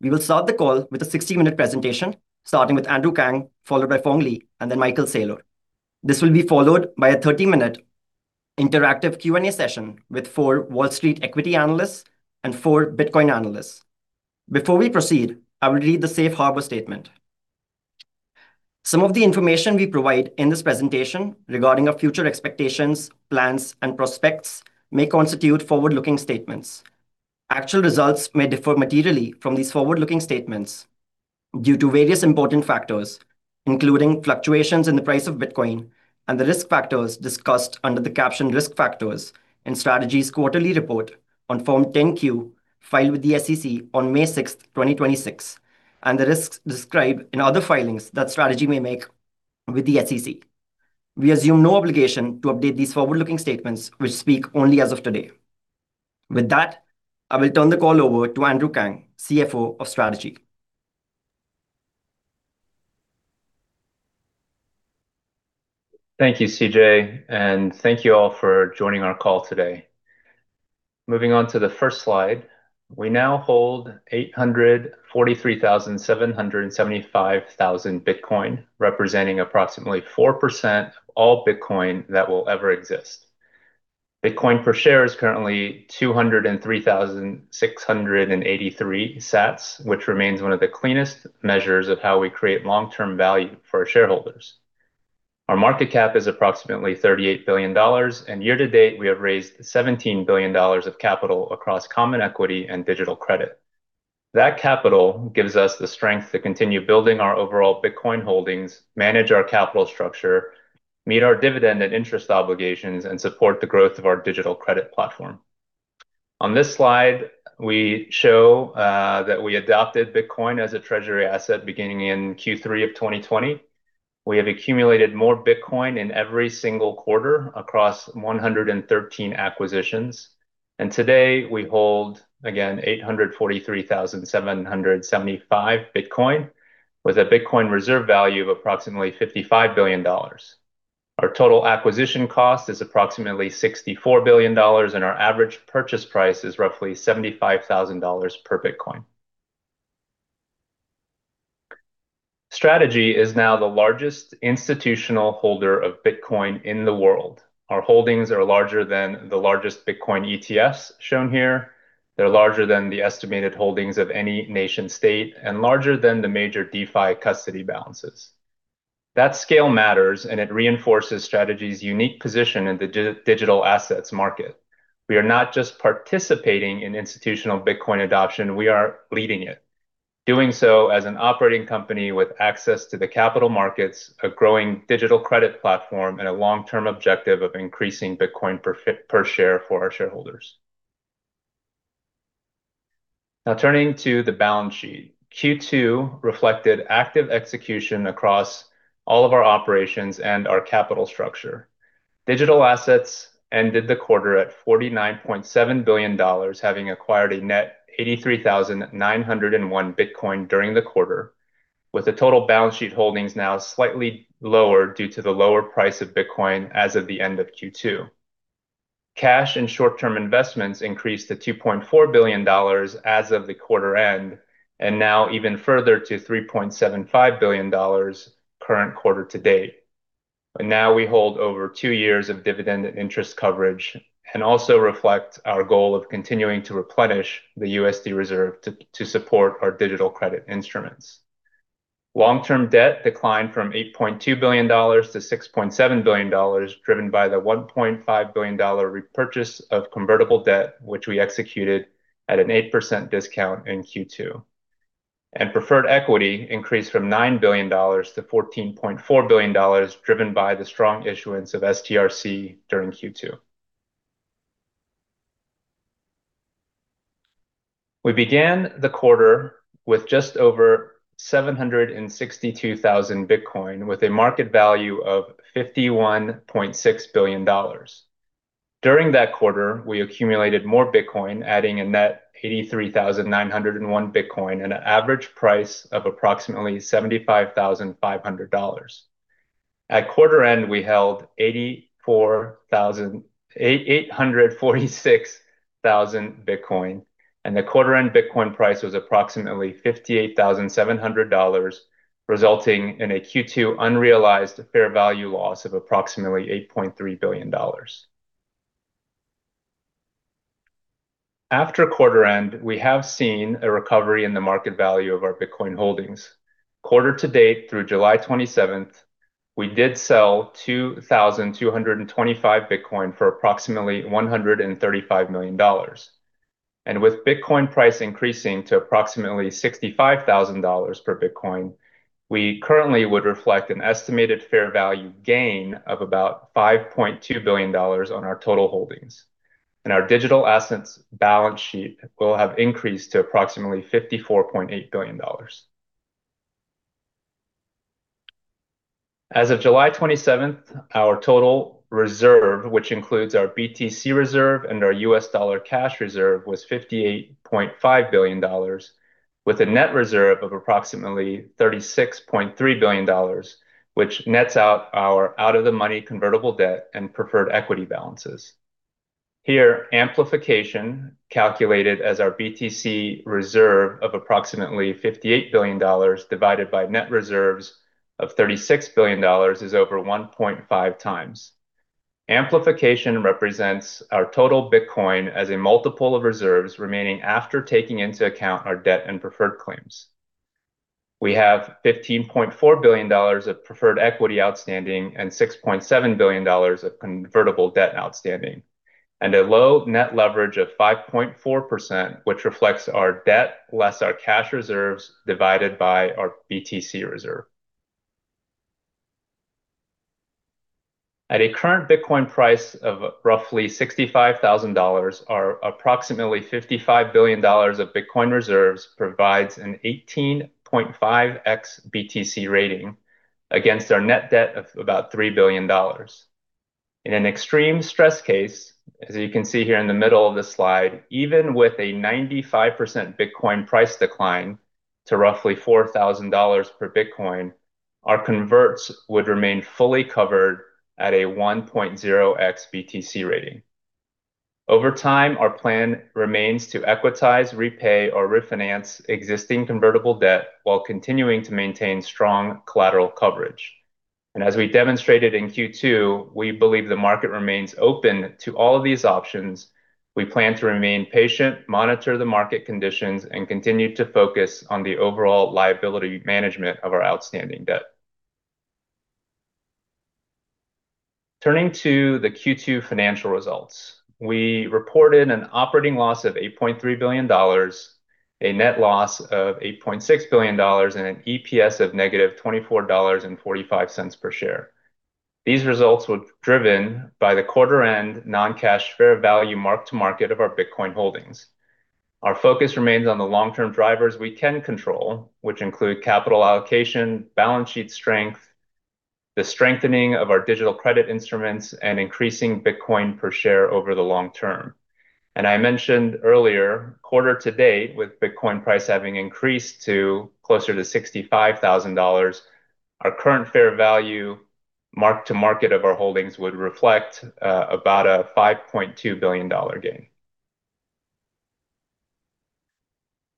We will start the call with a 60-minute presentation starting with Andrew Kang, followed by Phong Le, and then Michael Saylor. This will be followed by a 30-minute interactive Q&A session with four Wall Street equity analysts and four Bitcoin analysts. Before we proceed, I will read the safe harbor statement. Some of the information we provide in this presentation regarding our future expectations, plans and prospects may constitute forward-looking statements. Actual results may differ materially from these forward-looking statements due to various important factors, including fluctuations in the price of Bitcoin and the risk factors discussed under the caption Risk Factors in Strategy's quarterly report on Form 10-Q filed with the SEC on May 6th, 2026, and the risks described in other filings that Strategy may make with the SEC. We assume no obligation to update these forward-looking statements, which speak only as of today. With that, I will turn the call over to Andrew Kang, CFO of Strategy. Thank you, C.J., and thank you all for joining our call today. Moving on to the first slide, we now hold 843,775 Bitcoin, representing approximately 4% of all Bitcoin that will ever exist. Bitcoin per share is currently 203,683 sats, which remains one of the cleanest measures of how we create long-term value for our shareholders. Our market cap is approximately $38 billion, and year to date, we have raised $17 billion of capital across common equity and digital credit. That capital gives us the strength to continue building our overall Bitcoin holdings, manage our capital structure, meet our dividend and interest obligations, and support the growth of our digital credit platform. On this slide, we show that we adopted Bitcoin as a treasury asset beginning in Q3 of 2020. We have accumulated more Bitcoin in every single quarter across 113 acquisitions. Today we hold, again, 843,775 Bitcoin with a Bitcoin reserve value of approximately $55 billion. Our total acquisition cost is approximately $64 billion, and our average purchase price is roughly $75,000 per Bitcoin. Strategy is now the largest institutional holder of Bitcoin in the world. Our holdings are larger than the largest Bitcoin ETFs shown here. They are larger than the estimated holdings of any nation-state and larger than the major DeFi custody balances. That scale matters, and it reinforces Strategy's unique position in the digital assets market. We are not just participating in institutional Bitcoin adoption, we are leading it. Doing so as an operating company with access to the capital markets, a growing digital credit platform, and a long-term objective of increasing Bitcoin per share for our shareholders. Now turning to the balance sheet. Q2 reflected active execution across all of our operations and our capital structure. Digital assets ended the quarter at $49.7 billion, having acquired a net 83,901 Bitcoin during the quarter, with the total balance sheet holdings now slightly lower due to the lower price of Bitcoin as of the end of Q2. Cash and short-term investments increased to $2.4 billion as of the quarter end, now even further to $3.75 billion current quarter to date. Now we hold over two years of dividend and interest coverage and also reflect our goal of continuing to replenish the USD reserve to support our digital credit instruments. Long-term debt declined from $8.2 billion to $6.7 billion, driven by the $1.5 billion repurchase of convertible debt, which we executed at an 8% discount in Q2. Preferred equity increased from $9 billion to $14.4 billion, driven by the strong issuance of STRC during Q2. We began the quarter with just over 762,000 Bitcoin, with a market value of $51.6 billion. During that quarter, we accumulated more Bitcoin, adding a net 83,901 Bitcoin at an average price of approximately $75,500. At quarter end, we held 846,000 Bitcoin, and the quarter end Bitcoin price was approximately $58,700, resulting in a Q2 unrealized fair value loss of approximately $8.3 billion. After quarter end, we have seen a recovery in the market value of our Bitcoin holdings. Quarter to date through July 27th, we did sell 2,225 Bitcoin for approximately $135 million. With Bitcoin price increasing to approximately $65,000 per Bitcoin, we currently would reflect an estimated fair value gain of about $5.2 billion on our total holdings, and our digital assets balance sheet will have increased to approximately $54.8 billion. As of July 27th, our total reserve, which includes our BTC reserve and our U.S. dollar cash reserve, was $58.5 billion, with a net reserve of approximately $36.3 billion, which nets out our out-of-the-money convertible debt and preferred equity balances. Here, amplification calculated as our BTC reserve of approximately $58 billion divided by net reserves of $36 billion is over 1.5x. Amplification represents our total Bitcoin as a multiple of reserves remaining after taking into account our debt and preferred claims. We have $15.4 billion of preferred equity outstanding and $6.7 billion of convertible debt outstanding, and a low net leverage of 5.4%, which reflects our debt less our cash reserves divided by our BTC reserve. At a current Bitcoin price of roughly $65,000, our approximately $55 billion of Bitcoin reserves provides an 18.5x BTC rating against our net debt of about $3 billion. In an extreme stress case, as you can see here in the middle of the slide, even with a 95% Bitcoin price decline to roughly $4,000 per Bitcoin, our converts would remain fully covered at a 1.0x BTC rating. Over time, our plan remains to equitize, repay, or refinance existing convertible debt while continuing to maintain strong collateral coverage. As we demonstrated in Q2, we believe the market remains open to all of these options. We plan to remain patient, monitor the market conditions, and continue to focus on the overall liability management of our outstanding debt. Turning to the Q2 financial results. We reported an operating loss of $8.3 billion, a net loss of $8.6 billion, and an EPS of negative $24.45 per share. These results were driven by the quarter-end non-cash fair value mark-to-market of our Bitcoin holdings. Our focus remains on the long-term drivers we can control, which include capital allocation, balance sheet strength, the strengthening of our digital credit instruments, and increasing Bitcoin per share over the long term. I mentioned earlier, quarter to date, with Bitcoin price having increased to closer to $65,000, our current fair value mark-to-market of our holdings would reflect about a $5.2 billion gain.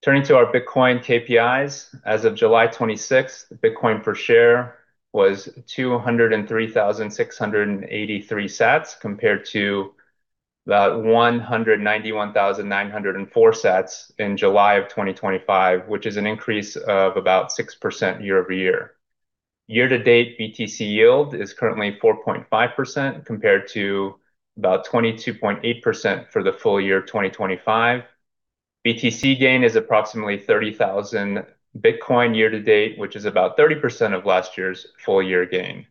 Turning to our Bitcoin KPIs. As of July 26th, Bitcoin per share was 203,683 sats compared to about 191,904 sats in July of 2025, which is an increase of about 6% year-over-year. Year to date, BTC Yield is currently 4.5% compared to about 22.8% for the full year 2025. BTC Gain is approximately 30,000 Bitcoin year to date, which is about 30% of last year's full year gain.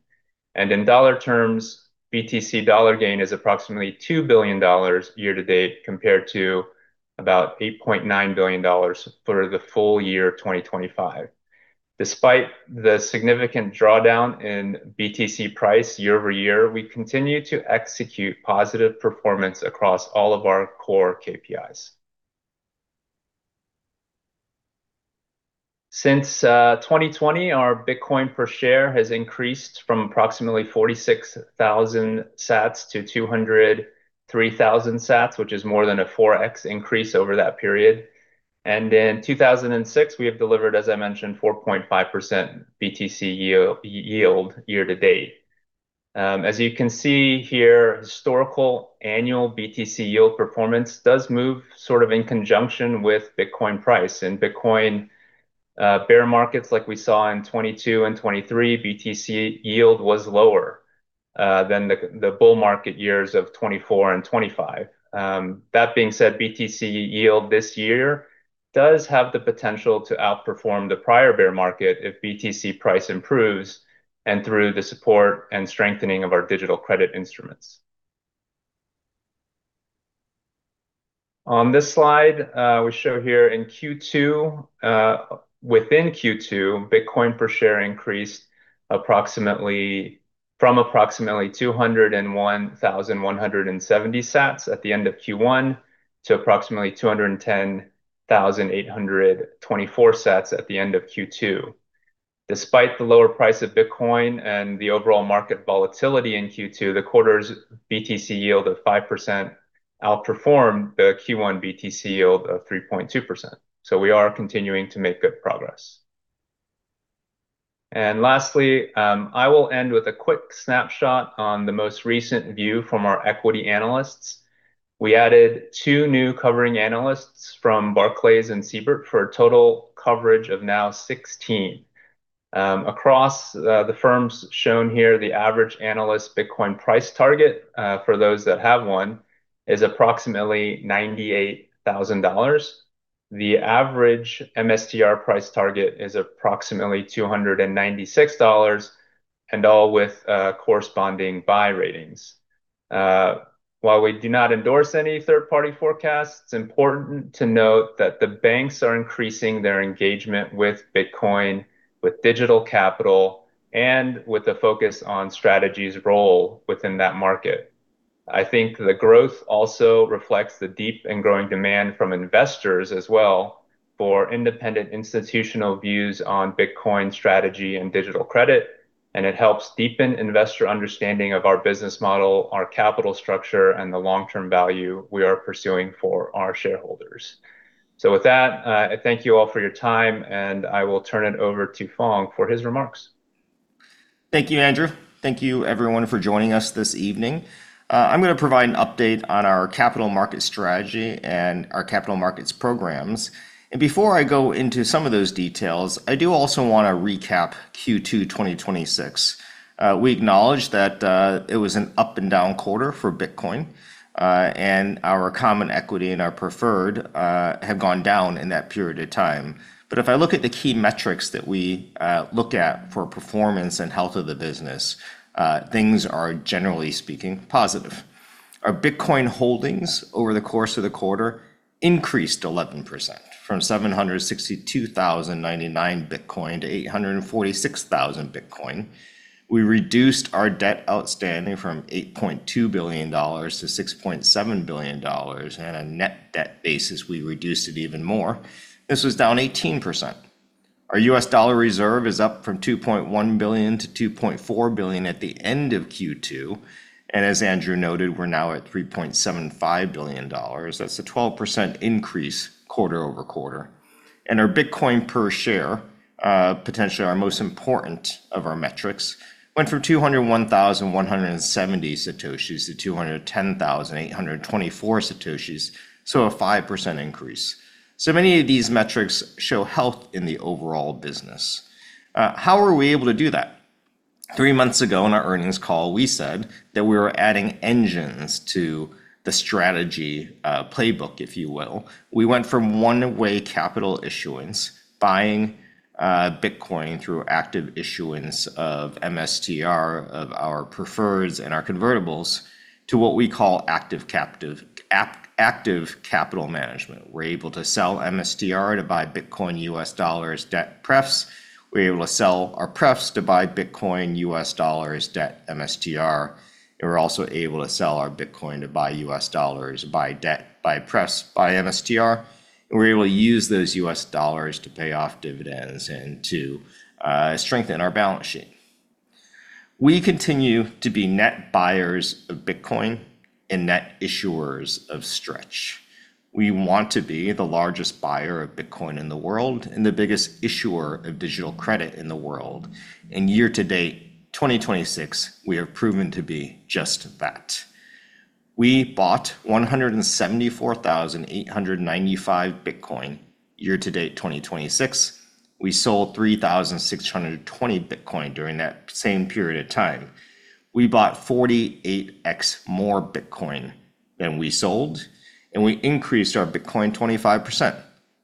In dollar terms, BTC dollar gain is approximately $2 billion year to date compared to about $8.9 billion for the full year 2025. Despite the significant drawdown in BTC price year-over-year, we continue to execute positive performance across all of our core KPIs. Since 2020, our Bitcoin per share has increased from approximately 46,000 sats to 203,000 sats, which is more than a 4x increase over that period. In 2006, we have delivered, as I mentioned, 4.5% BTC Yield year to date. As you can see here, historical annual BTC Yield performance does move sort of in conjunction with Bitcoin price. In Bitcoin bear markets like we saw in 2022 and 2023, BTC Yield was lower than the bull market years of 2024 and 2025. That being said, BTC Yield this year does have the potential to outperform the prior bear market if BTC price improves and through the support and strengthening of our digital credit instruments. On this slide, we show here in Q2, within Q2, Bitcoin per share increased from approximately 201,170 sats at the end of Q1 to approximately 210,824 sats at the end of Q2. Despite the lower price of Bitcoin and the overall market volatility in Q2, the quarter's BTC Yield of 5% outperformed the Q1 BTC Yield of 3.2%. We are continuing to make good progress. Lastly, I will end with a quick snapshot on the most recent view from our equity analysts. We added two new covering analysts from Barclays and Siebert for a total coverage of now 16. Across the firms shown here, the average analyst Bitcoin price target, for those that have one, is approximately $98,000. The average MSTR price target is approximately $296, and all with corresponding buy ratings. While we do not endorse any third-party forecasts, it's important to note that the banks are increasing their engagement with Bitcoin, with digital capital, and with the focus on Strategy's role within that market. I think the growth also reflects the deep and growing demand from investors as well for independent institutional views on Bitcoin strategy and digital credit, and it helps deepen investor understanding of our business model, our capital structure, and the long-term value we are pursuing for our shareholders. With that, thank you all for your time, and I will turn it over to Phong for his remarks. Thank you, Andrew. Thank you everyone for joining us this evening. I'm going to provide an update on our capital markets strategy and our capital markets programs. Before I go into some of those details, I do also want to recap Q2 2026. We acknowledge that it was an up and down quarter for Bitcoin, our common equity and our preferred have gone down in that period of time. If I look at the key metrics that we look at for performance and health of the business, things are generally speaking positive. Our Bitcoin holdings over the course of the quarter increased 11%, from 762,099 Bitcoin to 846,000 Bitcoin. We reduced our debt outstanding from $8.2 billion to $6.7 billion. On a net debt basis, we reduced it even more. This was down 18%. Our U.S. dollar Reserve is up from $2.1 billion to $2.4 billion at the end of Q2, as Andrew noted, we're now at $3.75 billion. That's a 12% increase quarter-over-quarter. Our Bitcoin per share, potentially our most important of our metrics, went from 201,170 Satoshis to 210,824 Satoshis, a 5% increase. Many of these metrics show health in the overall business. How were we able to do that? Three months ago in our earnings call, we said that we were adding engines to the Strategy playbook, if you will. We went from one-way capital issuance, buying Bitcoin through active issuance of MSTR, of our preferreds and our convertibles, to what we call active capital management. We're able to sell MSTR to buy Bitcoin, U.S. dollars, debt, prefs. We're able to sell our prefs to buy Bitcoin, U.S. dollars, debt, MSTR. We're also able to sell our Bitcoin to buy U.S. dollars, buy debt, buy pref, buy MSTR. We're able to use those U.S. dollars to pay off dividends and to strengthen our balance sheet. We continue to be net buyers of Bitcoin and net issuers of STRC. We want to be the largest buyer of Bitcoin in the world and the biggest issuer of digital credit in the world. Year-to-date, 2026, we have proven to be just that. We bought 174,895 Bitcoin year-to-date 2026. We sold 3,620 Bitcoin during that same period of time. We bought 48x more Bitcoin than we sold. We increased our Bitcoin 25%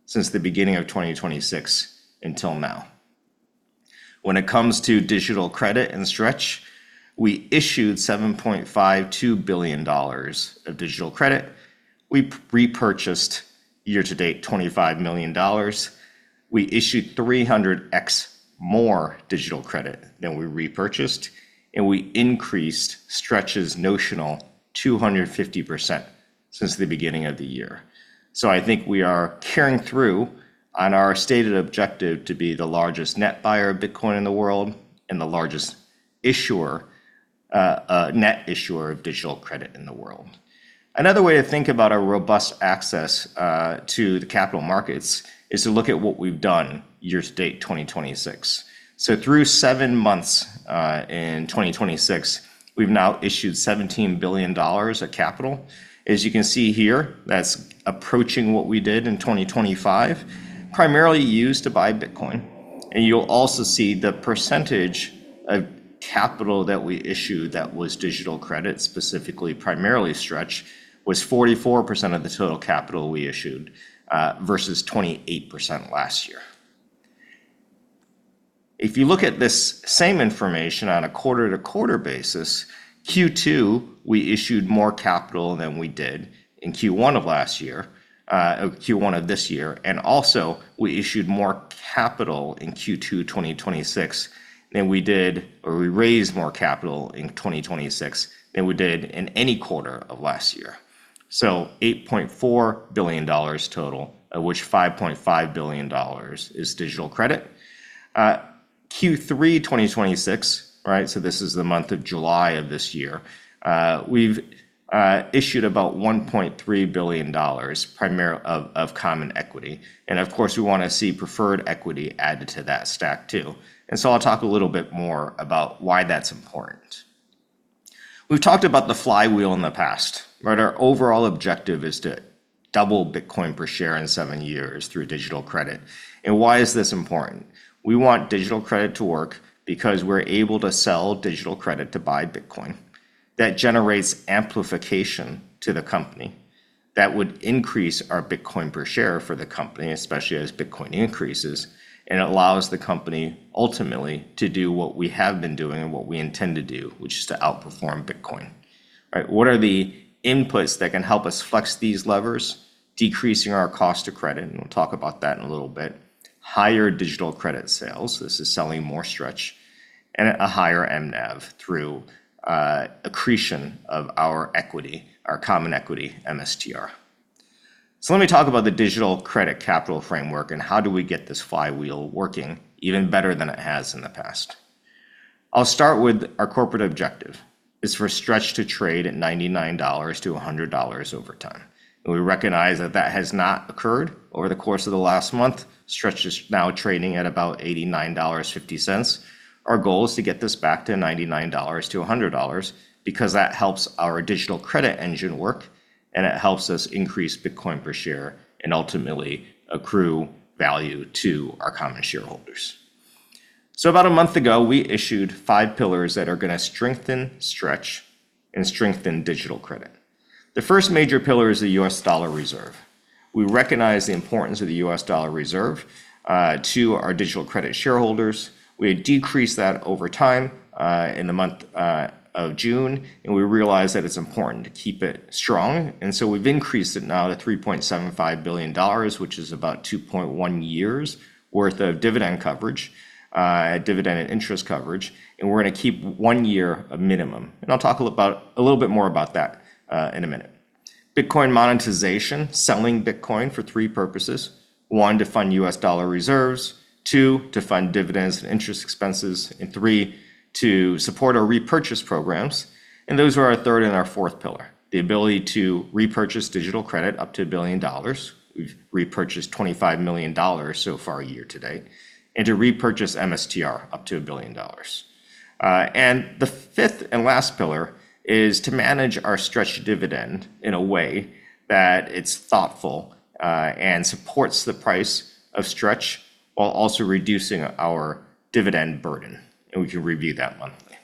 since the beginning of 2026 until now. When it comes to digital credit and STRC, we issued $7.52 billion of digital credit. We repurchased, year-to-date, $25 million. We issued 300x more digital credit than we repurchased. We increased STRC's notional 250% since the beginning of the year. I think we are carrying through on our stated objective to be the largest net buyer of Bitcoin in the world and the largest net issuer of digital credit in the world. Another way to think about our robust access to the capital markets is to look at what we've done year-to-date 2026. Through seven months in 2026, we've now issued $17 billion of capital. As you can see here, that's approaching what we did in 2025, primarily used to buy Bitcoin. You'll also see the percentage of capital that we issued that was digital credit specifically, primarily STRC, was 44% of the total capital we issued, versus 28% last year. If you look at this same information on a quarter-to-quarter basis, Q2, we issued more capital than we did in Q1 of this year, also, we issued more capital in Q2 2026 than we did, or we raised more capital in 2026 than we did in any quarter of last year. $8.4 billion total, of which $5.5 billion is digital credit. Q3 2026, this is the month of July of this year. We've issued about $1.3 billion of common equity, we want to see preferred equity added to that stack too. I'll talk a little bit more about why that's important. We've talked about the flywheel in the past, our overall objective is to double Bitcoin per share in seven years through digital credit. Why is this important? We want digital credit to work because we're able to sell digital credit to buy Bitcoin. That generates amplification to the company. That would increase our Bitcoin per share for the company, especially as Bitcoin increases, allows the company ultimately to do what we have been doing and what we intend to do, which is to outperform Bitcoin. What are the inputs that can help us flex these levers? Decreasing our cost of credit, we'll talk about that in a little bit. Higher digital credit sales. This is selling more STRC and a higher MNAV through accretion of our equity, our common equity, MSTR. Let me talk about the digital credit capital framework and how do we get this flywheel working even better than it has in the past. I'll start with our corporate objective is for STRC to trade at $99-100 over time. We recognize that that has not occurred over the course of the last month. STRC is now trading at about $89.50. Our goal is to get this back to $99-$100 because that helps our digital credit engine work, it helps us increase Bitcoin per share and ultimately accrue value to our common shareholders. About a month ago, we issued five pillars that are going to strengthen STRC and strengthen digital credit. The first major pillar is the U.S. dollar reserve. We recognize the importance of the U.S. dollar reserve to our digital credit shareholders. We had decreased that over time, in the month of June, we realized that it's important to keep it strong. We've increased it now to $3.75 billion, which is about 2.1 years worth of dividend coverage, dividend and interest coverage, we're going to keep one year a minimum. I'll talk a little bit more about that in a minute. Bitcoin monetization, selling Bitcoin for three purposes. One, to fund U.S. dollar reserves. Two, to fund dividends and interest expenses. Three, to support our repurchase programs. Those are our third and our fourth pillar, the ability to repurchase digital credit up to $1 billion. We've repurchased $25 million so far a year to date, to repurchase MSTR up to $1 billion. The fifth and last pillar is to manage our STRC dividend in a way that it's thoughtful, supports the price of STRC while also reducing our dividend burden. We can review that monthly.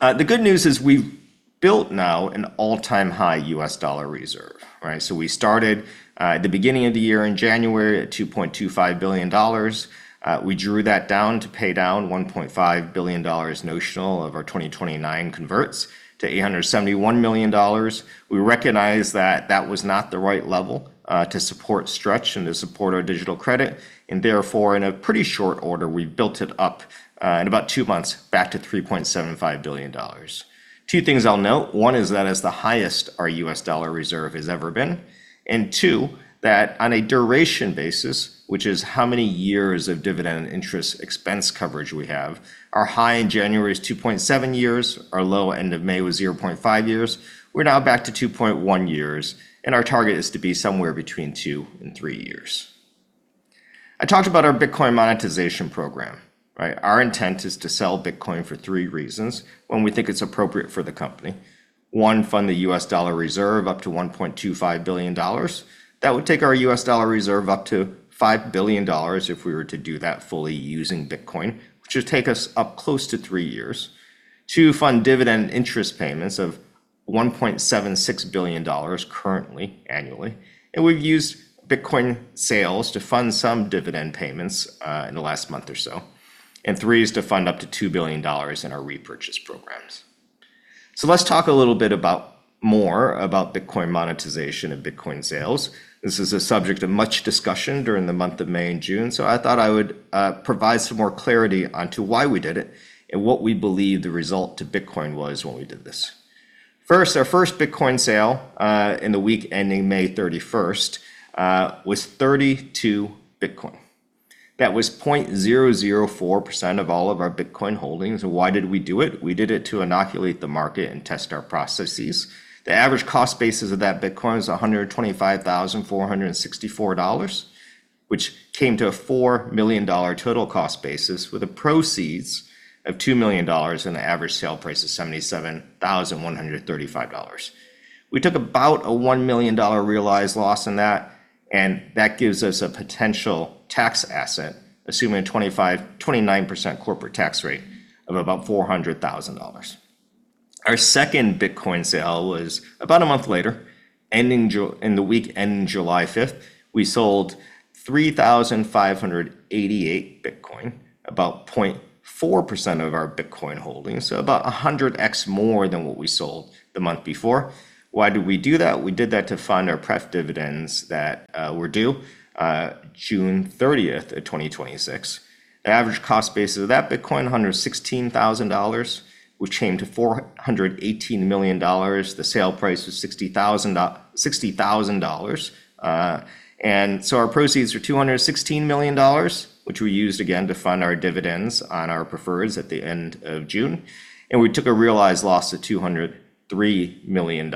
The good news is we've built now an all-time high U.S. dollar reserve. We started at the beginning of the year in January at $2.25 billion. We drew that down to pay down $1.5 billion notional of our 2029 converts to $871 million. We recognized that that was not the right level to support STRC and to support our digital credit. Therefore, in a pretty short order, we built it up in about two months back to $3.75 billion. Two things I'll note. One is that is the highest our U.S. dollar reserve has ever been. Two, that on a duration basis, which is how many years of dividend interest expense coverage we have, our high in January is 2.7 years, our low end of May was 0.5 years. We're now back to 2.1 years, and our target is to be somewhere between two and three years. I talked about our Bitcoin monetization program. Our intent is to sell Bitcoin for three reasons when we think it's appropriate for the company. One, fund the U.S. dollar reserve up to $1.25 billion. That would take our U.S. dollar reserve up to $5 billion if we were to do that fully using Bitcoin, which would take us up close to three years. Two, fund dividend interest payments of $1.76 billion currently annually. We've used Bitcoin sales to fund some dividend payments, in the last month or so. Three is to fund up to $2 billion in our repurchase programs. Let's talk a little bit more about Bitcoin monetization and Bitcoin sales. This is a subject of much discussion during the month of May and June. I thought I would provide some more clarity onto why we did it and what we believe the result to Bitcoin was when we did this. First, our first Bitcoin sale in the week ending May 31st was 32 Bitcoin. That was 0.004% of all of our Bitcoin holdings. Why did we do it? We did it to inoculate the market and test our processes. The average cost basis of that Bitcoin was $125,464, which came to a $4 million total cost basis with the proceeds of $2 million, and the average sale price is $77,135. We took about a $1 million realized loss on that, and that gives us a potential tax asset, assuming a 29% corporate tax rate of about $400,000. Our second Bitcoin sale was about a month later in the week ending July 5th. We sold 3,588 Bitcoin, about 0.4% of our Bitcoin holdings, about 100x more than what we sold the month before. Why did we do that? We did that to fund our pref dividends that were due June 30th of 2026. The average cost basis of that Bitcoin, $116,000, which came to $418 million. The sale price was $60,000. Our proceeds were $216 million, which we used again to fund our dividends on our preferreds at the end of June. We took a realized loss of $203 million,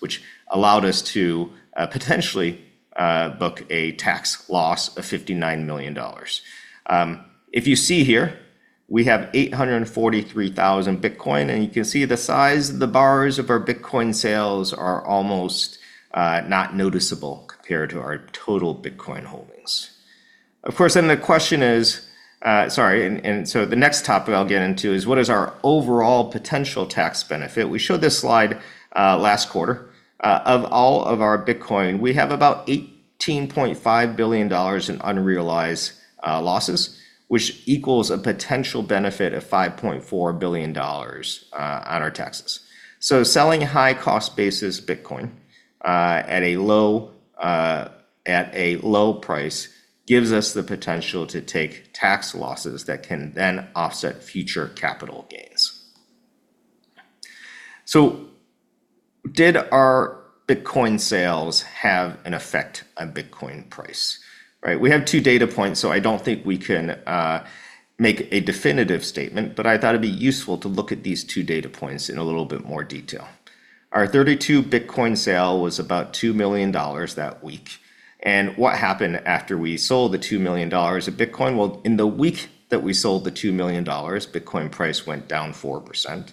which allowed us to potentially book a tax loss of $59 million. If you see here, we have 843,000 Bitcoin. You can see the size of the bars of our Bitcoin sales are almost not noticeable compared to our total Bitcoin holdings. Of course, the question is. The next topic I'll get into is what is our overall potential tax benefit. We showed this slide last quarter. Of all of our Bitcoin, we have about $18.5 billion in unrealized losses, which equals a potential benefit of $5.4 billion on our taxes. Selling high cost basis Bitcoin at a low price gives us the potential to take tax losses that can then offset future capital gains. Did our Bitcoin sales have an effect on Bitcoin price? We have two data points, I don't think we can make a definitive statement, but I thought it'd be useful to look at these two data points in a little bit more detail. Our 32 Bitcoin sale was about $2 million that week. What happened after we sold the $2 million of Bitcoin? In the week that we sold the $2 million, Bitcoin price went down 4%.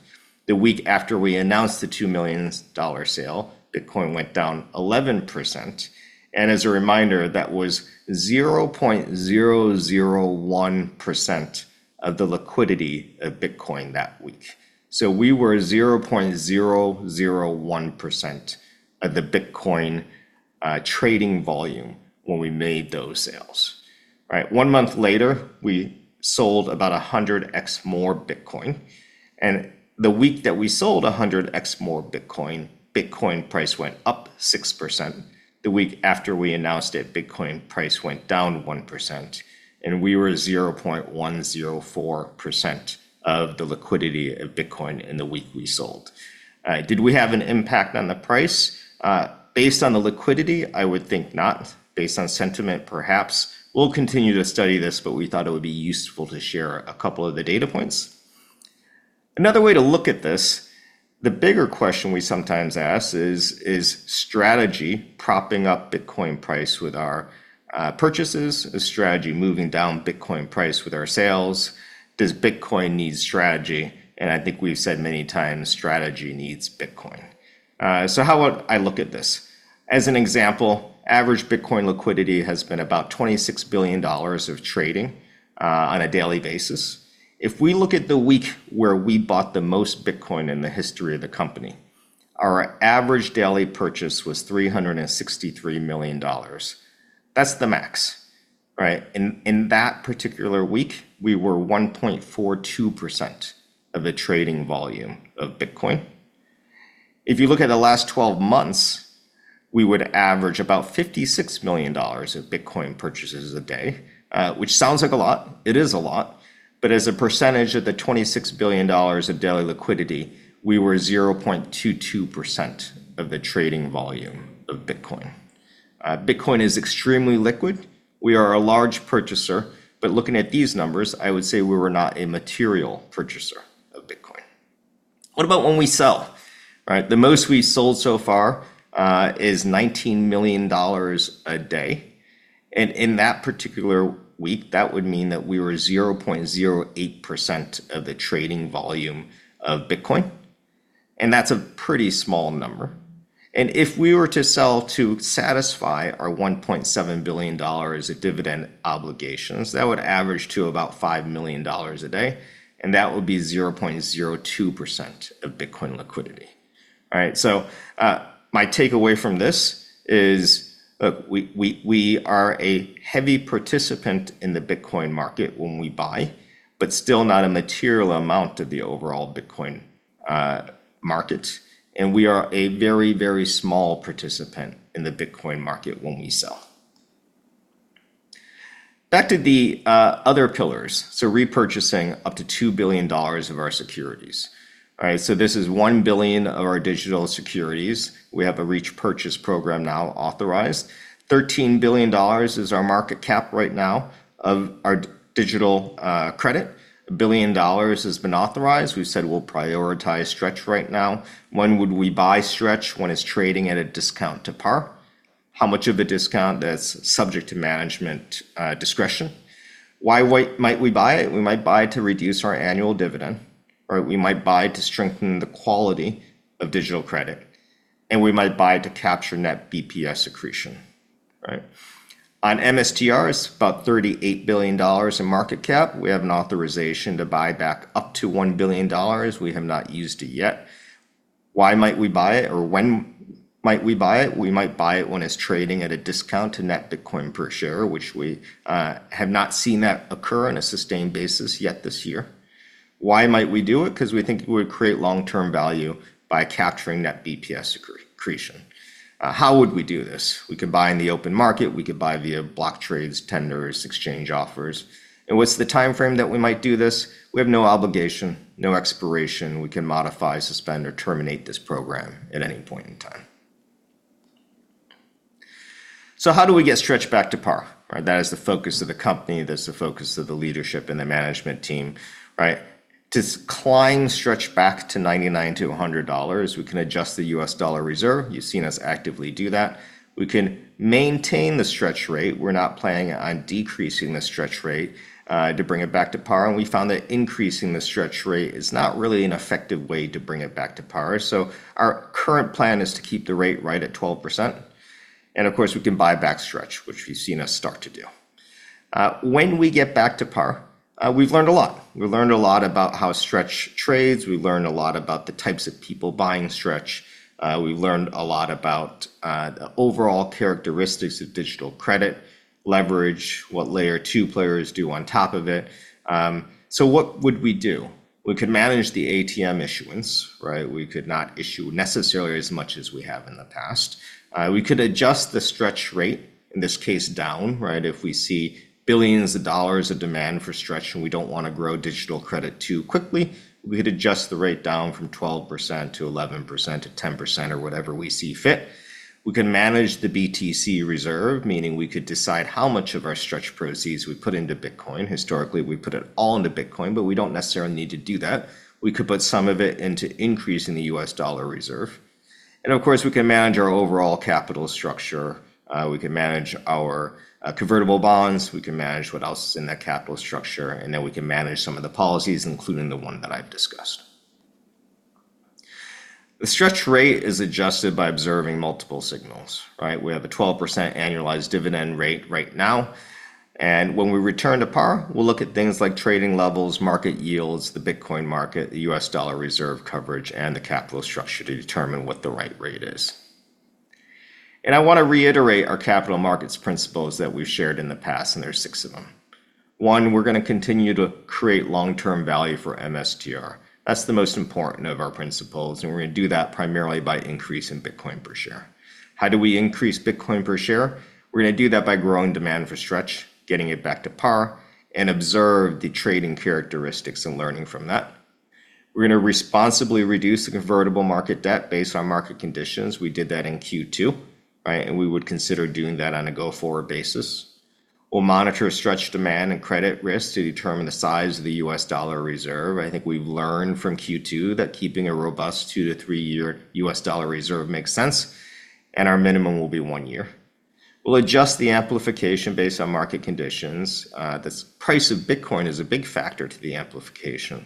The week after we announced the $2 million sale, Bitcoin went down 11%, and as a reminder, that was 0.001% of the liquidity of Bitcoin that week. We were 0.001% of the Bitcoin trading volume when we made those sales. One month later, we sold about 100X more Bitcoin, the week that we sold 100X more Bitcoin price went up 6%. The week after we announced it, Bitcoin price went down 1% and we were 0.104% of the liquidity of Bitcoin in the week we sold. Did we have an impact on the price? Based on the liquidity, I would think not. Based on sentiment, perhaps. We'll continue to study this, but we thought it would be useful to share a couple of the data points. Another way to look at this, the bigger question we sometimes ask is Strategy propping up Bitcoin price with our purchases? Is Strategy moving down Bitcoin price with our sales? Does Bitcoin need Strategy? I think we've said many times, Strategy needs Bitcoin. How would I look at this? As an example, average Bitcoin liquidity has been about $26 billion of trading on a daily basis. If we look at the week where we bought the most Bitcoin in the history of the company, our average daily purchase was $363 million. That's the max. In that particular week, we were 1.42% of the trading volume of Bitcoin. If you look at the last 12 months, we would average about $56 million of Bitcoin purchases a day, which sounds like a lot. It is a lot, but as a percentage of the $26 billion of daily liquidity, we were 0.22% of the trading volume of Bitcoin. Bitcoin is extremely liquid. We are a large purchaser, but looking at these numbers, I would say we were not a material purchaser of Bitcoin. What about when we sell? The most we sold so far is $19 million a day, in that particular week, that would mean that we were 0.08% of the trading volume of Bitcoin, that's a pretty small number. If we were to sell to satisfy our $1.7 billion of dividend obligations, that would average to about $5 million a day, that would be 0.02% of Bitcoin liquidity. My takeaway from this is we are a heavy participant in the Bitcoin market when we buy, still not a material amount of the overall Bitcoin market, and we are a very, very small participant in the Bitcoin market when we sell. Back to the other pillars. Repurchasing up to $2 billion of our securities. This is $1 billion of our digital securities. We have a repurchase program now authorized. $13 billion is our market cap right now of our digital credit. $1 billion has been authorized. We've said we'll prioritize STRC right now. When would we buy STRC? When it's trading at a discount to par. How much of a discount? That's subject to management discretion. Why might we buy it? We might buy it to reduce our annual dividend, we might buy it to strengthen the quality of digital credit, and we might buy it to capture net BPS accretion. On MSTRs, about $38 billion in market cap. We have an authorization to buy back up to $1 billion. We have not used it yet. Why might we buy it or when might we buy it? We might buy it when it's trading at a discount to net Bitcoin per share, which we have not seen that occur on a sustained basis yet this year. Why might we do it? Because we think it would create long-term value by capturing net BPS accretion. How would we do this? We could buy in the open market. We could buy via block trades, tenders, exchange offers. What's the timeframe that we might do this? We have no obligation, no expiration. We can modify, suspend, or terminate this program at any point in time. How do we get STRC back to par? That is the focus of the company. That's the focus of the leadership and the management team. To climb STRC back to $99-$100, we can adjust the U.S. dollar reserve. You've seen us actively do that. We can maintain the STRC rate. We're not planning on decreasing the STRC rate to bring it back to par, we found that increasing the STRC rate is not really an effective way to bring it back to par. Our current plan is to keep the rate right at 12%, of course, we can buy back STRC, which you've seen us start to do. When we get back to par, we've learned a lot. We've learned a lot about how STRC trades. We've learned a lot about the types of people buying STRC. We've learned a lot about the overall characteristics of digital credit leverage, what Layer 2 players do on top of it. What would we do? We could manage the ATM issuance, right? We could not issue necessarily as much as we have in the past. We could adjust the STRC rate, in this case, down, right? If we see billions of dollars of demand for STRC and we don't want to grow digital credit too quickly, we could adjust the rate down from 12% to 11%, to 10%, or whatever we see fit. We can manage the BTC reserve, meaning we could decide how much of our STRC proceeds we put into Bitcoin. Historically, we put it all into Bitcoin, we don't necessarily need to do that. We could put some of it into increasing the U.S. dollar reserve. Of course, we can manage our overall capital structure. We can manage our convertible bonds, we can manage what else is in that capital structure, then we can manage some of the policies, including the one that I've discussed. The STRC rate is adjusted by observing multiple signals, right? We have a 12% annualized dividend rate right now, and when we return to par, we'll look at things like trading levels, market yields, the Bitcoin market, the U.S. dollar reserve coverage, and the capital structure to determine what the right rate is. I want to reiterate our capital markets principles that we've shared in the past, and there are six of them. One, we're going to continue to create long-term value for MSTR. That's the most important of our principles, we're going to do that primarily by increasing Bitcoin per share. How do we increase Bitcoin per share? We're going to do that by growing demand for STRC, getting it back to par, observe the trading characteristics and learning from that. We're going to responsibly reduce the convertible market debt based on market conditions. We did that in Q2, right? We would consider doing that on a go-forward basis. We'll monitor STRC demand and credit risk to determine the size of the U.S. dollar reserve. I think we've learned from Q2 that keeping a robust two to three-year U.S. dollar reserve makes sense, and our minimum will be one year. We'll adjust the amplification based on market conditions. The price of Bitcoin is a big factor to the amplification.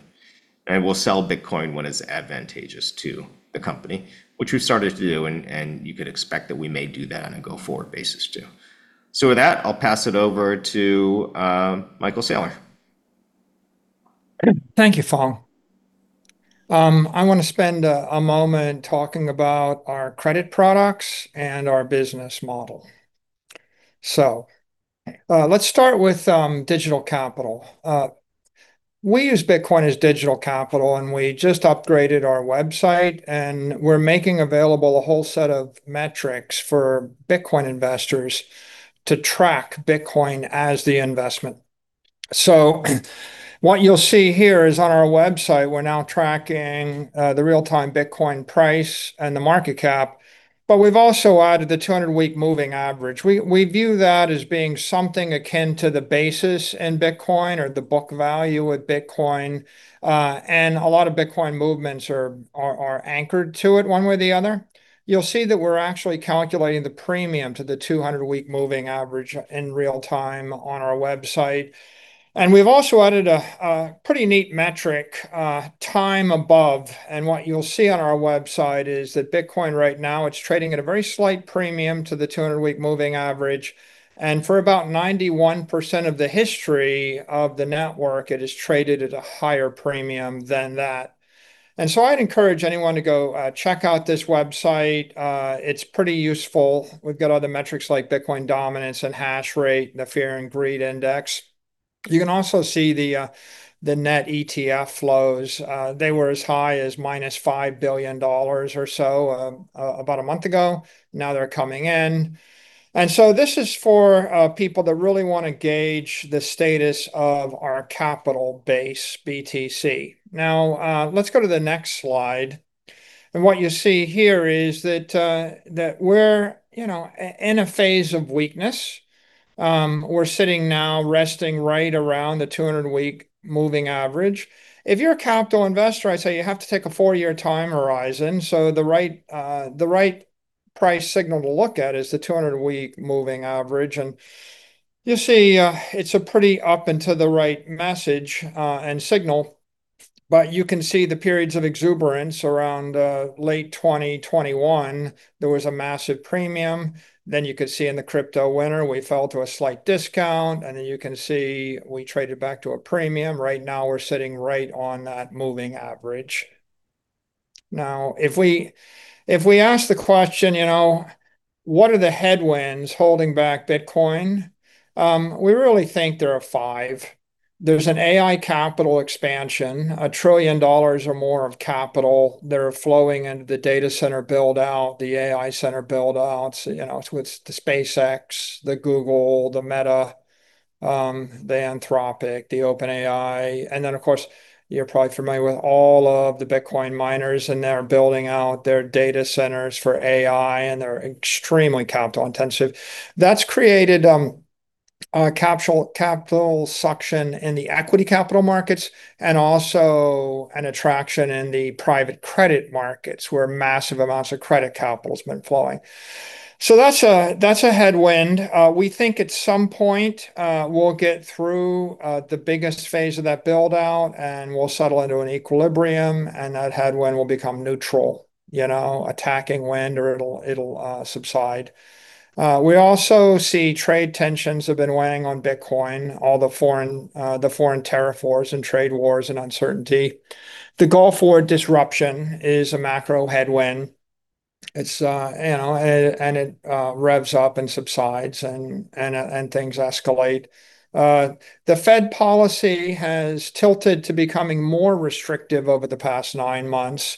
We'll sell Bitcoin when it's advantageous to the company, which we've started to do, you could expect that we may do that on a go-forward basis, too. With that, I'll pass it over to Michael Saylor. Thank you, Phong. I want to spend a moment talking about our credit products and our business model. Let's start with digital capital. We use Bitcoin as digital capital, we just upgraded our website, we're making available a whole set of metrics for Bitcoin investors to track Bitcoin as the investment. What you'll see here is on our website, we're now tracking the real-time Bitcoin price and the market cap, we've also added the 200-week moving average. We view that as being something akin to the basis in Bitcoin or the book value with Bitcoin. A lot of Bitcoin movements are anchored to it one way or the other. You'll see that we're actually calculating the premium to the 200-week moving average in real time on our website. We've also added a pretty neat metric, Time Above, and what you'll see on our website is that Bitcoin right now, it's trading at a very slight premium to the 200-week moving average. For about 91% of the history of the network, it has traded at a higher premium than that. I'd encourage anyone to go check out this website. It's pretty useful. We've got other metrics like Bitcoin dominance and hash rate, the Fear and Greed Index. You can also see the net ETF flows. They were as high as minus $5 billion or so about a month ago. Now they're coming in. This is for people that really want to gauge the status of our capital base BTC. Let's go to the next slide. What you see here is that we're in a phase of weakness. We're sitting now resting right around the 200-week moving average. If you're a capital investor, I'd say you have to take a four-year time horizon. The right price signal to look at is the 200-week moving average, and you see it's a pretty up and to the right message and signal. You can see the periods of exuberance around late 2021, there was a massive premium. You could see in the crypto winter, we fell to a slight discount, and then you can see we traded back to a premium. Right now, we're sitting right on that moving average. If we ask the question, what are the headwinds holding back Bitcoin? We really think there are five. There's an AI capital expansion, $1 trillion or more of capital that are flowing into the data center build-out, the AI center build-outs with the SpaceX, the Google, the Meta, the Anthropic, the OpenAI. Of course, you're probably familiar with all of the Bitcoin miners, and they're building out their data centers for AI, and they're extremely capital-intensive. That's created a capital suction in the equity capital markets and also an attraction in the private credit markets where massive amounts of credit capital has been flowing. That's a headwind. We think at some point we'll get through the biggest phase of that build-out, and we'll settle into an equilibrium, and that headwind will become neutral, a tacking wind or it'll subside. We also see trade tensions have been weighing on Bitcoin, all the foreign tariff wars and trade wars and uncertainty. The Gulf War disruption is a macro headwind. It revs up and subsides, and things escalate. The Fed policy has tilted to becoming more restrictive over the past nine months.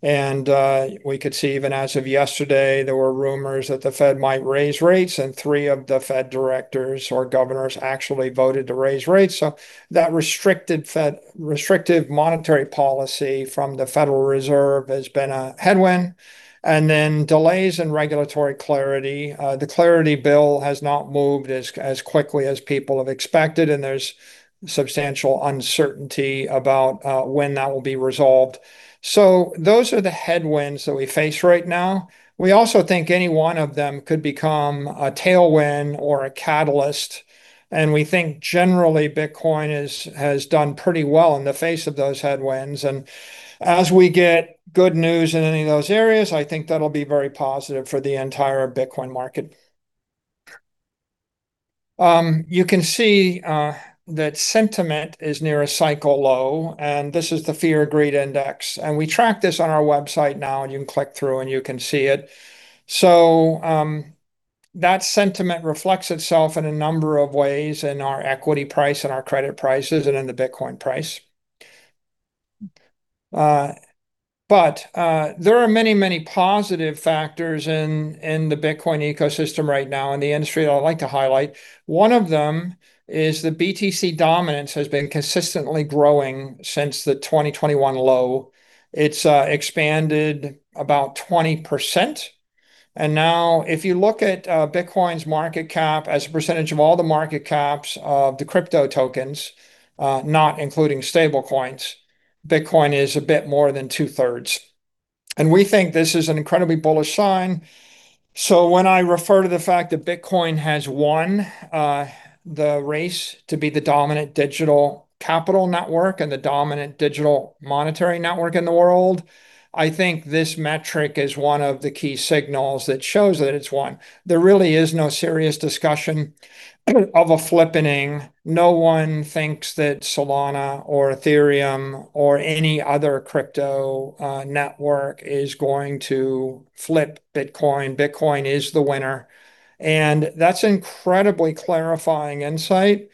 We could see, even as of yesterday, there were rumors that the Fed might raise rates, and three of the Fed directors or governors actually voted to raise rates. That restrictive monetary policy from the Federal Reserve has been a headwind. Delays in regulatory clarity. The Clarity bill has not moved as quickly as people have expected, and there's substantial uncertainty about when that will be resolved. Those are the headwinds that we face right now. We also think any one of them could become a tailwind or a catalyst, and we think generally Bitcoin has done pretty well in the face of those headwinds. As we get good news in any of those areas, I think that'll be very positive for the entire Bitcoin market. You can see that sentiment is near a cycle low, and this is the Fear and Greed Index. We track this on our website now, and you can click through, and you can see it. That sentiment reflects itself in a number of ways in our equity price and our credit prices and in the Bitcoin price. There are many, many positive factors in the Bitcoin ecosystem right now in the industry that I'd like to highlight. One of them is the BTC dominance has been consistently growing since the 2021 low. It's expanded about 20%. Now if you look at Bitcoin's market cap as a percentage of all the market caps of the crypto tokens, not including stablecoins, Bitcoin is a bit more than two-thirds. We think this is an incredibly bullish sign. When I refer to the fact that Bitcoin has won the race to be the dominant digital capital network and the dominant digital monetary network in the world, I think this metric is one of the key signals that shows that it's won. There really is no serious discussion of a flippening. No one thinks that Solana or Ethereum or any other crypto network is going to flip Bitcoin. Bitcoin is the winner. That's incredibly clarifying insight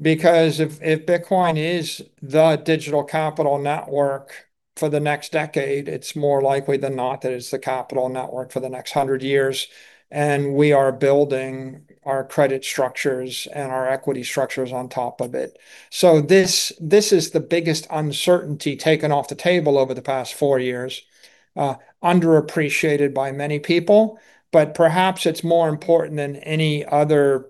because if Bitcoin is the digital capital network for the next decade, it's more likely than not that it's the capital network for the next 100 years. We are building our credit structures and our equity structures on top of it. This is the biggest uncertainty taken off the table over the past four years. Underappreciated by many people, but perhaps it's more important than any other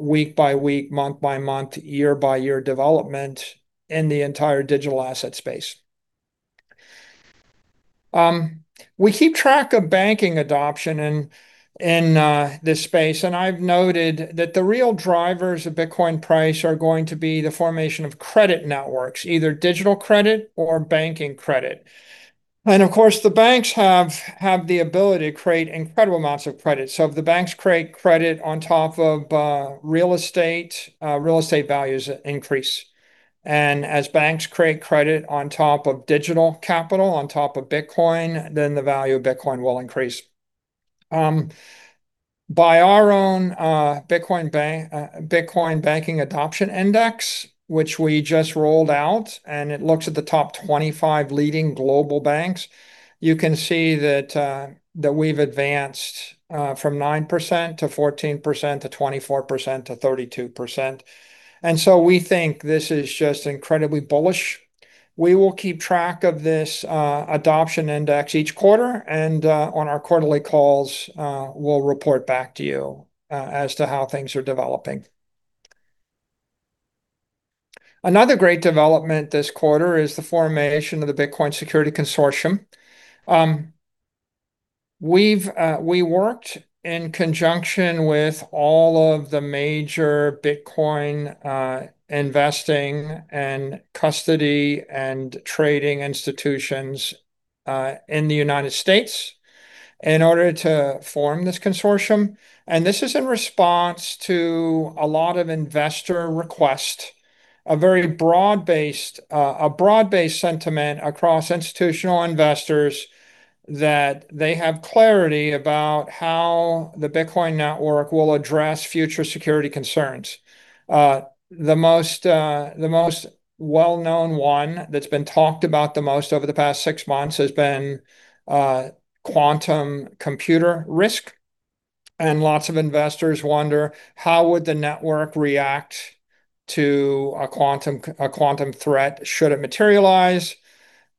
week-by-week, month-by-month, year-by-year development in the entire digital asset space. We keep track of banking adoption in this space, and I've noted that the real drivers of Bitcoin price are going to be the formation of credit networks, either digital credit or banking credit. Of course, the banks have the ability to create incredible amounts of credit. If the banks create credit on top of real estate, real estate values increase. As banks create credit on top of digital capital, on top of Bitcoin, then the value of Bitcoin will increase. By our own Bitcoin Banking Adoption Index, which we just rolled out, and it looks at the top 25 leading global banks. You can see that we've advanced from 9% to 14% to 24% to 32%. We think this is just incredibly bullish. We will keep track of this adoption index each quarter. On our quarterly calls, we'll report back to you as to how things are developing. Another great development this quarter is the formation of the Bitcoin Security Consortium. We worked in conjunction with all of the major Bitcoin investing and custody and trading institutions in the U.S. in order to form this consortium, and this is in response to a lot of investor request, a broad-based sentiment across institutional investors that they have clarity about how the Bitcoin network will address future security concerns. The most well-known one that's been talked about the most over the past six months has been quantum computer risk. Lots of investors wonder how would the network react to a quantum threat should it materialize.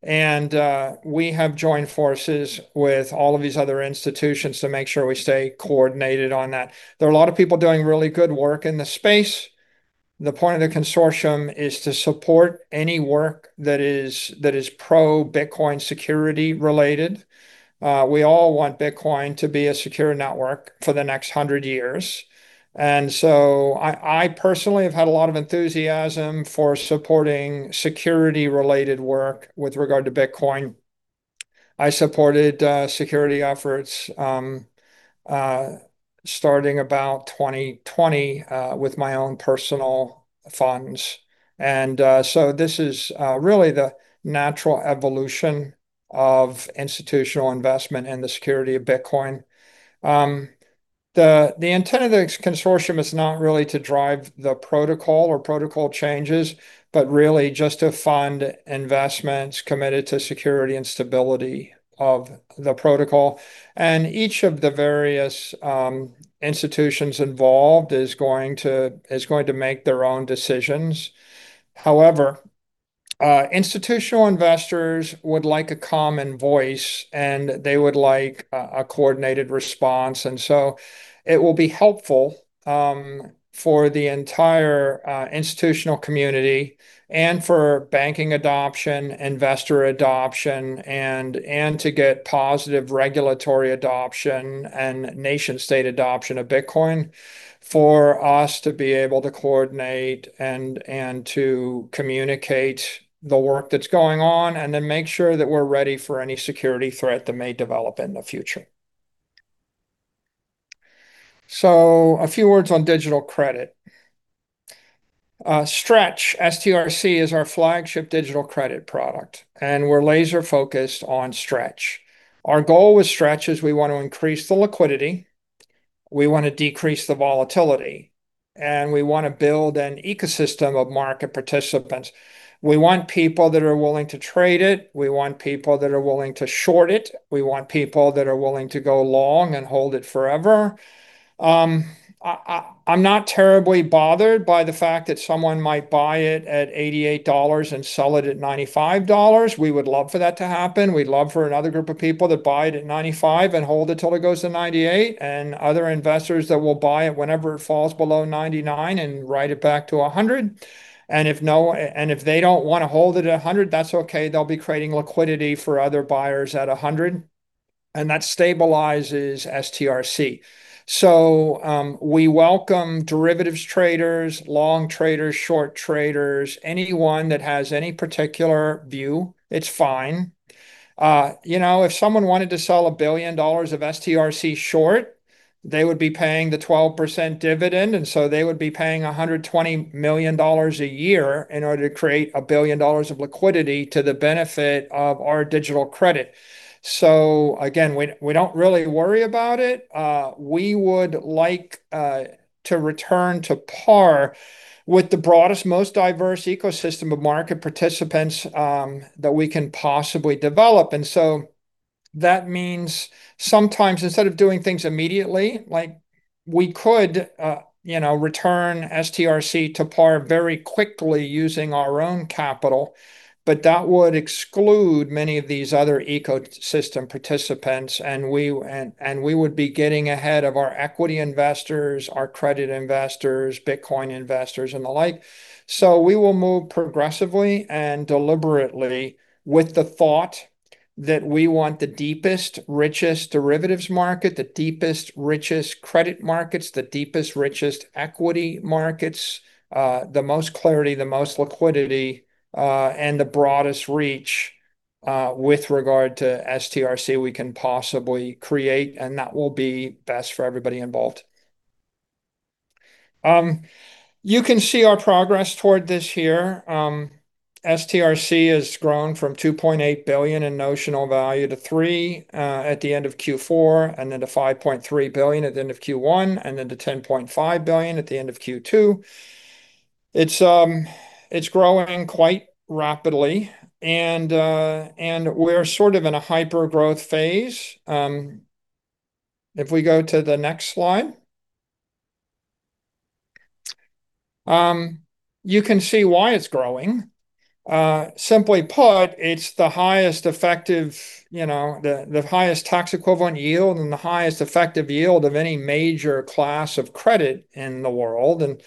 We have joined forces with all of these other institutions to make sure we stay coordinated on that. There are a lot of people doing really good work in the space. The point of the consortium is to support any work that is pro-Bitcoin security-related. We all want Bitcoin to be a secure network for the next 100 years. I personally have had a lot of enthusiasm for supporting security-related work with regard to Bitcoin. I supported security efforts starting about 2020 with my own personal funds. This is really the natural evolution of institutional investment in the security of Bitcoin. The intent of the consortium is not really to drive the protocol or protocol changes, but really just to fund investments committed to security and stability of the protocol. Each of the various institutions involved is going to make their own decisions. However, institutional investors would like a common voice, and they would like a coordinated response. It will be helpful for the entire institutional community and for banking adoption, investor adoption, and to get positive regulatory adoption and nation-state adoption of Bitcoin for us to be able to coordinate and to communicate the work that's going on, and then make sure that we're ready for any security threat that may develop in the future. A few words on digital credit. Stretch, STRC, is our flagship digital credit product, and we're laser-focused on Stretch. Our goal with Stretch is we want to increase the liquidity, we want to decrease the volatility, and we want to build an ecosystem of market participants. We want people that are willing to trade it. We want people that are willing to short it. We want people that are willing to go long and hold it forever. I'm not terribly bothered by the fact that someone might buy it at $88 and sell it at $95. We would love for that to happen. We'd love for another group of people to buy it at $95 and hold it till it goes to $98, and other investors that will buy it whenever it falls below $99 and ride it back to $100. If they don't want to hold it at $100, that's okay. They'll be creating liquidity for other buyers at $100, and that stabilizes STRC. We welcome derivatives traders, long traders, short traders. Anyone that has any particular view, it's fine. If someone wanted to sell $1 billion of STRC short, they would be paying the 12% dividend, they would be paying $120 million a year in order to create $1 billion of liquidity to the benefit of our digital credit. Again, we don't really worry about it. We would like to return to par with the broadest, most diverse ecosystem of market participants that we can possibly develop. That means sometimes instead of doing things immediately, like we could return STRC to par very quickly using our own capital, but that would exclude many of these other ecosystem participants, and we would be getting ahead of our equity investors, our credit investors, Bitcoin investors, and the like. We will move progressively and deliberately with the thought that we want the deepest, richest derivatives market, the deepest, richest credit markets, the deepest, richest equity markets, the most clarity, the most liquidity, and the broadest reach with regard to STRC we can possibly create, and that will be best for everybody involved. You can see our progress toward this here. STRC has grown from $2.8 billion in notional value to $3 billion at the end of Q4, and then to $5.3 billion at the end of Q1, and then to $10.5 billion at the end of Q2. It's growing quite rapidly and we're sort of in a hyper-growth phase. We go to the next slide. You can see why it's growing. Simply put, it's the highest tax-equivalent yield, and the highest effective yield of any major class of credit in the world.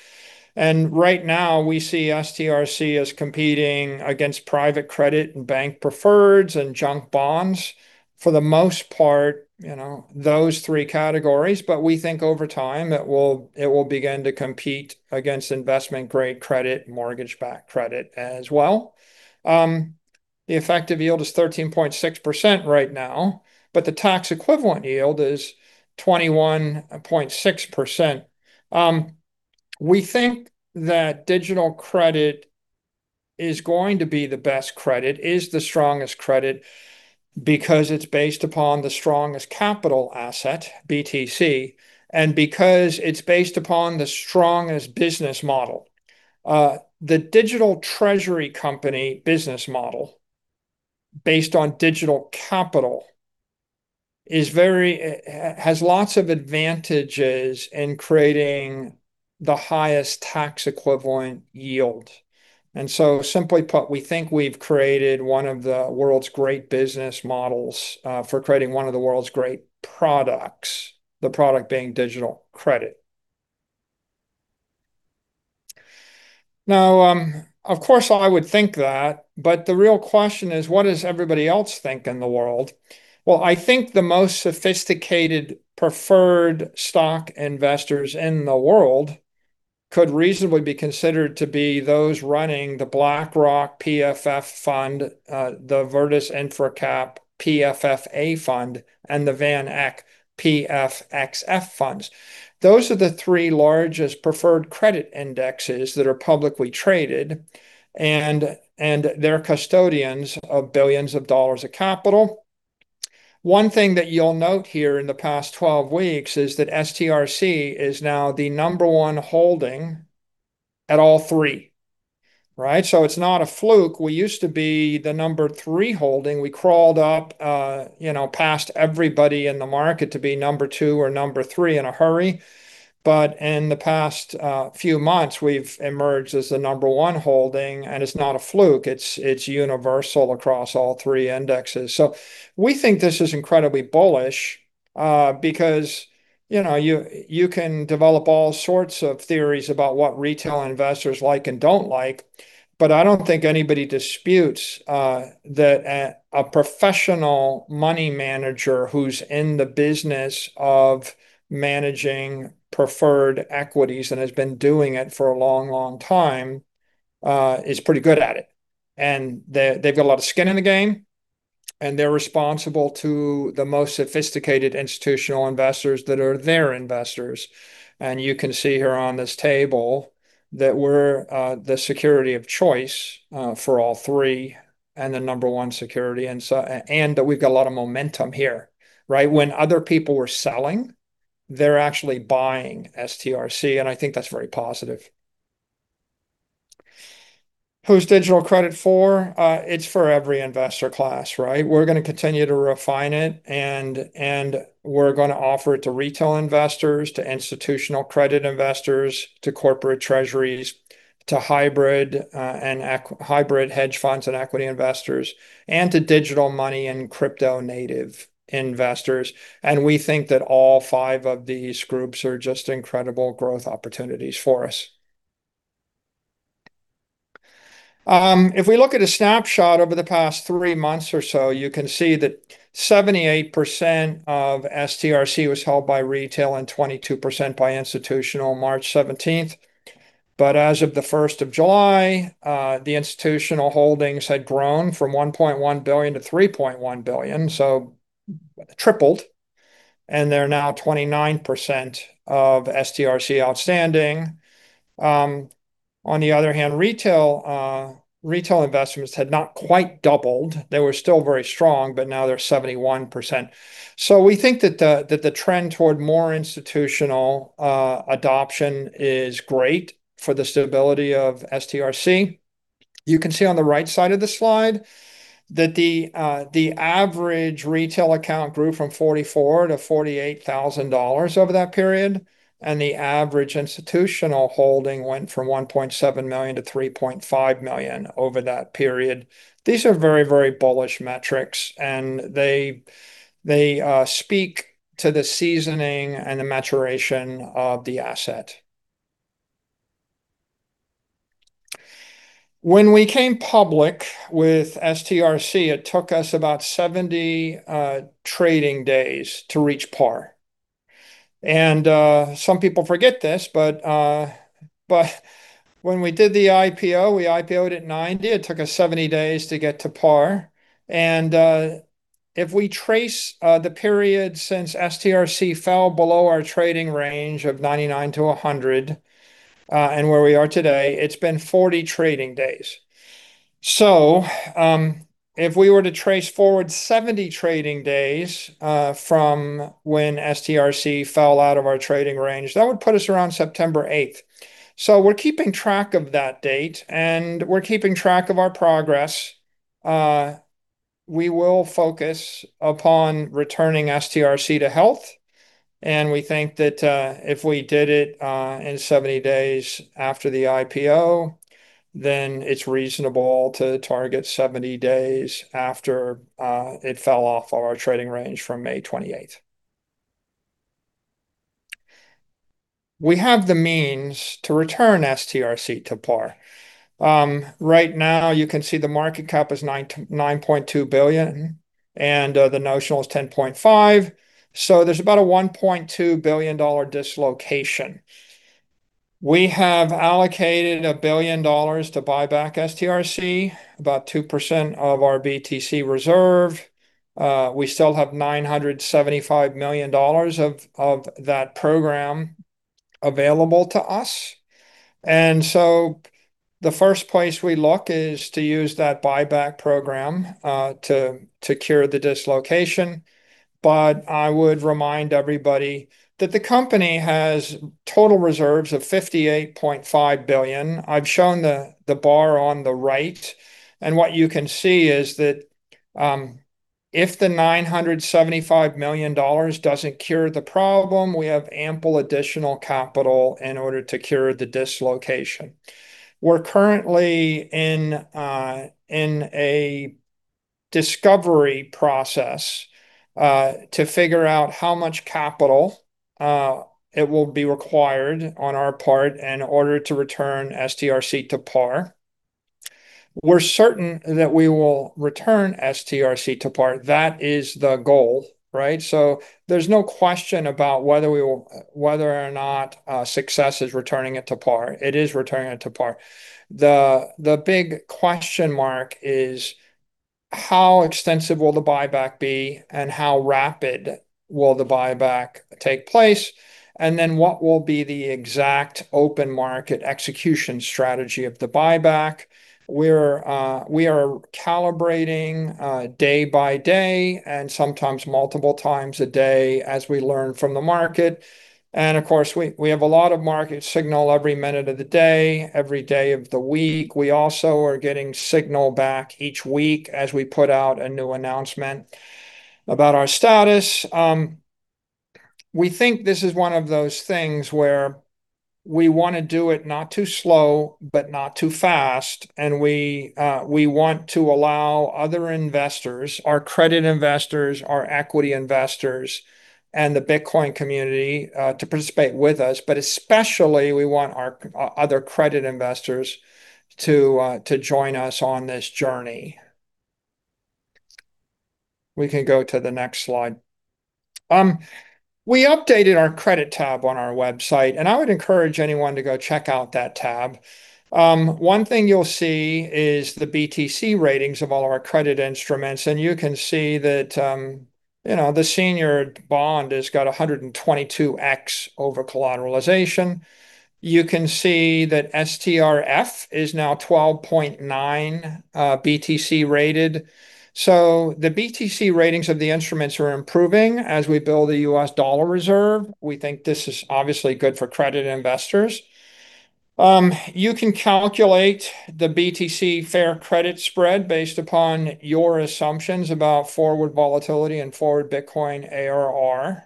Right now we see STRC as competing against private credit and bank preferreds and junk bonds. For the most part, those three categories. We think over time it will begin to compete against investment-grade credit, mortgage-backed credit as well. The effective yield is 13.6% right now, but the tax-equivalent yield is 21.6%. We think that digital credit is going to be the best credit, is the strongest credit because it's based upon the strongest capital asset, BTC, and because it's based upon the strongest business model. The digital treasury company business model based on digital capital has lots of advantages in creating the highest tax-equivalent yield. Simply put, we think we've created one of the world's great business models for creating one of the world's great products, the product being digital credit. Of course I would think that, the real question is what does everybody else think in the world? I think the most sophisticated preferred stock investors in the world could reasonably be considered to be those running the BlackRock PFF fund, the Virtus InfraCap PFFA fund, and the VanEck PFXF funds. Those are the three largest preferred credit indexes that are publicly traded, and they're custodians of billions of dollars of capital. One thing that you'll note here in the past 12 weeks is that STRC is now the number one holding at all three. It's not a fluke. We used to be the number three holding. We crawled up past everybody in the market to be number two or number three in a hurry. But in the past few months, we've emerged as the number one holding, and it's not a fluke. It's universal across all three indexes. We think this is incredibly bullish, because you can develop all sorts of theories about what retail investors like and don't like. I don't think anybody disputes that a professional money manager who's in the business of managing preferred equities and has been doing it for a long time is pretty good at it. They've got a lot of skin in the game, and they're responsible to the most sophisticated institutional investors that are their investors. You can see here on this table that we're the security of choice for all three and the number one security, and that we've got a lot of momentum here. When other people were selling, they're actually buying STRC, and I think that's very positive. Who's digital credit for? It's for every investor class. We're going to continue to refine it, and we're going to offer it to retail investors, to institutional credit investors, to corporate treasuries, to hybrid hedge funds and equity investors, and to digital money and crypto native investors. We think that all five of these groups are just incredible growth opportunities for us. If we look at a snapshot over the past three months or so, you can see that 78% of STRC was held by retail and 22% by institutional March 17. As of the 1st of July, the institutional holdings had grown from $1.1 billion to $3.1 billion, so tripled, and they're now 29% of STRC outstanding. On the other hand, retail investments had not quite doubled. They were still very strong, but now they're 71%. We think that the trend toward more institutional adoption is great for the stability of STRC. You can see on the right side of the slide that the average retail account grew from $44,000 to $48,000 over that period, and the average institutional holding went from $1.7 million to $3.5 million over that period. These are very bullish metrics, and they speak to the seasoning and the maturation of the asset. When we came public with STRC, it took us about 70 trading days to reach par. Some people forget this, but when we did the IPO, we IPO'd at $90. It took us 70 days to get to par. If we trace the period since STRC fell below our trading range of $99-$100, and where we are today, it's been 40 trading days. If we were to trace forward 70 trading days from when STRC fell out of our trading range, that would put us around September 8. We're keeping track of that date, and we're keeping track of our progress. We will focus upon returning STRC to health, and we think that if we did it in 70 days after the IPO, then it's reasonable to target 70 days after it fell off of our trading range from May 28. We have the means to return STRC to par. Right now, you can see the market cap is $9.2 billion, and the notional is $10.5 billion. There's about a $1.2 billion dislocation. We have allocated $1 billion to buy back STRC, about 2% of our BTC reserve. We still have $975 million of that program available to us. The first place we look is to use that buyback program to cure the dislocation. I would remind everybody that the company has total reserves of $58.5 billion. I've shown the bar on the right. What you can see is that if the $975 million doesn't cure the problem, we have ample additional capital in order to cure the dislocation. We're currently in a discovery process to figure out how much capital it will be required on our part in order to return STRC to par. We're certain that we will return STRC to par. That is the goal, right? There's no question about whether or not success is returning it to par. It is returning it to par. The big question mark is how extensive will the buyback be and how rapid will the buyback take place, and then what will be the exact open market execution strategy of the buyback? We are calibrating day by day and sometimes multiple times a day as we learn from the market. Of course, we have a lot of market signal every minute of the day, every day of the week. We also are getting signal back each week as we put out a new announcement about our status. We think this is one of those things where we want to do it not too slow, but not too fast. We want to allow other investors, our credit investors, our equity investors, and the Bitcoin community to participate with us, but especially we want our other credit investors to join us on this journey. We can go to the next slide. We updated our credit tab on our website, and I would encourage anyone to go check out that tab. One thing you will see is the BTC ratings of all of our credit instruments, and you can see that the senior bond has got 122x over-collateralization. You can see that STRF is now 12.9 BTC-rated. The BTC ratings of the instruments are improving as we build a U.S. dollar Reserve. We think this is obviously good for credit investors. You can calculate the BTC fair credit spread based upon your assumptions about forward volatility and forward Bitcoin ARR.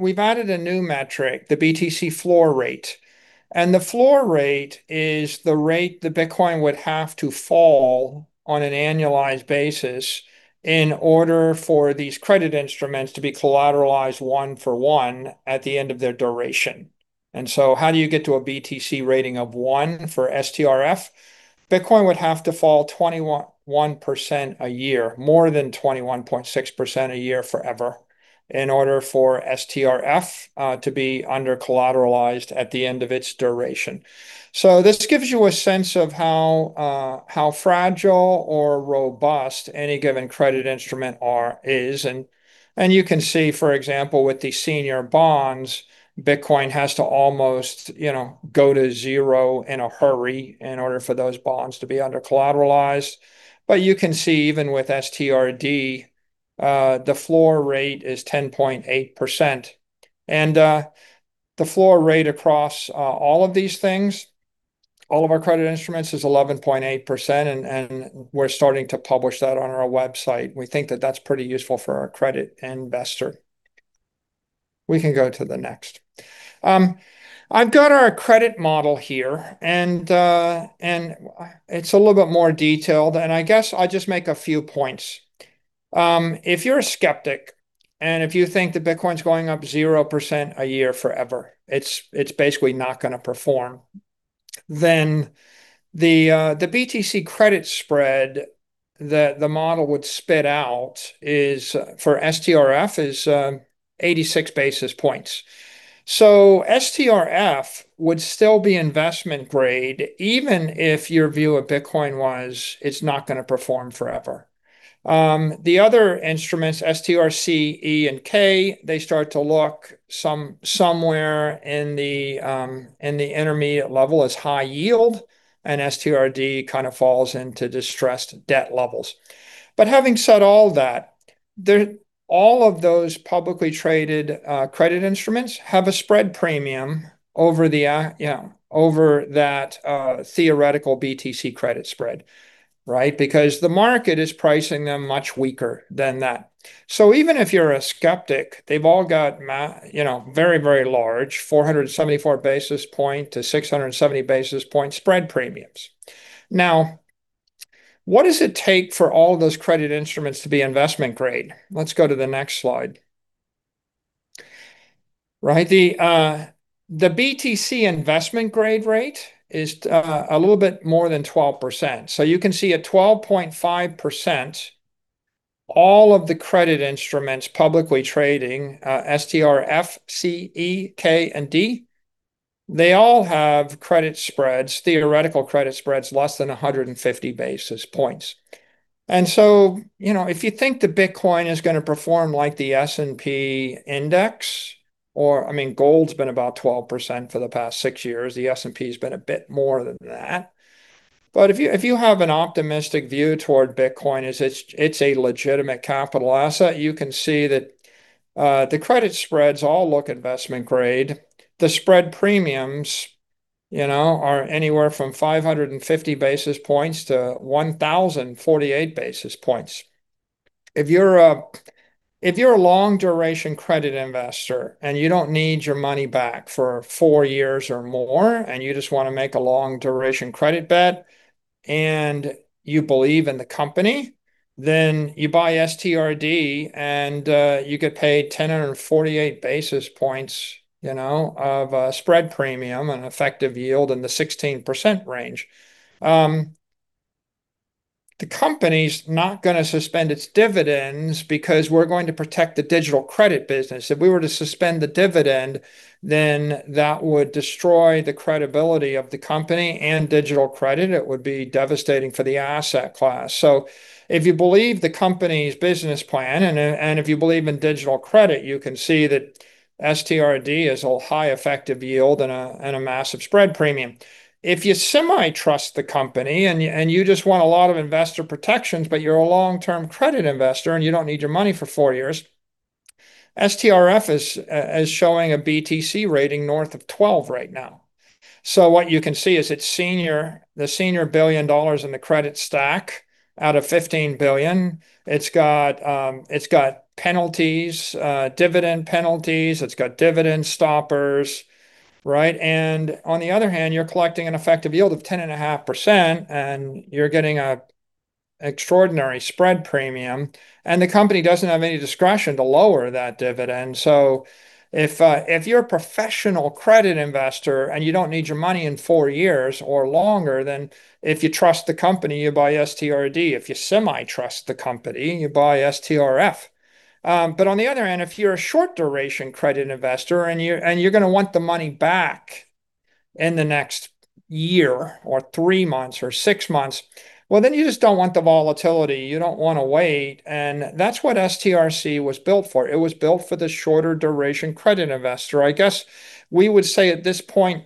We have added a new metric, the BTC floor rate. The floor rate is the rate that Bitcoin would have to fall on an annualized basis in order for these credit instruments to be collateralized one-for-one at the end of their duration. How do you get to a BTC rating of 1 for STRF? Bitcoin would have to fall 21% a year, more than 21.6% a year forever, in order for STRF to be under-collateralized at the end of its duration. This gives you a sense of how fragile or robust any given credit instrument is. You can see, for example, with the senior bonds, Bitcoin has to almost go to zero in a hurry in order for those bonds to be under-collateralized. You can see even with STRD, the floor rate is 10.8%. The floor rate across all of these things, all of our credit instruments is 11.8%, and we are starting to publish that on our website. We think that that is pretty useful for our credit investor. We can go to the next. I have got our credit model here, and it is a little bit more detailed, and I guess I will just make a few points. If you are a skeptic, and if you think that Bitcoin is going up 0% a year forever, it is basically not going to perform, the BTC credit spread that the model would spit out for STRF is 86 basis points. STRF would still be investment grade even if your view of Bitcoin was it is not going to perform forever. The other instruments, STRC, E, and K, they start to look somewhere in the intermediate level as high yield, and STRD falls into distressed debt levels. Having said all that, all of those publicly traded credit instruments have a spread premium over that theoretical BTC credit spread, right? Because the market is pricing them much weaker than that. Even if you are a skeptic, they have all got very, very large 474 basis point-670 basis point spread premiums. What does it take for all of those credit instruments to be investment grade? Let's go to the next slide. The BTC investment grade rate is a little bit more than 12%. You can see at 12.5%, all of the credit instruments publicly trading, STRF, STRC, STRE, STRK, and STRD, they all have credit spreads, theoretical credit spreads, less than 150 basis points. If you think that Bitcoin is going to perform like the S&P index, or gold's been about 12% for the past six years. The S&P's been a bit more than that. If you have an optimistic view toward Bitcoin as it's a legitimate capital asset, you can see that the credit spreads all look investment grade. The spread premiums are anywhere from 550 basis points-1,048 basis points. If you're a long-duration credit investor and you don't need your money back for four years or more and you just want to make a long-duration credit bet and you believe in the company, you buy STRD and you get paid 1,048 basis points of a spread premium, an effective yield in the 16% range. The company's not going to suspend its dividends because we're going to protect the digital credit business. If we were to suspend the dividend, that would destroy the credibility of the company and digital credit. It would be devastating for the asset class. If you believe the company's business plan and if you believe in digital credit, you can see that STRD is a high effective yield and a massive spread premium. If you semi-trust the company and you just want a lot of investor protections, you're a long-term credit investor and you don't need your money for four years, STRF is showing a BTC rating north of 12 right now. What you can see is the senior $1 billion in the credit stack out of $15 billion. It's got penalties, dividend penalties. It's got dividend stoppers. On the other hand, you're collecting an effective yield of 10.5% and you're getting extraordinary spread premium, and the company doesn't have any discretion to lower that dividend. If you're a professional credit investor and you don't need your money in four years or longer, if you trust the company, you buy STRD. If you semi-trust the company, you buy STRF. If you're a short duration credit investor and you're going to want the money back in the next year, or three months, or six months, you just don't want the volatility. You don't want to wait. That's what STRC was built for. It was built for the shorter duration credit investor. I guess we would say at this point,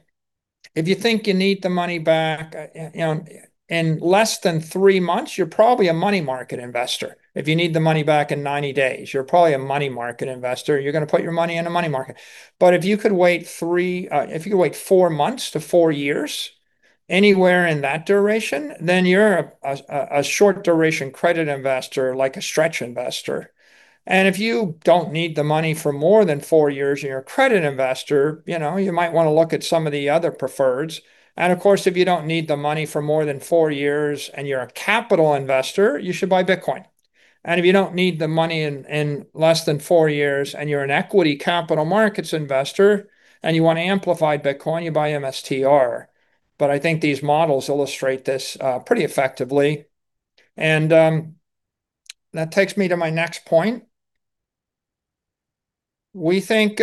if you think you need the money back in less than three months, you're probably a money market investor. If you need the money back in 90 days, you're probably a money market investor. You're going to put your money in a money market. If you could wait four months to four years, anywhere in that duration, you're a short duration credit investor, like a Stretch investor. If you don't need the money for more than four years and you're a credit investor, you might want to look at some of the other preferreds. Of course, if you don't need the money for more than four years and you're a capital investor, you should buy Bitcoin. If you don't need the money in less than four years and you're an equity capital markets investor and you want to amplify Bitcoin, you buy MSTR. I think these models illustrate this pretty effectively. That takes me to my next point. We think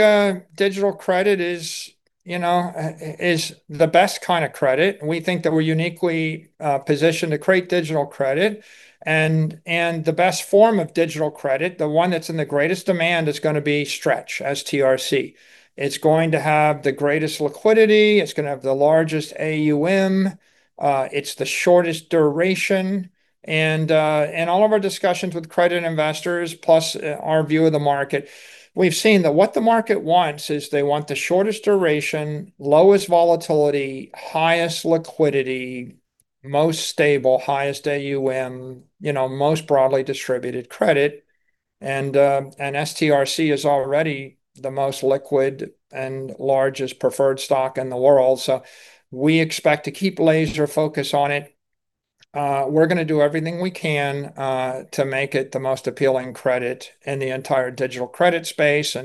digital credit is the best kind of credit, and we think that we're uniquely positioned to create digital credit. The best form of digital credit, the one that's in the greatest demand, is going to be Stretch, STRC. It's going to have the greatest liquidity. It's going to have the largest AUM. It's the shortest duration. All of our discussions with credit investors, plus our view of the market, we've seen that what the market wants is they want the shortest duration, lowest volatility, highest liquidity, most stable, highest AUM, most broadly distributed credit. STRC is already the most liquid and largest preferred stock in the world. We expect to keep laser focus on it. We're going to do everything we can to make it the most appealing credit in the entire digital credit space.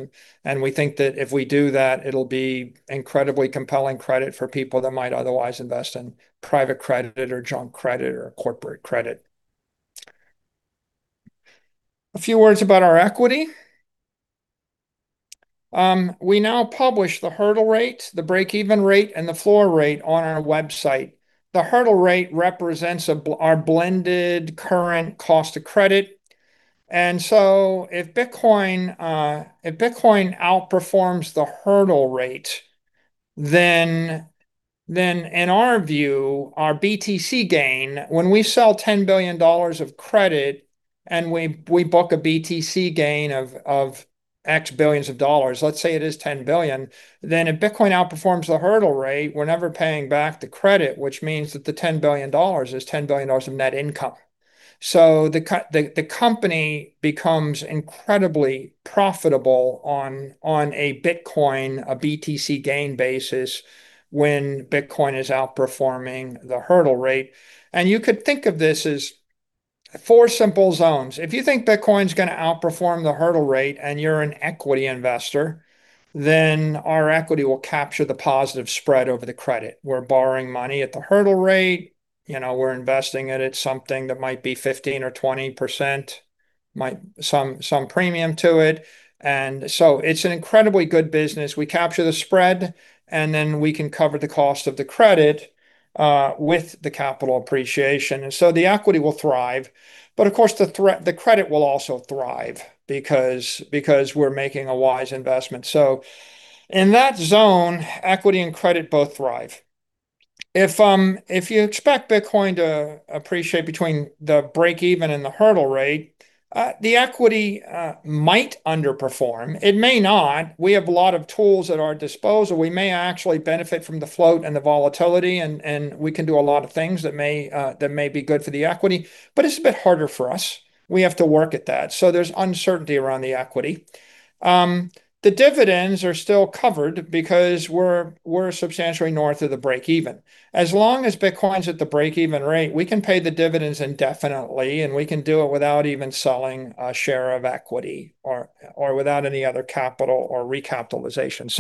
We think that if we do that, it'll be incredibly compelling credit for people that might otherwise invest in private credit or junk credit or corporate credit. A few words about our equity. We now publish the hurdle rate, the break-even rate, and the floor rate on our website. The hurdle rate represents our blended current cost of credit. If Bitcoin outperforms the hurdle rate, then in our view, our BTC Gain, when we sell $10 billion of credit and we book a BTC Gain of X billions of dollars, let's say it is $10 billion, then if Bitcoin outperforms the hurdle rate, we're never paying back the credit, which means that the $10 billion is $10 billion of net income. The company becomes incredibly profitable on a Bitcoin, a BTC Gain basis when Bitcoin is outperforming the hurdle rate. You could think of this as four simple zones. If you think Bitcoin's going to outperform the hurdle rate and you're an equity investor, then our equity will capture the positive spread over the credit. We're borrowing money at the hurdle rate. We're investing it at something that might be 15% or 20%, some premium to it. It's an incredibly good business. We capture the spread, and then we can cover the cost of the credit with the capital appreciation. The equity will thrive. Of course, the credit will also thrive because we're making a wise investment. In that zone, equity and credit both thrive. If you expect Bitcoin to appreciate between the break-even and the hurdle rate, the equity might underperform. It may not. We have a lot of tools at our disposal. We may actually benefit from the float and the volatility, and we can do a lot of things that may be good for the equity, but it's a bit harder for us. We have to work at that. There's uncertainty around the equity. The dividends are still covered because we're substantially north of the break-even. As long as Bitcoin's at the break-even rate, we can pay the dividends indefinitely, and we can do it without even selling a share of equity or without any other capital or recapitalization.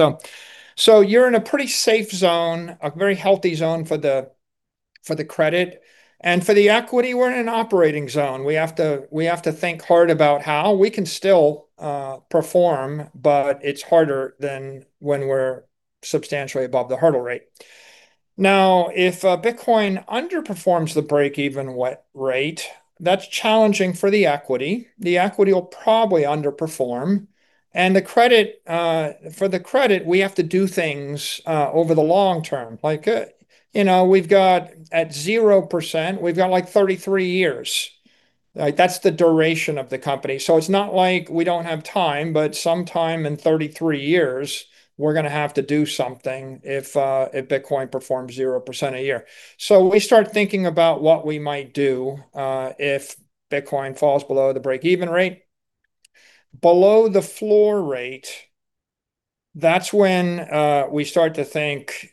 You're in a pretty safe zone, a very healthy zone for the credit and for the equity, we're in an operating zone. We have to think hard about how we can still perform, but it's harder than when we're substantially above the hurdle rate. If Bitcoin underperforms the break-even rate, that's challenging for the equity. The equity will probably underperform. For the credit, we have to do things over the long term. At 0%, we've got 33 years. That's the duration of the company. It's not like we don't have time, but sometime in 33 years, we're going to have to do something if Bitcoin performs 0% a year. We start thinking about what we might do if Bitcoin falls below the break-even rate. Below the floor rate, that's when we start to think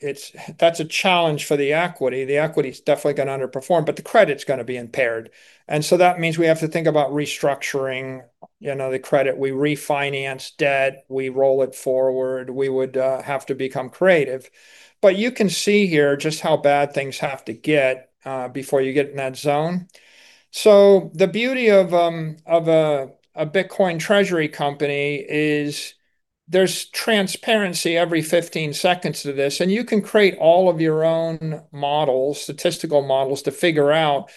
that's a challenge for the equity. The equity's definitely going to underperform, but the credit's going to be impaired. That means we have to think about restructuring the credit. We refinance debt, we roll it forward. We would have to become creative. You can see here just how bad things have to get before you get in that zone. The beauty of a Bitcoin treasury company is there's transparency every 15 seconds to this, and you can create all of your own models, statistical models, to figure out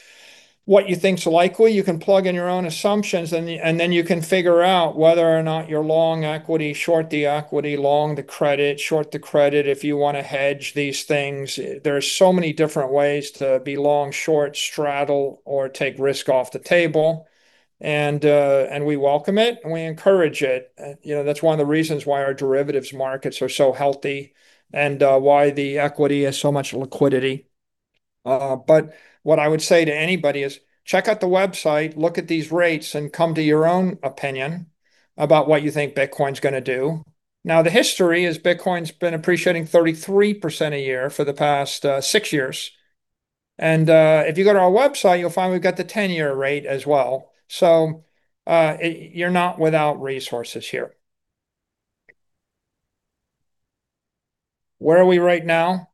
what you think is likely. You can plug in your own assumptions, and then you can figure out whether or not you're long equity, short the equity, long the credit, short the credit, if you want to hedge these things. There are so many different ways to be long, short, straddle, or take risk off the table. We welcome it, and we encourage it. That's one of the reasons why our derivatives markets are so healthy and why the equity has so much liquidity. What I would say to anybody is check out the website, look at these rates, and come to your own opinion about what you think Bitcoin's going to do. The history is Bitcoin's been appreciating 33% a year for the past six years. If you go to our website, you'll find we've got the 10-year rate as well. You're not without resources here. Where are we right now?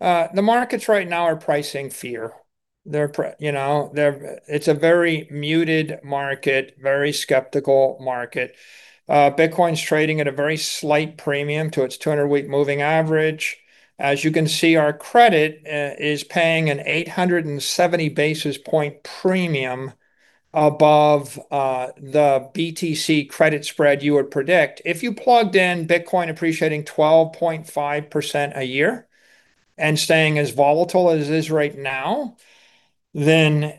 The markets right now are pricing fear. It's a very muted market, very skeptical market. Bitcoin's trading at a very slight premium to its 200-week moving average. As you can see, our credit is paying an 870 basis point premium above the BTC credit spread you would predict. If you plugged in Bitcoin appreciating 12.5% a year and staying as volatile as it is right now, then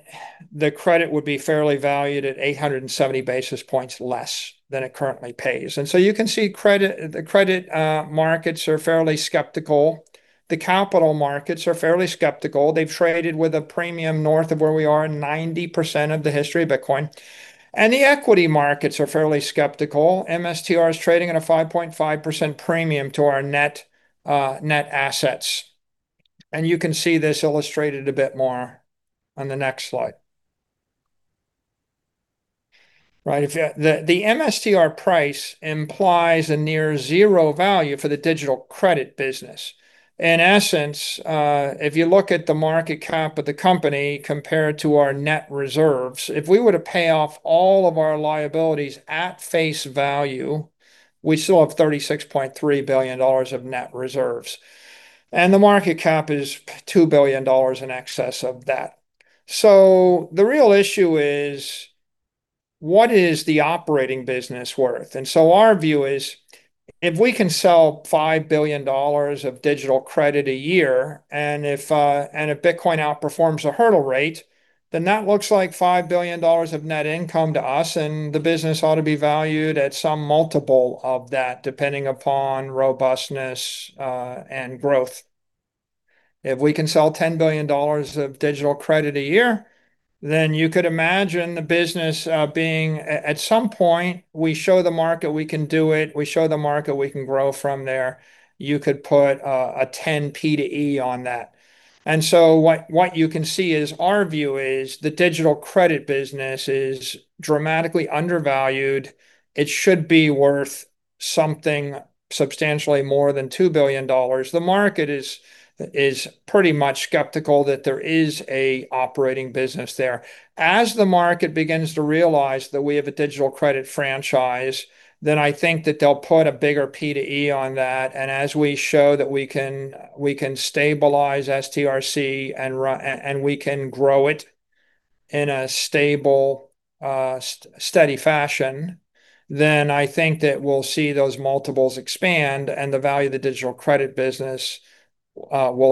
the credit would be fairly valued at 870 basis points less than it currently pays. You can see the credit markets are fairly skeptical. The capital markets are fairly skeptical. They've traded with a premium north of where we are 90% of the history of Bitcoin. The equity markets are fairly skeptical. MSTR is trading at a 5.5% premium to our net assets. You can see this illustrated a bit more on the next slide. Right. The MSTR price implies a near zero value for the digital credit business. In essence, if you look at the market cap of the company compared to our net reserves, if we were to pay off all of our liabilities at face value, we still have $36.3 billion of net reserves, and the market cap is $2 billion in excess of that. The real issue is what is the operating business worth? Our view is if we can sell $5 billion of digital credit a year, and if Bitcoin outperforms a hurdle rate, then that looks like $5 billion of net income to us, and the business ought to be valued at some multiple of that, depending upon robustness and growth. If we can sell $10 billion of digital credit a year, you could imagine the business being, at some point, we show the market we can do it, we show the market we can grow from there. You could put a 10 P/E on that. What you can see is our view is the digital credit business is dramatically undervalued. It should be worth something substantially more than $2 billion. The market is pretty much skeptical that there is an operating business there. As the market begins to realize that we have a digital credit franchise, I think that they'll put a bigger P to E on that. As we show that we can stabilize STRC and we can grow it in a stable, steady fashion, I think that we'll see those multiples expand and the value of the digital credit business will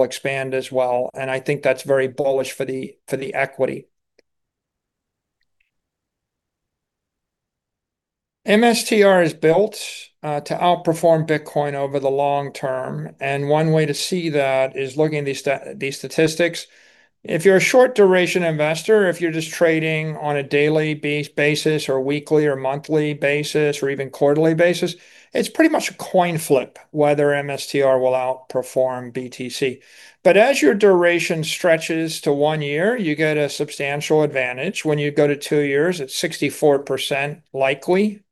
expand as well. I think that's very bullish for the equity. MSTR is built to outperform Bitcoin over the long term, one way to see that is looking at these statistics. If you're a short-duration investor, if you're just trading on a daily basis or weekly or monthly basis, or even quarterly basis, it's pretty much a coin flip whether MSTR will outperform BTC. As your duration stretches to one year, you get a substantial advantage. When you go to two years, it's 64% likely.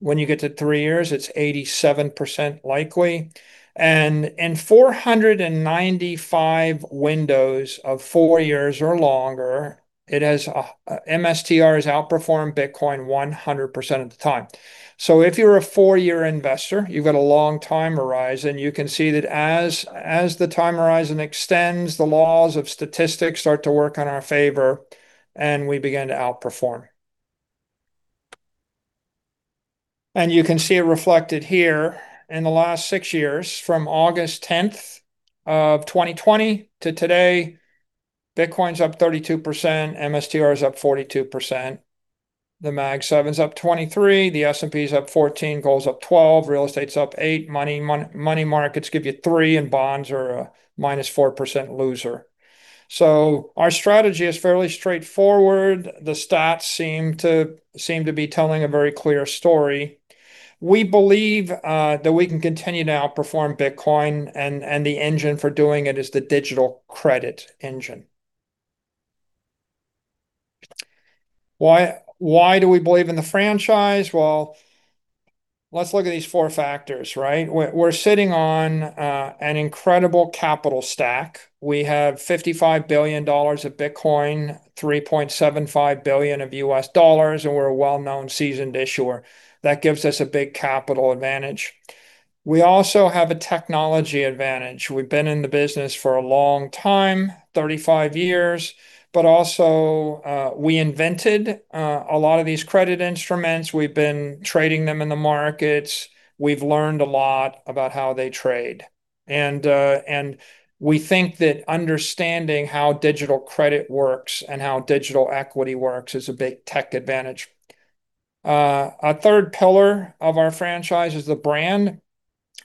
When you get to three years, it's 87% likely. In 495 windows of four years or longer, MSTR has outperformed Bitcoin 100% of the time. If you're a four-year investor, you've got a long time horizon, you can see that as the time horizon extends, the laws of statistics start to work in our favor, we begin to outperform. You can see it reflected here. In the last six years, from August 10th of 2020 to today, Bitcoin's up 32%, MSTR is up 42%, the Mag 7's up 23%, the S&P's up 14%, gold's up 12%, real estate's up 8%, money markets give you 3%, and bonds are a minus 4% loser. Our strategy is fairly straightforward. The stats seem to be telling a very clear story. We believe that we can continue to outperform Bitcoin and the engine for doing it is the digital credit engine. Why do we believe in the franchise? Let's look at these four factors, right? We're sitting on an incredible capital stack. We have $55 billion of Bitcoin, $3.75 billion of U.S. dollars, and we're a well-known seasoned issuer. That gives us a big capital advantage. We also have a technology advantage. We've been in the business for a long time, 35 years, but also we invented a lot of these credit instruments. We've been trading them in the markets. We've learned a lot about how they trade. We think that understanding how digital credit works and how digital equity works is a big tech advantage. A third pillar of our franchise is the brand.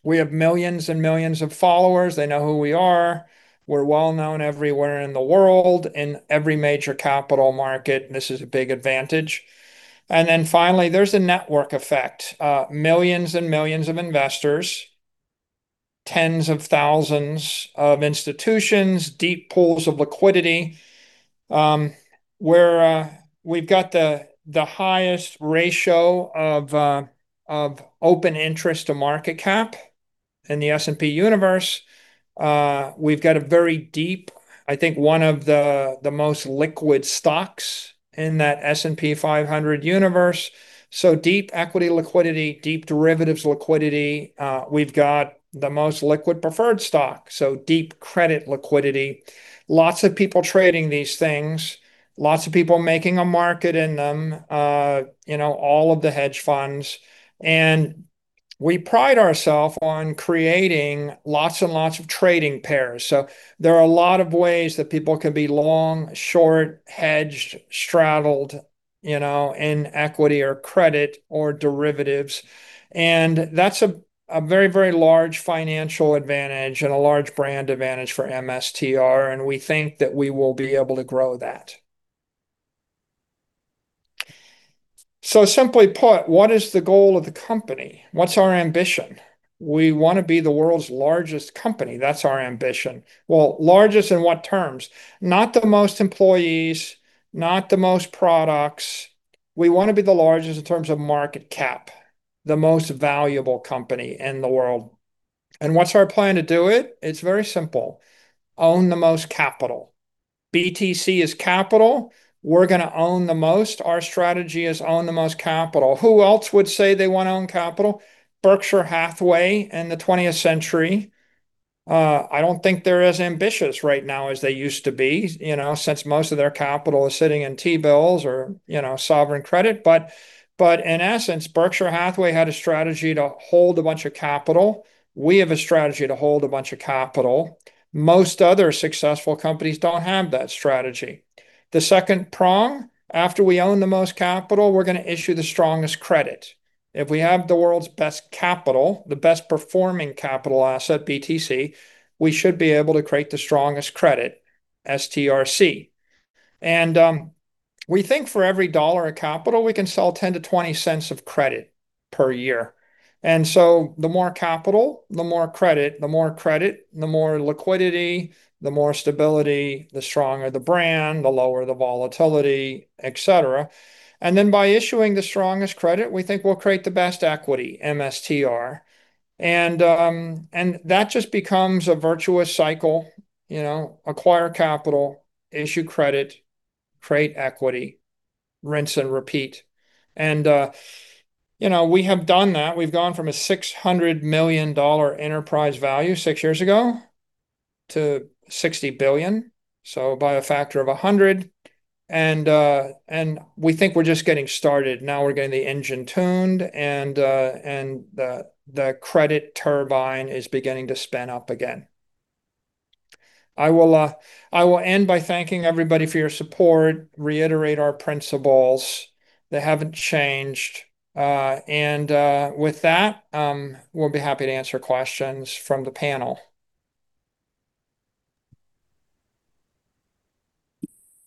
We have millions and millions of followers. They know who we are. We're well-known everywhere in the world, in every major capital market, and this is a big advantage. Finally, there's the network effect. Millions and millions of investors, tens of thousands of institutions, deep pools of liquidity, where we've got the highest ratio of open interest to market cap in the S&P universe. We've got a very deep, I think, one of the most liquid stocks in that S&P 500 universe. Deep equity liquidity, deep derivatives liquidity. We've got the most liquid preferred stock, deep credit liquidity. Lots of people trading these things. Lots of people making a market in them. All of the hedge funds. We pride ourself on creating lots and lots of trading pairs. There are a lot of ways that people can be long, short, hedged, straddled in equity or credit or derivatives. That's a very large financial advantage and a large brand advantage for MSTR, and we think that we will be able to grow that. Simply put, what is the goal of the company? What's our ambition? We want to be the world's largest company. That's our ambition. Well, largest in what terms? Not the most employees, not the most products. We want to be the largest in terms of market cap, the most valuable company in the world. What's our plan to do it? It's very simple. Own the most capital. BTC is capital. We're going to own the most. Our strategy is own the most capital. Who else would say they want to own capital? Berkshire Hathaway in the 20th century. I don't think they're as ambitious right now as they used to be, since most of their capital is sitting in T-bills or sovereign credit. In essence, Berkshire Hathaway had a strategy to hold a bunch of capital. We have a strategy to hold a bunch of capital. Most other successful companies don't have that strategy. The second prong, after we own the most capital, we're going to issue the strongest credit. If we have the world's best capital, the best-performing capital asset, BTC, we should be able to create the strongest credit, STRC. We think for every dollar of capital, we can sell $0.10-$0.20 of credit per year. The more capital, the more credit. The more credit, the more liquidity, the more stability, the stronger the brand, the lower the volatility, et cetera. By issuing the strongest credit, we think we'll create the best equity, MSTR. That just becomes a virtuous cycle. Acquire capital, issue credit, create equity, rinse and repeat. We have done that. We've gone from a $600 million enterprise value six years ago to $60 billion, so by a factor of 100. We think we're just getting started. We're getting the engine tuned and the credit turbine is beginning to spin up again. I will end by thanking everybody for your support, reiterate our principles. They haven't changed. With that, we'll be happy to answer questions from the panel.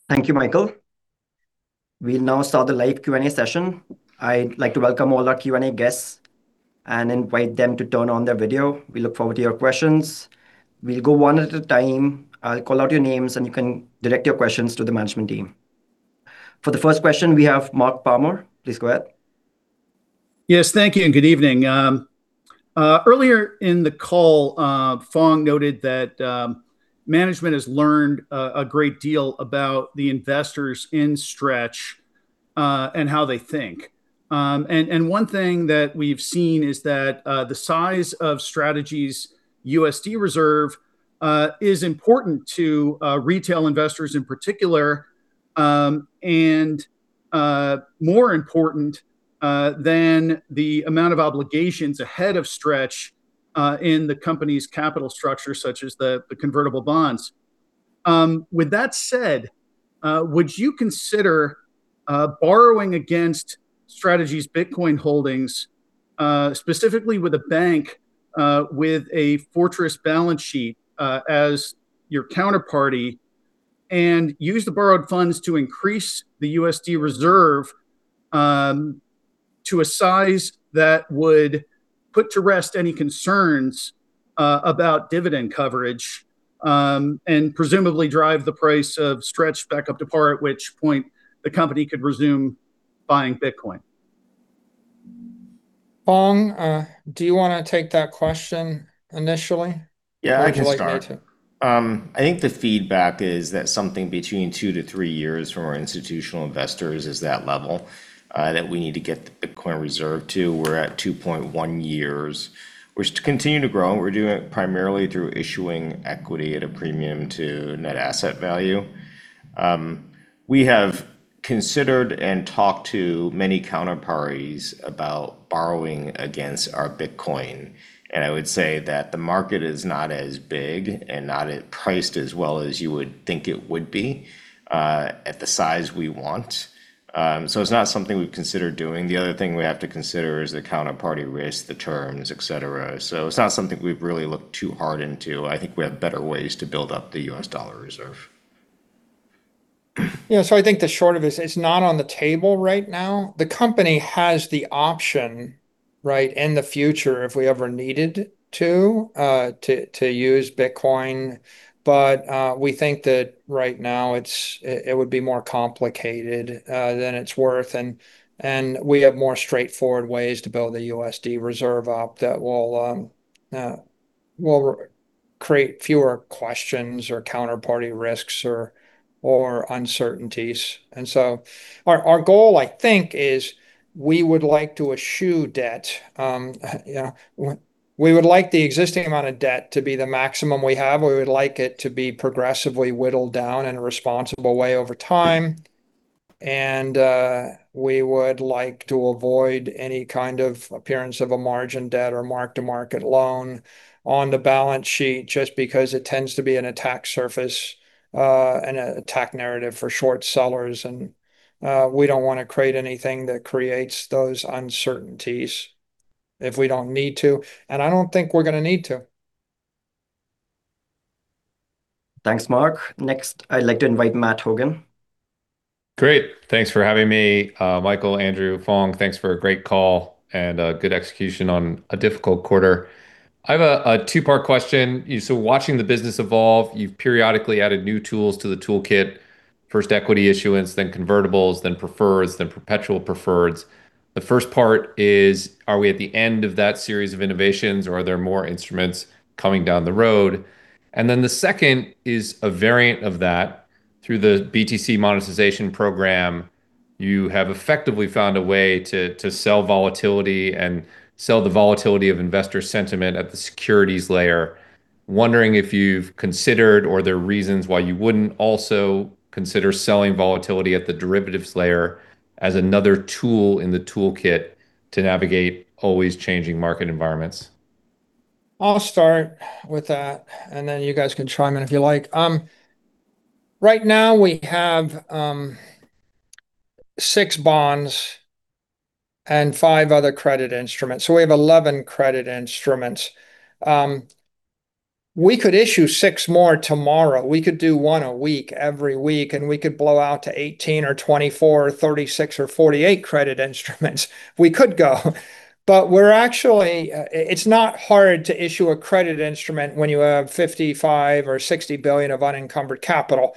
Thank you, Michael. We'll now start the live Q&A session. I'd like to welcome all our Q&A guests. Invite them to turn on their video. We look forward to your questions. We'll go one at a time. I'll call out your names, and you can direct your questions to the management team. For the first question we have Mark Palmer. Please go ahead. Yes, thank you, and good evening. Earlier in the call, Phong noted that management has learned a great deal about the investors in STRC, and how they think. One thing that we've seen is that the size of Strategy's USD Reserve is important to retail investors in particular, and more important than the amount of obligations ahead of STRC in the company's capital structure, such as the convertible bonds. With that said, would you consider borrowing against Strategy's Bitcoin holdings, specifically with a bank with a fortress balance sheet as your counterparty, and use the borrowed funds to increase the USD Reserve to a size that would put to rest any concerns about dividend coverage, and presumably drive the price of STRC back up to par, at which point the company could resume buying Bitcoin? Phong, do you want to take that question initially? Yeah, I can start. Would you like me to? I think the feedback is that something between two-three years from our institutional investors is that level that we need to get the Bitcoin Reserve to. We're at 2.1 years. We're continuing to grow, and we're doing it primarily through issuing equity at a premium to net asset value. We have considered and talked to many counterparties about borrowing against our Bitcoin, and I would say that the market is not as big and not priced as well as you would think it would be at the size we want. It's not something we've considered doing. The other thing we have to consider is the counterparty risk, the terms, et cetera. It's not something we've really looked too hard into. I think we have better ways to build up the U.S. dollar Reserve. Yeah, I think the short of it is it's not on the table right now. The company has the option, right, in the future if we ever needed to use Bitcoin. We think that right now it would be more complicated than it's worth, and we have more straightforward ways to build the USD Reserve up that will create fewer questions or counterparty risks, or uncertainties. Our goal, I think, is we would like to eschew debt. We would like the existing amount of debt to be the maximum we have. We would like it to be progressively whittled down in a responsible way over time. We would like to avoid any kind of appearance of a margin debt or mark-to-market loan on the balance sheet, just because it tends to be an attack surface and an attack narrative for short sellers, we don't want to create anything that creates those uncertainties if we don't need to, I don't think we're going to need to. Thanks, Mark. Next, I'd like to invite Matt Hougan. Great. Thanks for having me. Michael, Andrew, Phong, thanks for a great call and good execution on a difficult quarter. I have a two-part question. Watching the business evolve, you've periodically added new tools to the toolkit, first equity issuance, then convertibles, then preferreds, then perpetual preferreds. The first part is, are we at the end of that series of innovations or are there more instruments coming down the road? Then the second is a variant of that. Through the BTC monetization program, you have effectively found a way to sell volatility and sell the volatility of investor sentiment at the securities layer. Wondering if you've considered or there are reasons why you wouldn't also consider selling volatility at the derivatives layer as another tool in the toolkit to navigate always changing market environments. I'll start with that, and then you guys can chime in if you like. Right now, we have six bonds and five other credit instruments, so we have 11 credit instruments. We could issue six more tomorrow. We could do one a week every week, and we could blow out to 18 or 24 or 36 or 48 credit instruments. We could go. It's not hard to issue a credit instrument when you have $55 billion or $60 billion of unencumbered capital.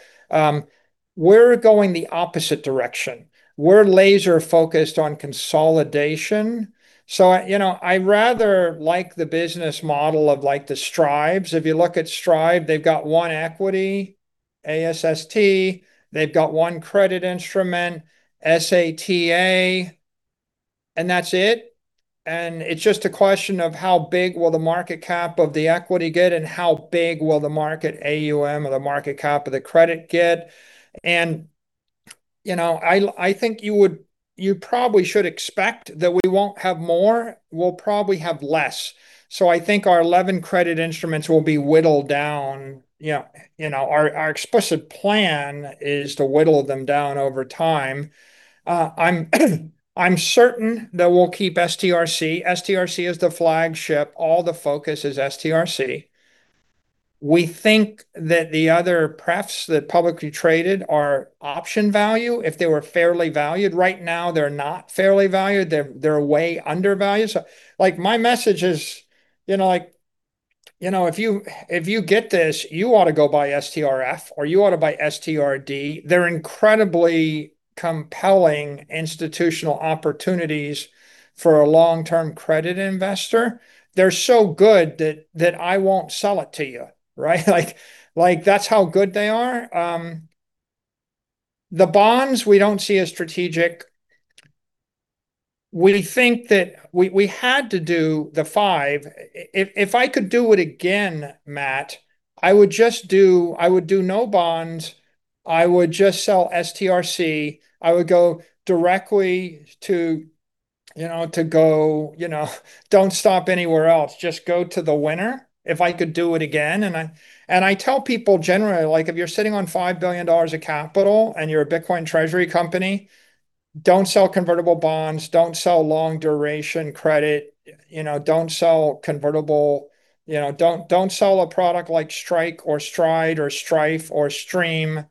We're going the opposite direction. We're laser-focused on consolidation. I rather like the business model of the Strive. If you look at Strive, they've got one equity, ASST, they've got one credit instrument, SATA, and that's it. It's just a question of how big will the market cap of the equity get and how big will the market AUM or the market cap of the credit get. I think you probably should expect that we won't have more. We'll probably have less. I think our 11 credit instruments will be whittled down. Our explicit plan is to whittle them down over time. I'm certain that we'll keep STRC. STRC is the flagship. All the focus is STRC. We think that the other pref that publicly traded are option value, if they were fairly valued. Right now, they're not fairly valued. They're way undervalued. My message is, if you get this, you ought to go buy STRF or you ought to buy STRD. They're incredibly compelling institutional opportunities for a long-term credit investor. They're so good that I won't sell it to you, right? That's how good they are. The bonds we don't see as strategic. We think that we had to do the five. If I could do it again, Matt, I would do no bonds. I would just sell STRC. I would go directly to go, don't stop anywhere else. Just go to the winner. If I could do it again. I tell people generally, if you're sitting on $5 billion of capital and you're a Bitcoin treasury company, don't sell convertible bonds, don't sell long duration credit, don't sell a product like Strike or Stride or Strife or Stream.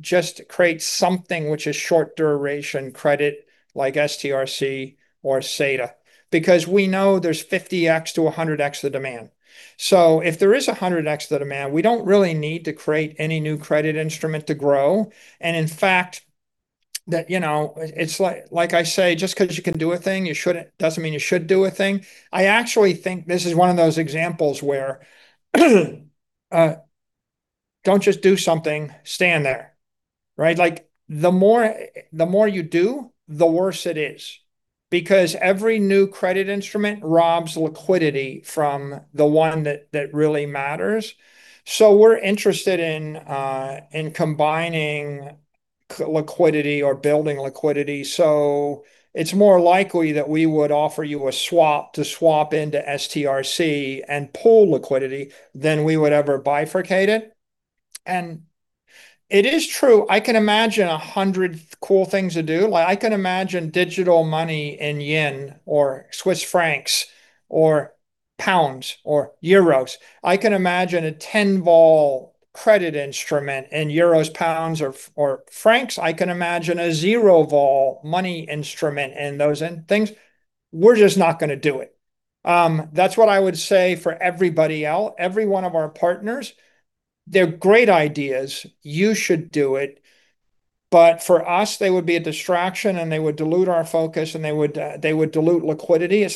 Just create something which is short duration credit like STRC or SATA, because we know there's 50x to 100x the demand. If there is 100x the demand, we don't really need to create any new credit instrument to grow, and in fact, it's like I say, just because you can do a thing doesn't mean you should do a thing. I actually think this is one of those examples where don't just do something, stand there. The more you do, the worse it is, because every new credit instrument robs liquidity from the one that really matters. We're interested in combining liquidity or building liquidity. It's more likely that we would offer you a swap to swap into STRC and pool liquidity than we would ever bifurcate it. It is true, I can imagine 100 cool things to do. I can imagine digital money in yen or Swiss francs or pounds or euros. I can imagine a 10 vol credit instrument in euros, pounds or francs. I can imagine a zero vol money instrument in those things. We're just not going to do it. That's what I would say for everybody else, every one of our partners. They're great ideas, you should do it, for us, they would be a distraction and they would dilute our focus and they would dilute liquidity.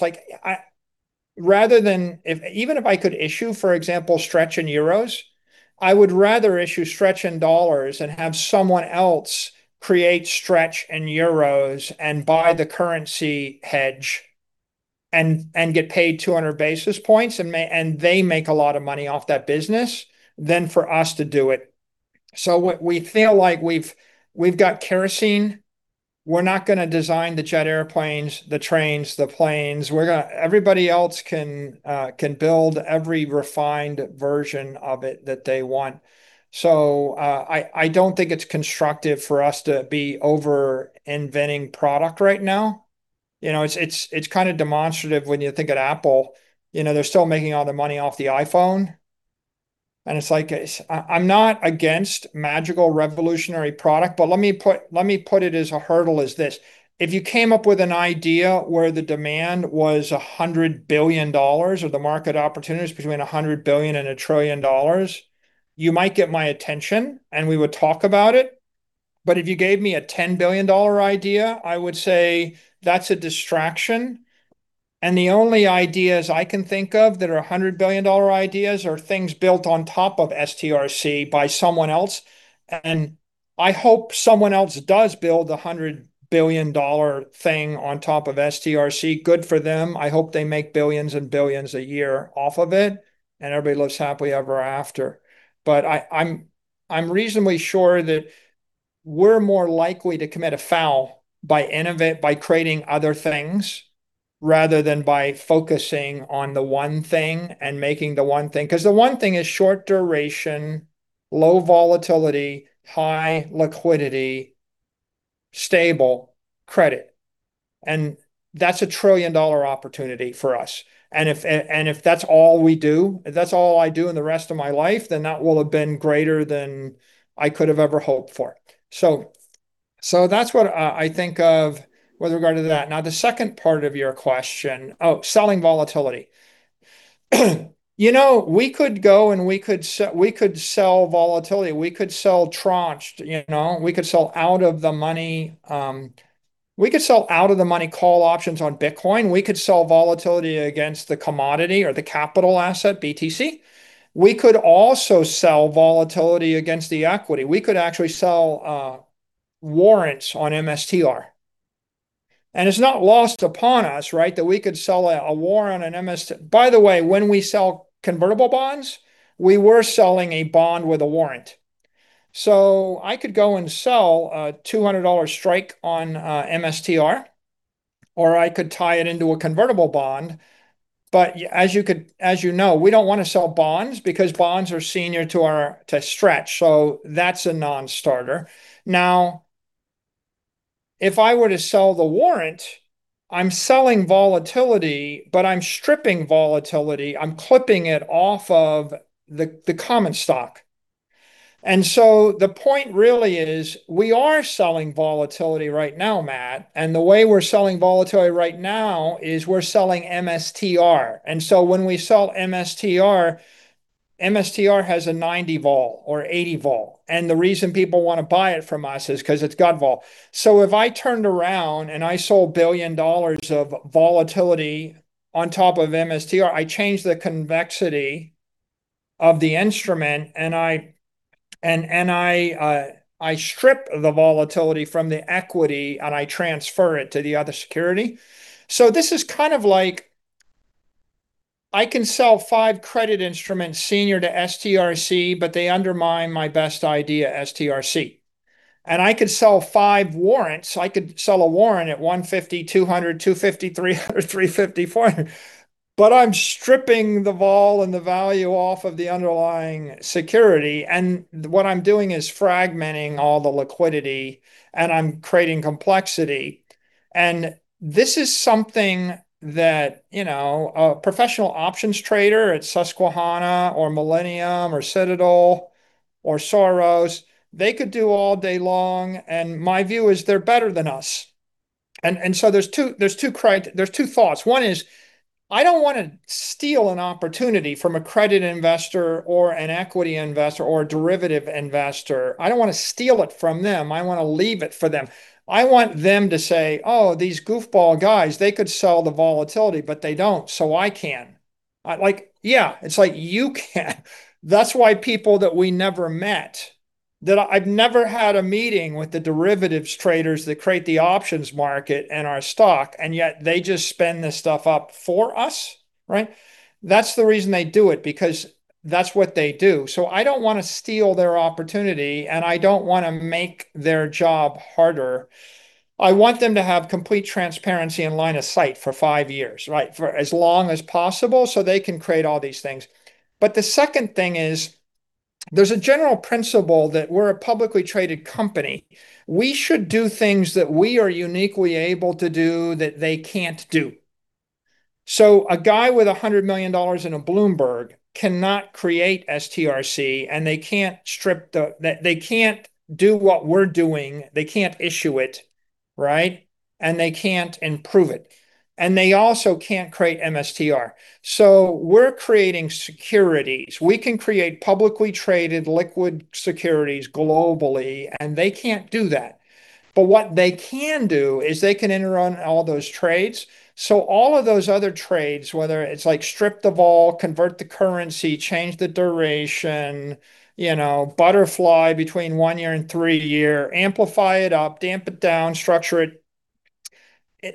Even if I could issue, for example, Stretch in euros, I would rather issue Stretch in dollars and have someone else create Stretch in euros and buy the currency hedge and get paid 200 basis points, and they make a lot of money off that business than for us to do it. We feel like we've got kerosene. We're not going to design the jet airplanes, the trains, the planes. Everybody else can build every refined version of it that they want. I don't think it's constructive for us to be over-inventing product right now. It's kind of demonstrative when you think of Apple. They're still making all their money off the iPhone, and it's like, I'm not against magical revolutionary product, but let me put it as a hurdle as this. If you came up with an idea where the demand was $100 billion or the market opportunity is between $100 billion and $1 trillion, you might get my attention and we would talk about it. If you gave me a $10 billion idea, I would say that's a distraction, and the only ideas I can think of that are $100 billion ideas are things built on top of STRC by someone else, and I hope someone else does build the $100 billion thing on top of STRC. Good for them. I hope they make billions and billions a year off of it and everybody lives happily ever after. I'm reasonably sure that we're more likely to commit a foul by creating other things rather than by focusing on the one thing and making the one thing. The one thing is short duration, low volatility, high liquidity, stable credit, and that's a $1 trillion opportunity for us. If that's all we do, if that's all I do in the rest of my life, then that will have been greater than I could have ever hoped for. That's what I think of with regard to that. Now, the second part of your question. Oh, selling volatility. We could go and we could sell volatility. We could sell tranched. We could sell out of the money call options on Bitcoin. We could sell volatility against the commodity or the capital asset, BTC. We could also sell volatility against the equity. We could actually sell warrants on MSTR. It's not lost upon us, right? That we could sell a warrant on an. By the way, when we sell convertible bonds, we were selling a bond with a warrant. I could go and sell a $200 Strike on MSTR, or I could tie it into a convertible bond. As you know, we don't want to sell bonds because bonds are senior to Stretch, so that's a non-starter. If I were to sell the warrant, I'm selling volatility, but I'm stripping volatility, I'm clipping it off of the common stock. The point really is, we are selling volatility right now, Matt, and the way we're selling volatility right now is we're selling MSTR. When we sell MSTR has a 90 vol or 80 vol, and the reason people want to buy it from us is because it's got vol. If I turned around and I sold a $1 billion of volatility on top of MSTR, I change the convexity of the instrument, and I strip the volatility from the equity and I transfer it to the other security. This is kind of like I can sell five credit instruments senior to STRC, but they undermine my best idea, STRC. I could sell five warrants. I could sell a warrant at 150, 200, 250, 300, 350, 400, but I'm stripping the vol and the value off of the underlying security, and what I'm doing is fragmenting all the liquidity and I'm creating complexity. This is something that a professional options trader at Susquehanna or Millennium or Citadel or Soros, they could do all day long, and my view is they're better than us. There's two thoughts. One is, I don't want to steal an opportunity from a credit investor or an equity investor or a derivative investor. I don't want to steal it from them. I want to leave it for them. I want them to say, "Oh, these goofball guys, they could sell the volatility, but they don't, so I can." Yeah, it's like, you can. That's why people that we never met, that I've never had a meeting with the derivatives traders that create the options market and our stock, and yet they just spend this stuff up for us, right? That's the reason they do it, because that's what they do. I don't want to steal their opportunity, and I don't want to make their job harder. I want them to have complete transparency and line of sight for five years, right? For as long as possible so they can create all these things. The second thing is, there's a general principle that we're a publicly traded company. We should do things that we are uniquely able to do that they can't do. A guy with $100 million and a Bloomberg cannot create STRC, and they can't do what we're doing, they can't issue it, right? They can't improve it. They also can't create MSTR. We're creating securities. We can create publicly traded liquid securities globally, and they can't do that. What they can do is they can enter on all those trades. All of those other trades, whether it's strip the vol, convert the currency, change the duration, butterfly between one year and three year, amplify it up, damp it down, structure it.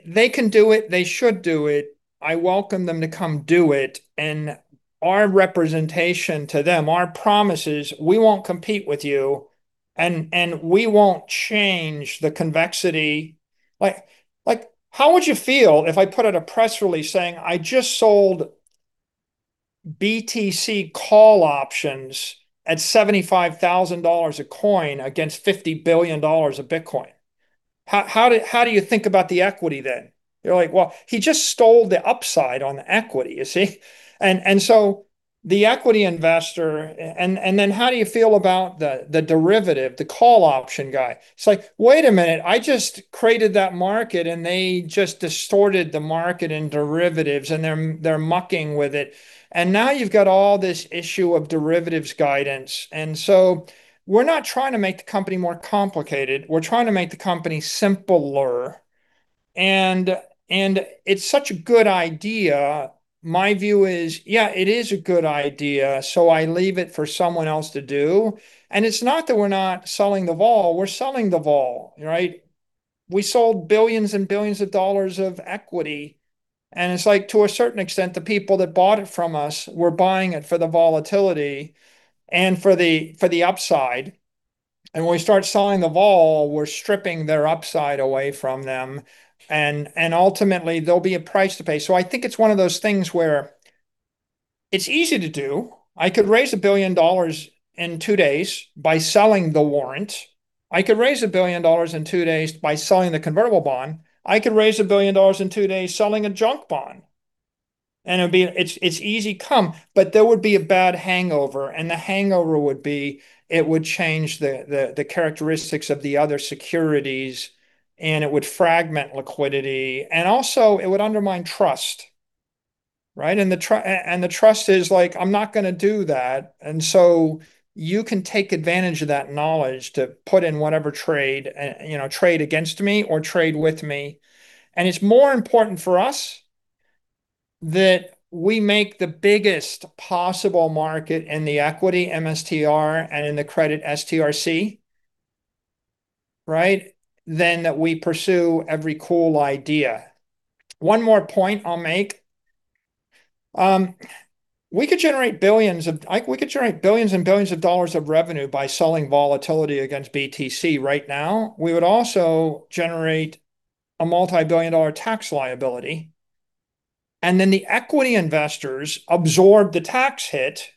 They can do it. They should do it. I welcome them to come do it, and our representation to them, our promise is we won't compete with you, and we won't change the convexity. How would you feel if I put out a press release saying, "I just sold BTC call options at $75,000 a coin against $50 billion of Bitcoin"? How do you think about the equity then? You're like, "Well, he just stole the upside on the equity," you see? How do you feel about the derivative, the call option guy? It's like, wait a minute, I just created that market and they just distorted the market and derivatives, and they're mucking with it. Now you've got all this issue of derivatives guidance. We're not trying to make the company more complicated. We're trying to make the company simpler. It's such a good idea. My view is, yeah, it is a good idea, I leave it for someone else to do. It's not that we're not selling the vol, we're selling the vol, right? We sold billions and billions of dollars of equity, and it's like to a certain extent, the people that bought it from us were buying it for the volatility and for the upside. When we start selling the vol, we're stripping their upside away from them, and ultimately, there'll be a price to pay. I think it's one of those things where it's easy to do. I could raise $1 billion in two days by selling the warrant. I could raise $1 billion in two days by selling the convertible bond. I could raise $1 billion in two days selling a junk bond. It's easy come, but there would be a bad hangover. The hangover would be it would change the characteristics of the other securities, and it would fragment liquidity. It would undermine trust, right? The trust is, I'm not going to do that. You can take advantage of that knowledge to put in whatever trade against me or trade with me. It's more important for us that we make the biggest possible market in the equity, MSTR, and in the credit, STRC, right? Than that we pursue every cool idea. One more point I'll make. We could generate billions and billions of dollars of revenue by selling volatility against BTC right now. We would also generate a multi-billion dollar tax liability. The equity investors absorb the tax hit,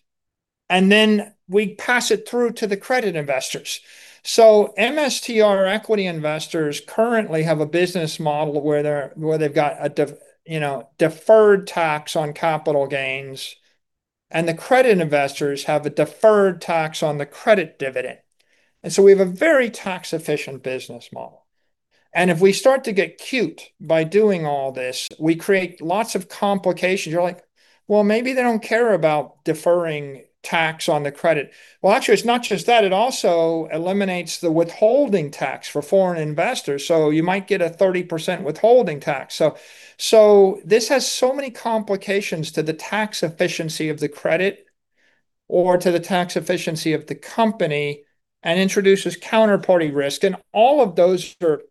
and then we pass it through to the credit investors. MSTR equity investors currently have a business model where they've got a deferred tax on capital gains, and the credit investors have a deferred tax on the credit dividend. We have a very tax-efficient business model. If we start to get cute by doing all this, we create lots of complications. You're like, "Well, maybe they don't care about deferring tax on the credit." Well, actually, it's not just that. It also eliminates the withholding tax for foreign investors, so you might get a 30% withholding tax. This has so many complications to the tax efficiency of the credit or to the tax efficiency of the company and introduces counterparty risk, and all of those are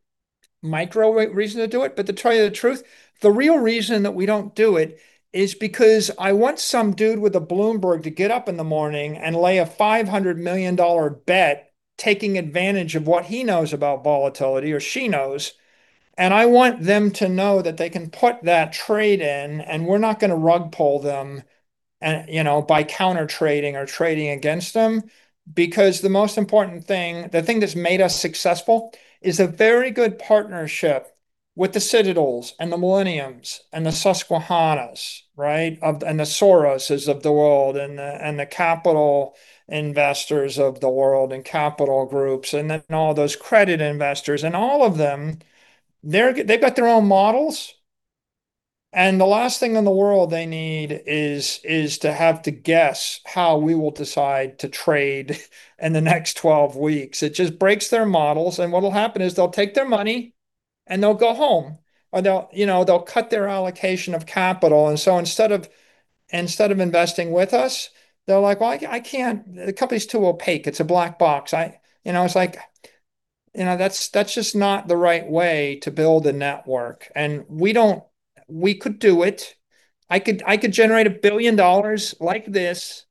micro reasons to do it. To tell you the truth, the real reason that we don't do it is because I want some dude with a Bloomberg to get up in the morning and lay a $500 million bet, taking advantage of what he knows about volatility, or she knows. I want them to know that they can put that trade in, and we're not going to rug pull them by counter-trading or trading against them. The most important thing, the thing that's made us successful, is a very good partnership with the Citadels and the Millenniums and the Susquehannas, right? The Soroses of the world and the capital investors of the world and capital groups and then all those credit investors. All of them, they've got their own models. The last thing in the world they need is to have to guess how we will decide to trade in the next 12 weeks. It just breaks their models. What'll happen is they'll take their money and they'll go home, or they'll cut their allocation of capital. Instead of investing with us, they're like, "Well, I can't. The company's too opaque. It's a black box." That's just not the right way to build a network. We could do it. I could generate $1 billion like this,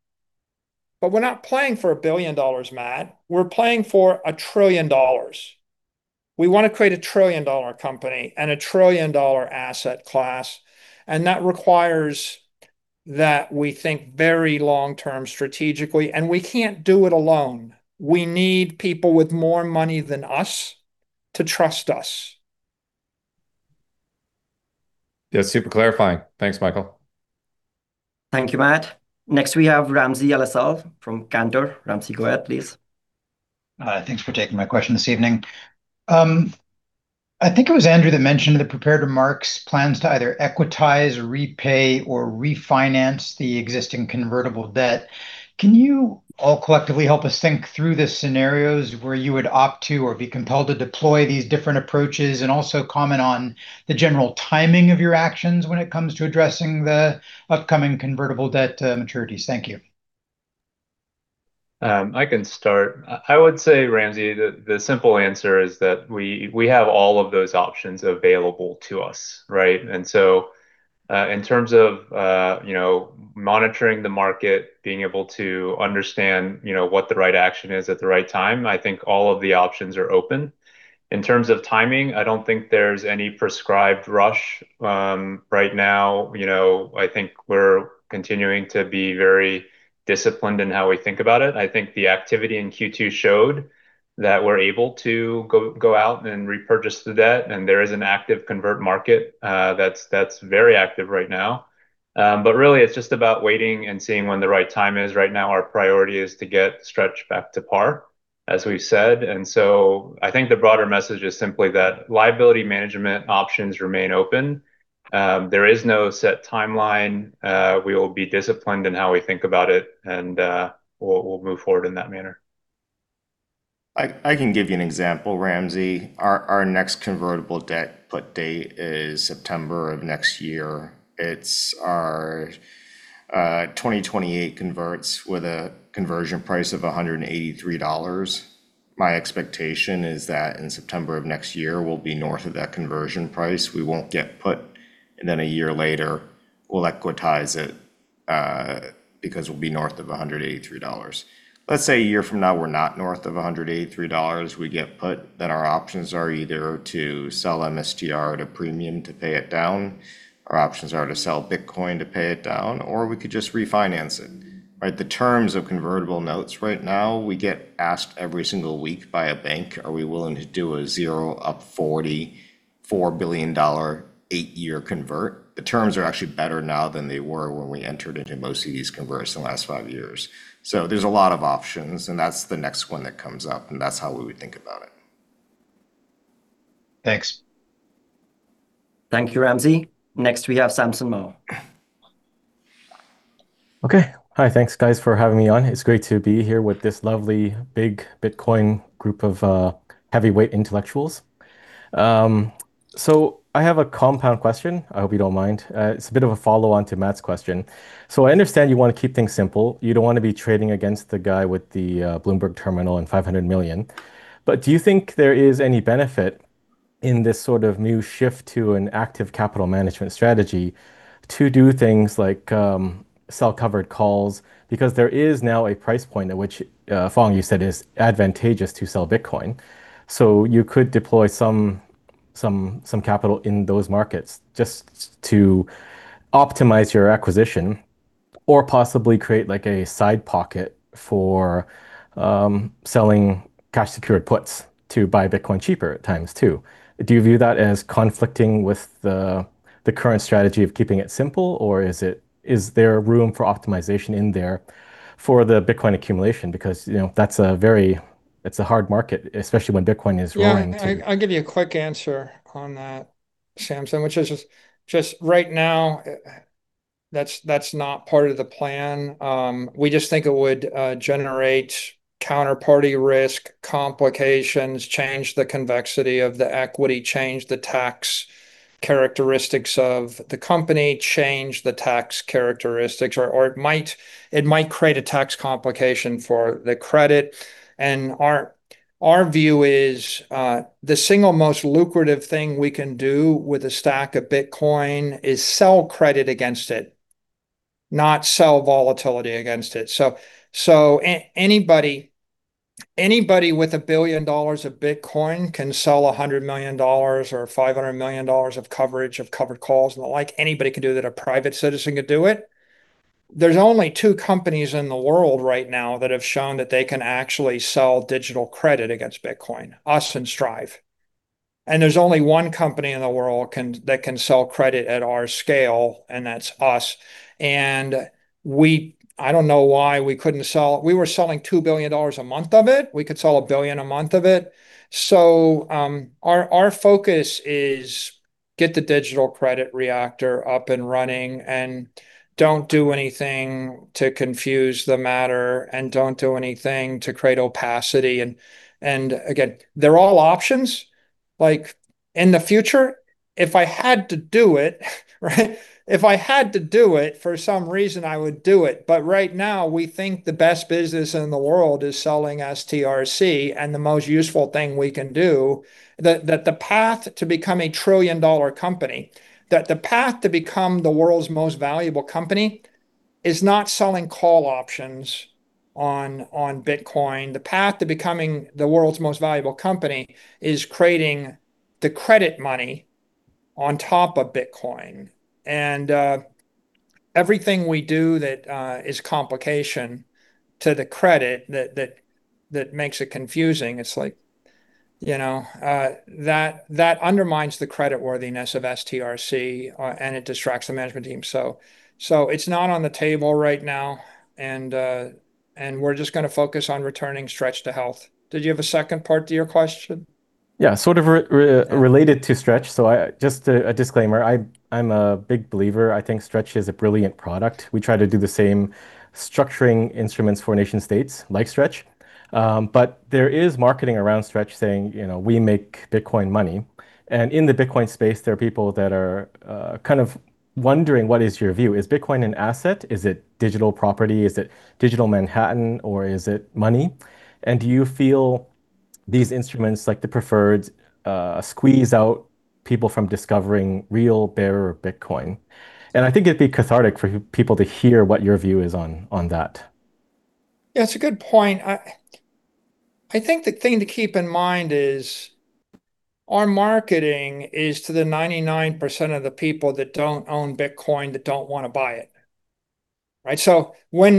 but we're not playing for $1 billion, Matt. We're playing for $1 trillion. We want to create a trillion-dollar company and a trillion-dollar asset class. That requires that we think very long-term strategically. We can't do it alone. We need people with more money than us to trust us. Yeah, super clarifying. Thanks, Michael. Thank you, Matt. Next, we have Ramsey El-Assal from Cantor. Ramsey, go ahead, please. Thanks for taking my question this evening. I think it was Andrew that mentioned in the prepared remarks plans to either equitize, repay, or refinance the existing convertible debt. Can you all collectively help us think through the scenarios where you would opt to or be compelled to deploy these different approaches? Also comment on the general timing of your actions when it comes to addressing the upcoming convertible debt maturities. Thank you. I can start. I would say, Ramsey, the simple answer is that we have all of those options available to us, right? In terms of monitoring the market, being able to understand what the right action is at the right time, I think all of the options are open. In terms of timing, I don't think there's any prescribed rush right now. I think we're continuing to be very disciplined in how we think about it. I think the activity in Q2 showed that we're able to go out and repurchase the debt, and there is an active convert market that's very active right now. Really, it's just about waiting and seeing when the right time is. Right now, our priority is to get stretch back to par, as we've said. I think the broader message is simply that liability management options remain open. There is no set timeline. We will be disciplined in how we think about it, and we'll move forward in that manner. I can give you an example, Ramsey. Our next convertible debt put date is September of next year. It's our 2028 converts with a conversion price of $183. My expectation is that in September of next year, we'll be north of that conversion price. We won't get put, and a year later, we'll equitize it because we'll be north of $183. Let's say a year from now, we're not north of $183. We get put. Our options are either to sell MSTR at a premium to pay it down, our options are to sell Bitcoin to pay it down, or we could just refinance it. Right? The terms of convertible notes right now, we get asked every single week by a bank, are we willing to do a zero up $44 billion eight-year convert? The terms are actually better now than they were when we entered into most of these converts in the last five years. There's a lot of options, and that's the next one that comes up, and that's how we would think about it. Thanks. Thank you, Ramsey. Next, we have Samson Mow. Okay. Hi. Thanks guys for having me on. It's great to be here with this lovely big Bitcoin group of heavyweight intellectuals. I have a compound question. I hope you don't mind. It's a bit of a follow-on to Matt's question. I understand you want to keep things simple. You don't want to be trading against the guy with the Bloomberg terminal and $500 million. Do you think there is any benefit in this sort of new shift to an active capital management strategy to do things like sell covered calls? There is now a price point at which, Phong, you said is advantageous to sell Bitcoin. You could deploy some capital in those markets just to optimize your acquisition or possibly create a side pocket for selling cash secured puts to buy Bitcoin cheaper at times, too. Do you view that as conflicting with the current strategy of keeping it simple, or is there room for optimization in there for the Bitcoin accumulation? It's a hard market, especially when Bitcoin is roaring too. Yeah. I'll give you a quick answer on that, Samson, which is just right now that's not part of the plan. We just think it would generate counterparty risk complications, change the convexity of the equity, change the tax characteristics of the company, change the tax characteristics, or it might create a tax complication for the credit. Our view is the single most lucrative thing we can do with a stack of Bitcoin is sell credit against it, not sell volatility against it. Anybody with $1 billion of Bitcoin can sell $100 million or $500 million of coverage, of covered calls and the like. Anybody can do that. A private citizen could do it. There's only two companies in the world right now that have shown that they can actually sell digital credit against Bitcoin, us and Strive. There's only one company in the world that can sell credit at our scale, and that's us. I don't know why we couldn't sell. We were selling $2 billion a month of it. We could sell $1 billion a month of it. Our focus is get the digital credit reactor up and running, and don't do anything to confuse the matter, and don't do anything to create opacity. Again, they're all options. In the future, if I had to do it, for some reason, I would do it. Right now, we think the best business in the world is selling STRC, and the most useful thing we can do, that the path to become a trillion-dollar company, that the path to become the world's most valuable company, is not selling call options on Bitcoin. The path to becoming the world's most valuable company is creating the credit money on top of Bitcoin. Everything we do that is complication to the credit that makes it confusing, it's like that undermines the credit worthiness of STRC, and it distracts the management team. It's not on the table right now. We're just going to focus on returning STRC to health. Did you have a second part to your question? Sort of related to STRC. Just a disclaimer, I'm a big believer. I think STRC is a brilliant product. We try to do the same structuring instruments for nation states, like STRC. There is marketing around STRC saying, "We make Bitcoin money." In the Bitcoin space, there are people that are kind of wondering what is your view. Is Bitcoin an asset? Is it digital property? Is it digital Manhattan, or is it money? Do you feel these instruments, like the preferreds, squeeze out people from discovering real bearer Bitcoin? I think it'd be cathartic for people to hear what your view is on that. It's a good point. I think the thing to keep in mind is our marketing is to the 99% of the people that don't own Bitcoin that don't want to buy it. Right? When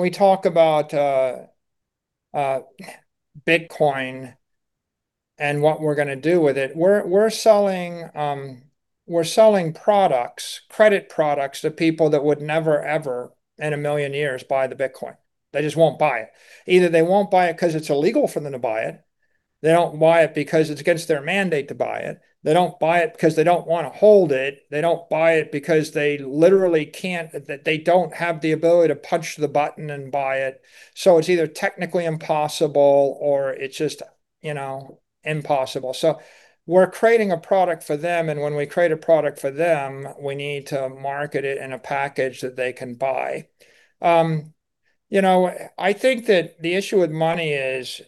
we talk about Bitcoin and what we're going to do with it, we're selling products, credit products to people that would never, ever in a million years buy the Bitcoin. They just won't buy it. Either they won't buy it because it's illegal for them to buy it. They don't buy it because it's against their mandate to buy it. They don't buy it because they don't want to hold it. They don't buy it because they literally can't, they don't have the ability to punch the button and buy it. It's either technically impossible or it's just impossible. We're creating a product for them, and when we create a product for them, we need to market it in a package that they can buy. I think that the issue with money is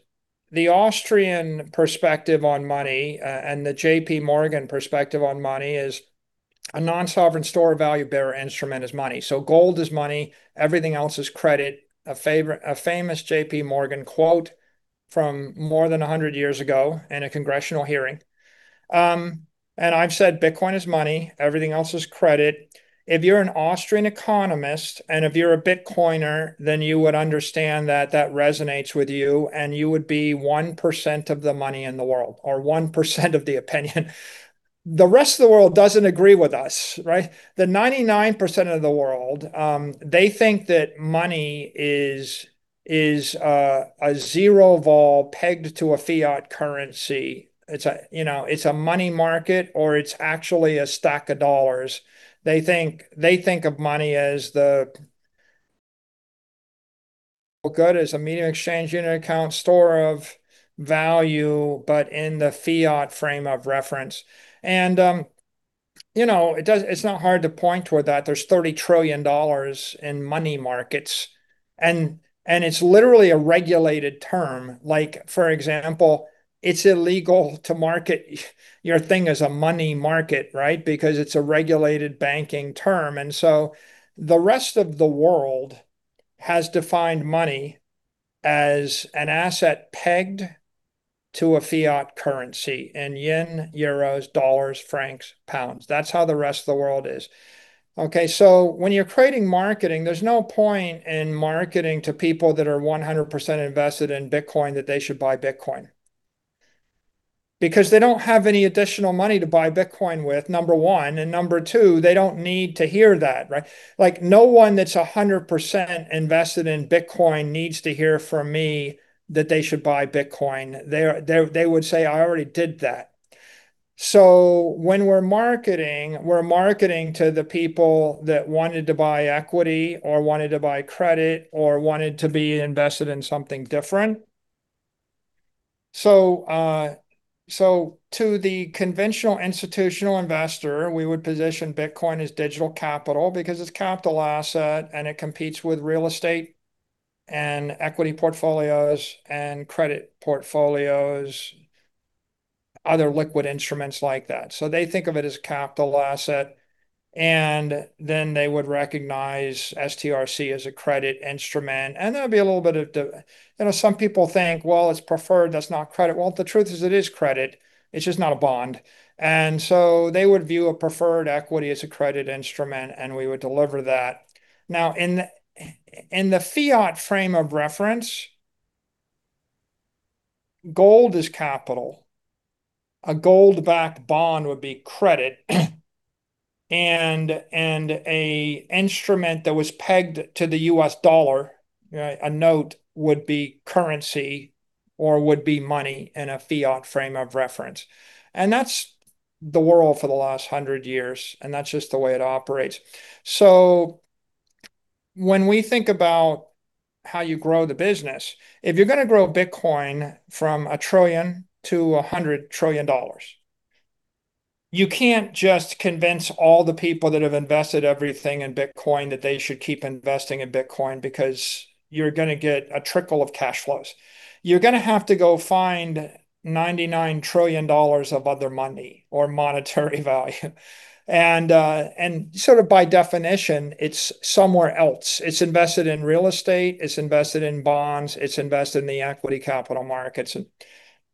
the Austrian perspective on money, and the JPMorgan perspective on money is a non-sovereign store of value bearer instrument is money. Gold is money, everything else is credit. A famous JPMorgan quote from more than 100 years ago in a congressional hearing. I've said Bitcoin is money, everything else is credit. If you're an Austrian economist, and if you're a Bitcoiner, then you would understand that that resonates with you, and you would be 1% of the money in the world, or 1% of the opinion. The rest of the world doesn't agree with us, right? The 99% of the world, they think that money is a zero vol pegged to a fiat currency. It's a money market, or it's actually a stack of dollars. They think of money as the good, as a medium exchange unit account store of value, but in the fiat frame of reference. It's not hard to point toward that. There's $30 trillion in money markets. It's literally a regulated term. Like for example, it's illegal to market your thing as a money market, right, because it's a regulated banking term. The rest of the world has defined money as an asset pegged to a fiat currency. In yen, euros, dollars, francs, pounds. That's how the rest of the world is. Okay, when you're creating marketing, there's no point in marketing to people that are 100% invested in Bitcoin that they should buy Bitcoin. Because they don't have any additional money to buy Bitcoin with, number one, and number two, they don't need to hear that, right? No one that's 100% invested in Bitcoin needs to hear from me that they should buy Bitcoin. They would say, "I already did that." When we're marketing, we're marketing to the people that wanted to buy equity or wanted to buy credit or wanted to be invested in something different. To the conventional institutional investor, we would position Bitcoin as digital capital because it's a capital asset and it competes with real estate and equity portfolios and credit portfolios, other liquid instruments like that. They think of it as a capital asset, and then they would recognize STRC as a credit instrument, and there would be a little bit of. Some people think, well, it's preferred, that's not credit. Well, the truth is, it is credit, it's just not a bond. They would view a preferred equity as a credit instrument, and we would deliver that. Now, in the fiat frame of reference, gold is capital. A gold-backed bond would be credit. An instrument that was pegged to the U.S. dollar, a note would be currency or would be money in a fiat frame of reference. That's the world for the last 100 years, and that's just the way it operates. When we think about how you grow the business, if you're going to grow Bitcoin from a trillion to $100 trillion, you can't just convince all the people that have invested everything in Bitcoin that they should keep investing in Bitcoin because you're going to get a trickle of cash flows. You're going to have to go find $99 trillion of other money or monetary value. Sort of by definition, it's somewhere else. It's invested in real estate, it's invested in bonds, it's invested in the equity capital markets.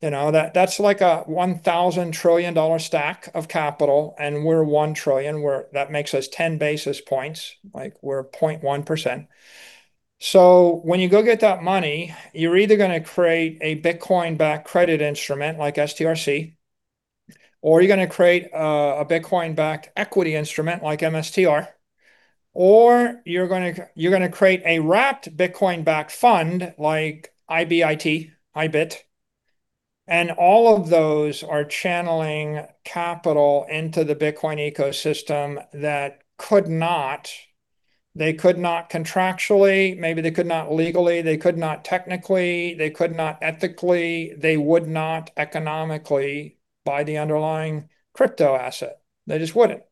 That's like a $1,000 trillion stack of capital, and we're $1 trillion. That makes us 10 basis points, like we're 0.1%. When you go get that money, you're either going to create a Bitcoin-backed credit instrument like STRC, or you're going to create a Bitcoin-backed equity instrument like MSTR, or you're going to create a wrapped Bitcoin-backed fund like IBIT. All of those are channeling capital into the Bitcoin ecosystem that could not, they could not contractually, maybe they could not legally, they could not technically, they could not ethically, they would not economically buy the underlying crypto asset. They just wouldn't.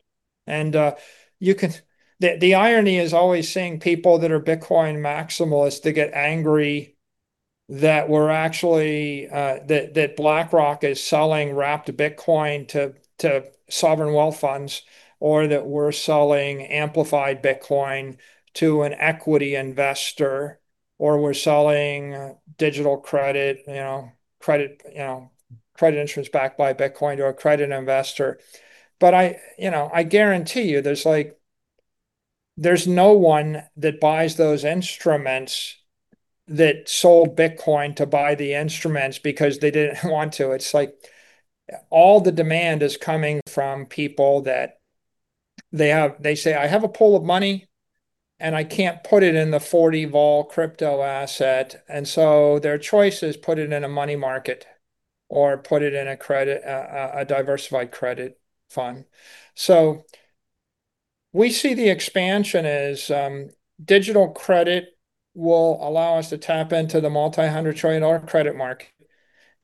The irony is always seeing people that are Bitcoin maximalist that get angry that BlackRock is selling wrapped Bitcoin to sovereign wealth funds, or that we're selling amplified Bitcoin to an equity investor, or we're selling digital credit insurance backed by Bitcoin to a credit investor. I guarantee you, there's no one that buys those instruments that sold Bitcoin to buy the instruments because they didn't want to. It's like all the demand is coming from people that they say, "I have a pool of money and I can't put it in the 40 vol crypto asset." Their choice is put it in a money market or put it in a diversified credit fund. We see the expansion as digital credit will allow us to tap into the multi-hundred trillion dollar credit market.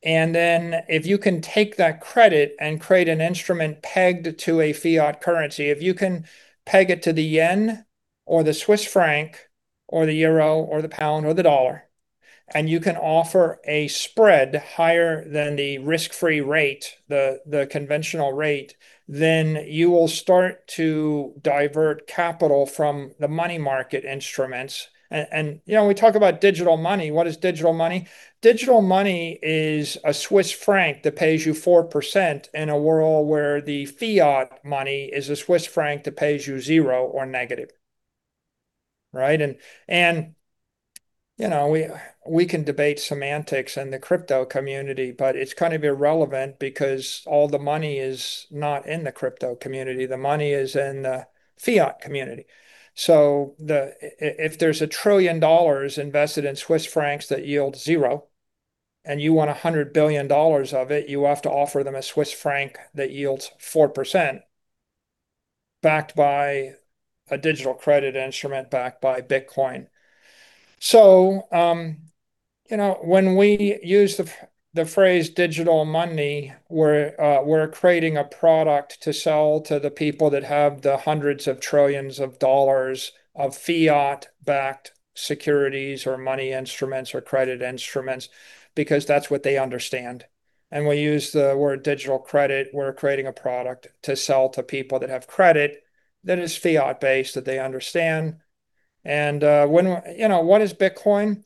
If you can take that credit and create an instrument pegged to a fiat currency, if you can peg it to the yen or the Swiss franc or the euro or the pound or the dollar, and you can offer a spread higher than the risk-free rate, the conventional rate, then you will start to divert capital from the money market instruments. We talk about digital money. What is digital money? Digital money is a Swiss franc that pays you 4% in a world where the fiat money is a Swiss franc that pays you zero or negative. Right? We can debate semantics in the crypto community, but it's kind of irrelevant because all the money is not in the crypto community. The money is in the fiat community. If there's $1 trillion invested in Swiss francs that yield zero and you want $100 billion of it, you have to offer them a Swiss franc that yields 4% backed by a digital credit instrument backed by Bitcoin. When we use the phrase digital money, we're creating a product to sell to the people that have the hundreds of trillions of dollars of fiat-backed securities or money instruments or credit instruments because that's what they understand. We use the word digital credit, we're creating a product to sell to people that have credit that is fiat-based, that they understand. What is Bitcoin?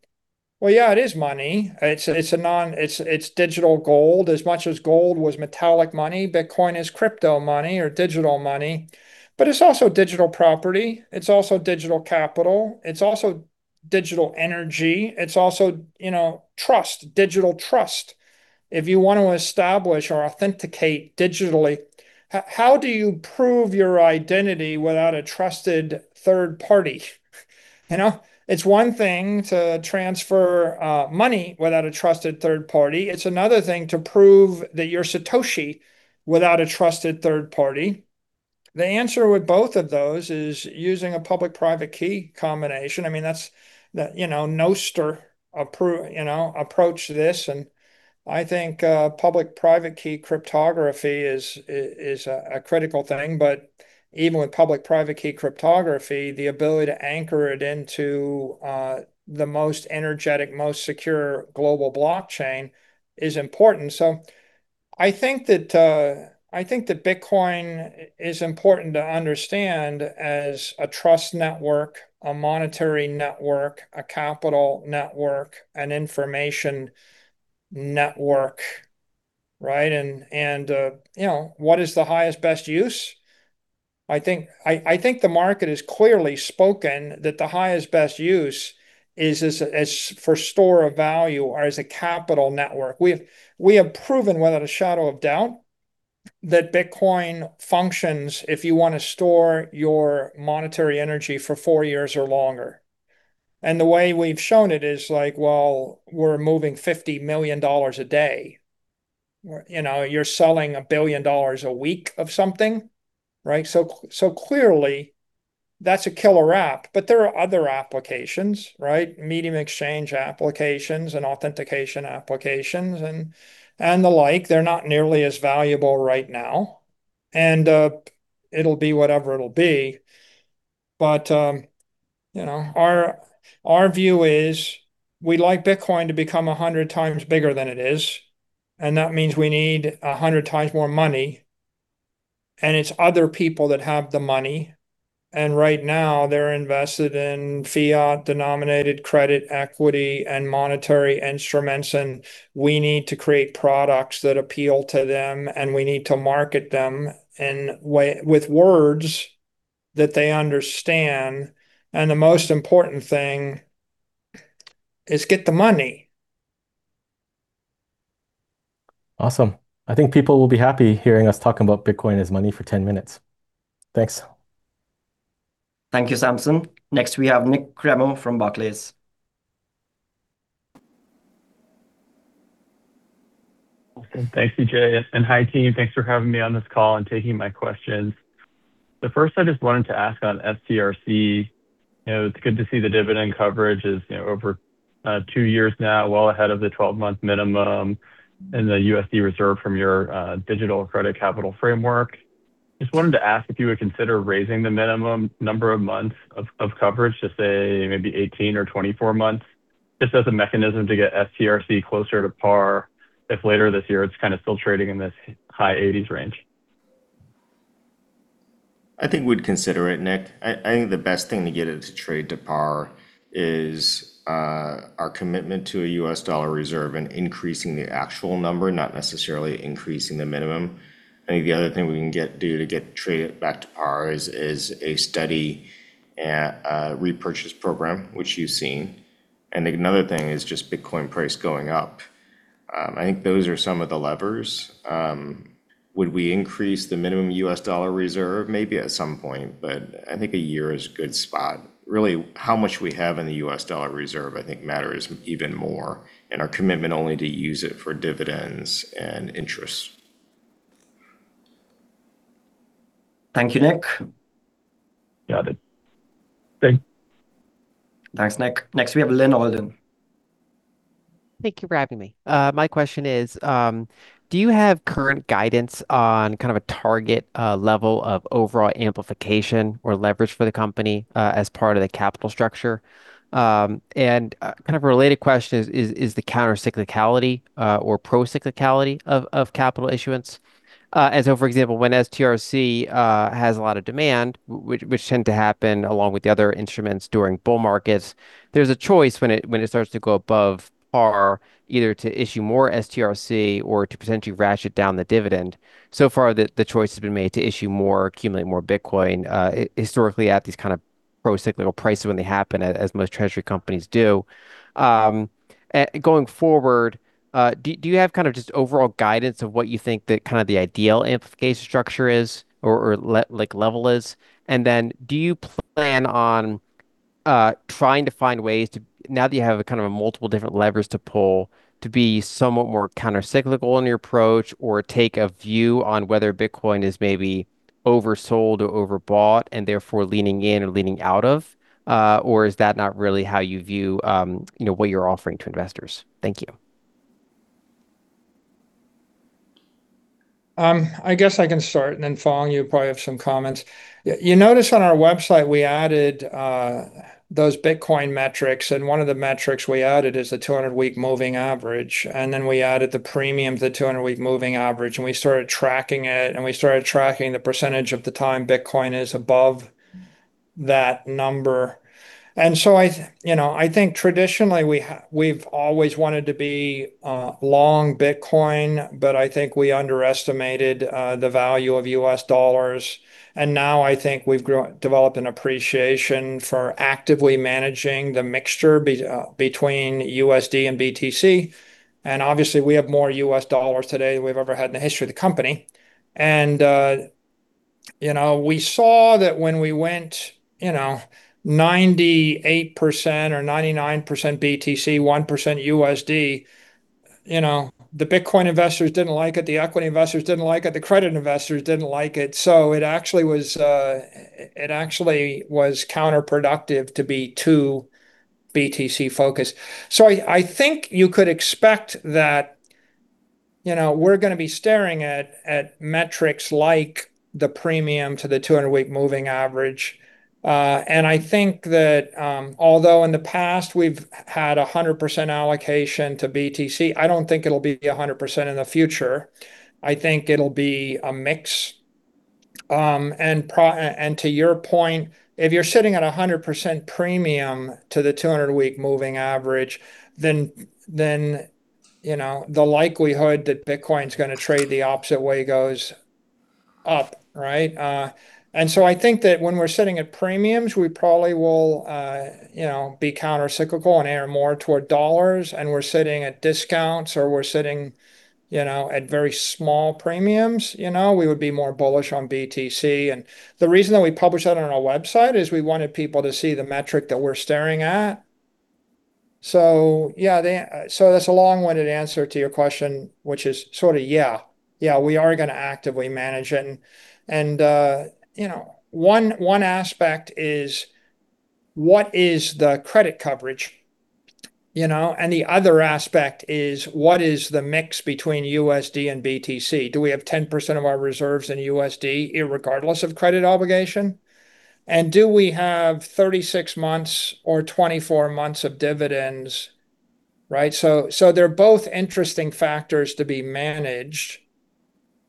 Well, yeah, it is money. It's digital gold. As much as gold was metallic money, Bitcoin is crypto money or digital money, but it's also digital property. It's also digital capital. It's also digital energy. It's also trust, digital trust. If you want to establish or authenticate digitally, how do you prove your identity without a trusted third party? It's one thing to transfer money without a trusted third party. It's another thing to prove that you're Satoshi without a trusted third party. The answer with both of those is using a public-private key combination. That Nostr approach to this, I think public-private key cryptography is a critical thing. Even with public-private key cryptography, the ability to anchor it into the most energetic, most secure global blockchain is important. I think that Bitcoin is important to understand as a trust network, a monetary network, a capital network, an information network, right? What is the highest, best use? I think the market has clearly spoken that the highest, best use is as for store of value or as a capital network. We have proven without a shadow of doubt that Bitcoin functions if you want to store your monetary energy for four years or longer. The way we've shown it is while we're moving $50 million a day, you're selling $1 billion a week of something, right? Clearly that's a killer app, but there are other applications, right? Medium exchange applications and authentication applications and the like. They're not nearly as valuable right now. It'll be whatever it'll be. Our view is we'd like Bitcoin to become 100x bigger than it is, that means we need 100x more money, it's other people that have the money. Right now they're invested in fiat-denominated credit, equity, and monetary instruments, we need to create products that appeal to them, we need to market them with words that they understand. The most important thing is get the money. Awesome. I think people will be happy hearing us talking about Bitcoin as money for 10 minutes. Thanks. Thank you, Samson. Next, we have Nik Cremo from Barclays. Awesome. Thank you, Jay, and hi team. Thanks for having me on this call and taking my questions. First I just wanted to ask on STRC. It's good to see the dividend coverage is over two years now, well ahead of the 12-month minimum in the USD reserve from your digital credit capital framework. Just wanted to ask if you would consider raising the minimum number of months of coverage to, say, maybe 18 or 24 months, just as a mechanism to get STRC closer to par if later this year it's still trading in this high 80s range. I think we'd consider it, Nik. I think the best thing to get it to trade to par is our commitment to a U.S. dollar reserve and increasing the actual number, not necessarily increasing the minimum. I think the other thing we can do to get trade back to par is a steady repurchase program, which you've seen. Another thing is just Bitcoin price going up. I think those are some of the levers. Would we increase the minimum U.S. dollar reserve? Maybe at some point, but I think one year is a good spot. Really how much we have in the U.S. dollar reserve I think matters even more, and our commitment only to use it for dividends and interest. Thank you, Nik. Got it. Thanks. Thanks, Nik. Next we have Lyn Alden. Thank you for having me. My question is, do you have current guidance on a target level of overall amplification or leverage for the company as part of the capital structure? A related question is the countercyclicality or procyclicality of capital issuance. For example, when STRC has a lot of demand, which tend to happen along with the other instruments during bull markets, there's a choice when it starts to go above par, either to issue more STRC or to potentially ratchet down the dividend. So far, the choice has been made to issue more, accumulate more Bitcoin, historically at these procyclical prices when they happen as most treasury companies do. Going forward, do you have just overall guidance of what you think that the ideal amplification structure is or like level is? Do you plan on trying to find ways to, now that you have multiple different levers to pull, to be somewhat more countercyclical in your approach or take a view on whether Bitcoin is maybe oversold or overbought and therefore leaning in or leaning out of? Is that not really how you view what you're offering to investors? Thank you. I guess I can start and then Phong, you probably have some comments. You notice on our website we added those Bitcoin metrics, and one of the metrics we added is the 200-week moving average, and then we added the premium to the 200-week moving average, and we started tracking it, and we started tracking the percentage of the time Bitcoin is above That number. I think traditionally we've always wanted to be long Bitcoin, but I think we underestimated the value of U.S. dollars. Now I think we've developed an appreciation for actively managing the mixture between USD and BTC. Obviously we have more U.S. dollars today than we've ever had in the history of the company. We saw that when we went 98% or 99% BTC, 1% USD, the Bitcoin investors didn't like it, the equity investors didn't like it, the credit investors didn't like it. It actually was counterproductive to be too BTC focused. I think you could expect that we're going to be staring at metrics like the premium to the 200-week moving average. I think that although in the past we've had 100% allocation to BTC, I don't think it'll be 100% in the future. I think it'll be a mix. To your point, if you're sitting at 100% premium to the 200-week moving average, the likelihood that Bitcoin's going to trade the opposite way goes up, right? I think that when we're sitting at premiums, we probably will be counter-cyclical and err more toward dollars, and we're sitting at discounts, or we're sitting at very small premiums, we would be more bullish on BTC. The reason that we publish that on our website is we wanted people to see the metric that we're staring at. Yeah. That's a long-winded answer to your question, which is sort of yeah. Yeah, we are going to actively manage it. One aspect is what is the credit coverage? The other aspect is what is the mix between USD and BTC? Do we have 10% of our reserves in USD irregardless of credit obligation? Do we have 36 months or 24 months of dividends, right? They're both interesting factors to be managed.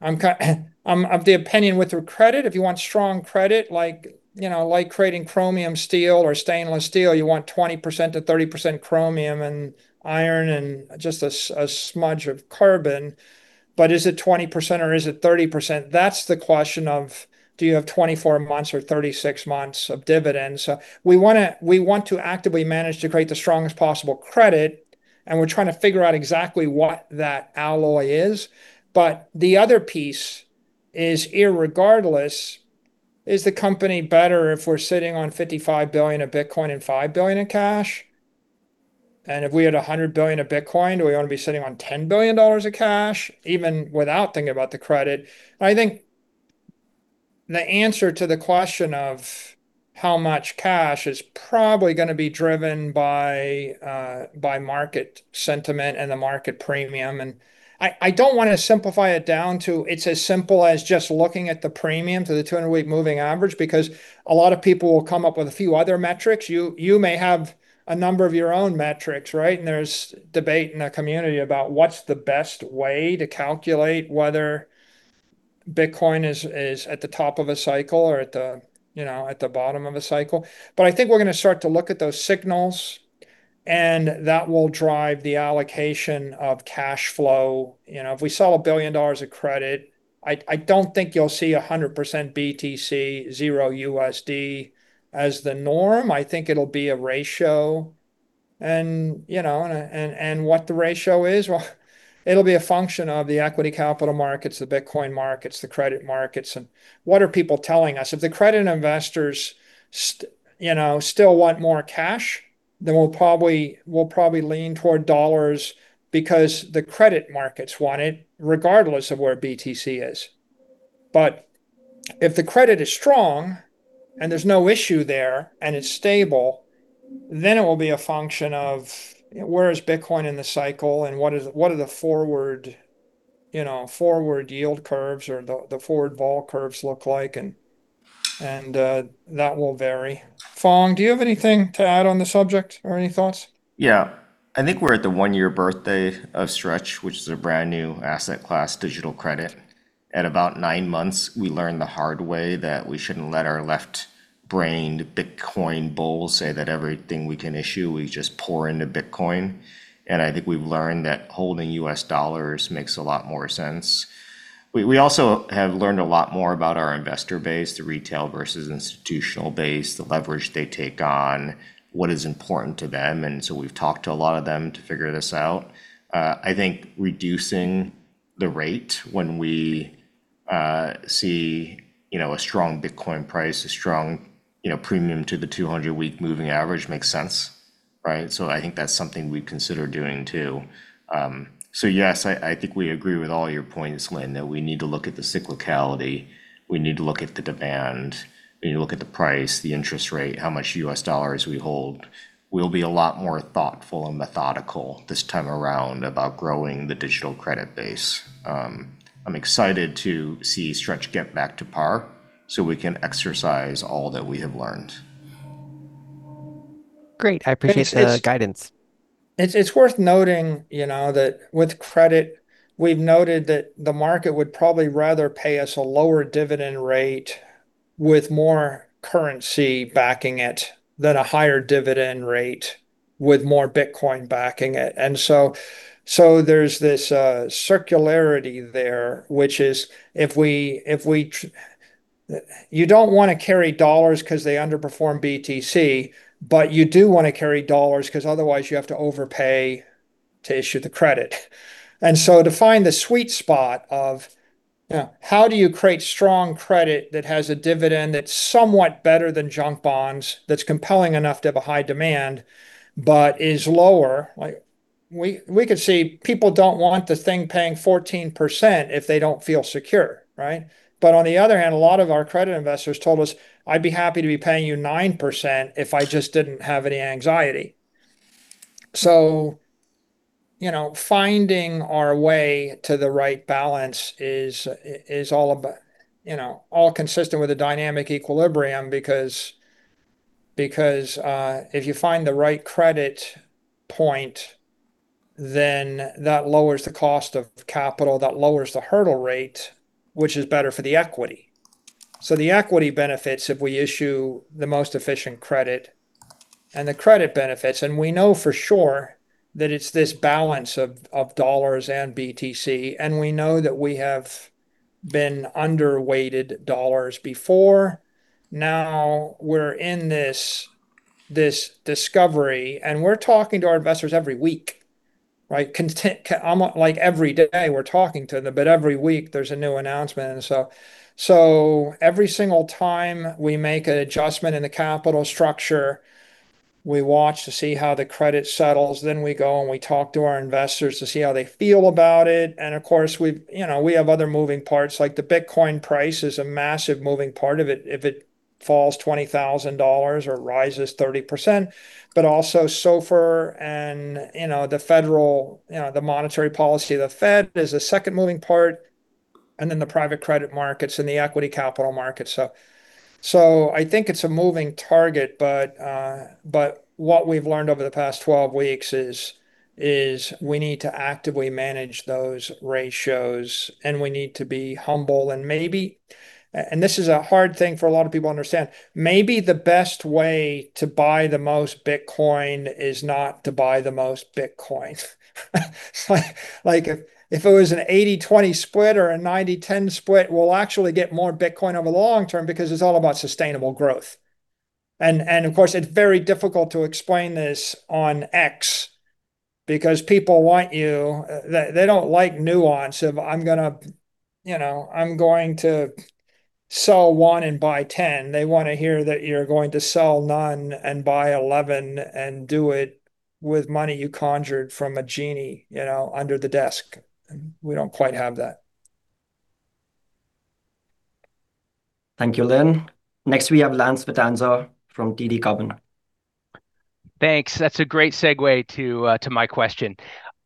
I'm of the opinion with credit, if you want strong credit like creating chromium steel or stainless steel, you want 20%-30% chromium and iron and just a smudge of carbon. Is it 20% or is it 30%? That's the question of do you have 24 months or 36 months of dividends? We want to actively manage to create the strongest possible credit, we're trying to figure out exactly what that alloy is. The other piece is irregardless, is the company better if we're sitting on $55 billion of Bitcoin and $5 billion in cash? If we had $100 billion of Bitcoin, do we want to be sitting on $10 billion of cash even without thinking about the credit? I think the answer to the question of how much cash is probably going to be driven by market sentiment and the market premium. I don't want to simplify it down to it's as simple as just looking at the premium to the 200-week moving average, because a lot of people will come up with a few other metrics. You may have a number of your own metrics, right? There's debate in the community about what's the best way to calculate whether Bitcoin is at the top of a cycle or at the bottom of a cycle. I think we're going to start to look at those signals, and that will drive the allocation of cash flow. If we sell $1 billion of credit, I don't think you'll see 100% BTC, zero USD as the norm. I think it'll be a ratio. What the ratio is, well, it'll be a function of the equity capital markets, the Bitcoin markets, the credit markets, and what are people telling us. If the credit investors still want more cash, then we'll probably lean toward dollars because the credit markets want it regardless of where BTC is. If the credit is strong and there's no issue there and it's stable, then it will be a function of where is Bitcoin in the cycle and what are the forward yield curves or the forward vol curves look like, and that will vary. Phong, do you have anything to add on the subject or any thoughts? Yeah. I think we're at the one-year birthday of STRC, which is a brand-new asset class digital credit. At about nine months, we learned the hard way that we shouldn't let our left-brained Bitcoin bulls say that everything we can issue, we just pour into Bitcoin. I think we've learned that holding U.S. dollars makes a lot more sense. We also have learned a lot more about our investor base, the retail versus institutional base, the leverage they take on, what is important to them, and so we've talked to a lot of them to figure this out. I think reducing the rate when we see a strong Bitcoin price, a strong premium to the 200-week moving average makes sense, right? I think that's something we'd consider doing, too. Yes, I think we agree with all your points, Lyn, that we need to look at the cyclicality. We need to look at the demand. We need to look at the price, the interest rate, how much U.S. dollars we hold. We'll be a lot more thoughtful and methodical this time around about growing the digital credit base. I'm excited to see STRC get back to par so we can exercise all that we have learned. Great. I appreciate the guidance. It's worth noting that with credit, we've noted that the market would probably rather pay us a lower dividend rate with more currency backing it than a higher dividend rate with more Bitcoin backing it. There's this circularity there, which is you don't want to carry dollars because they underperform BTC, but you do want to carry dollars because otherwise you have to overpay to issue the credit. To find the sweet spot of how do you create strong credit that has a dividend that's somewhat better than junk bonds, that's compelling enough to have a high demand, but is lower. We could see people don't want the thing paying 14% if they don't feel secure, right? On the other hand, a lot of our credit investors told us, "I'd be happy to be paying you 9% if I just didn't have any anxiety." Finding our way to the right balance is all consistent with the dynamic equilibrium because if you find the right credit point, that lowers the cost of capital, that lowers the hurdle rate, which is better for the equity. The equity benefits if we issue the most efficient credit, and the credit benefits, and we know for sure that it's this balance of dollars and BTC, and we know that we have been under-weighted dollars before. Now we're in this discovery, and we're talking to our investors every week, right? Like every day we're talking to them, but every week there's a new announcement. Every single time we make an adjustment in the capital structure, we watch to see how the credit settles. We go, and we talk to our investors to see how they feel about it. Of course, we have other moving parts, like the Bitcoin price is a massive moving part of it if it falls $20,000 or rises 30%, but also SOFR and the monetary policy of the Fed is a second moving part, the private credit markets and the equity capital markets. I think it's a moving target. What we've learned over the past 12 weeks is we need to actively manage those ratios, and we need to be humble, and this is a hard thing for a lot of people to understand. Maybe the best way to buy the most Bitcoin is not to buy the most Bitcoin. If it was an 80/20 split or a 90/10 split, we'll actually get more Bitcoin over the long term because it's all about sustainable growth. Of course, it's very difficult to explain this on X because people want you-- They don't like nuance of I'm going to sell one and buy 10. They want to hear that you're going to sell none and buy 11 and do it with money you conjured from a genie under the desk. We don't quite have that. Thank you, Lyn. Next we have Lance Vitanza from TD Cowen. Thanks. That's a great segue to my question.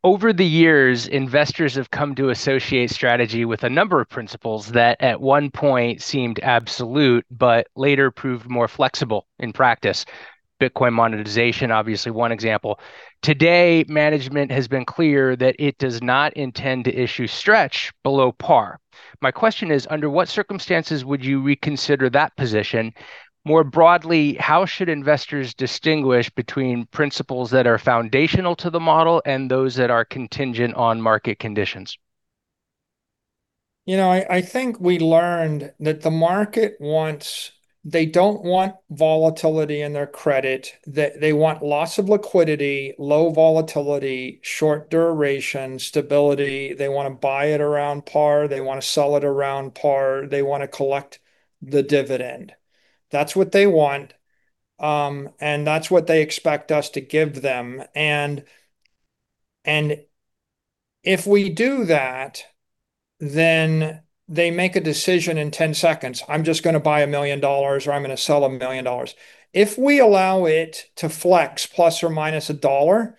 Over the years, investors have come to associate Strategy with a number of principles that at one point seemed absolute but later proved more flexible in practice. Bitcoin monetization, obviously one example. Today, management has been clear that it does not intend to issue STRC below par. My question is, under what circumstances would you reconsider that position? More broadly, how should investors distinguish between principles that are foundational to the model and those that are contingent on market conditions? I think we learned that the market wants. They don't want volatility in their credit. They want loss of liquidity, low volatility, short duration, stability. They want to buy it around par. They want to sell it around par. They want to collect the dividend. That's what they want, and that's what they expect us to give them. If we do that, then they make a decision in 10 seconds, "I'm just going to buy $1 million," or, "I'm going to sell $1 million." If we allow it to flex ±$1,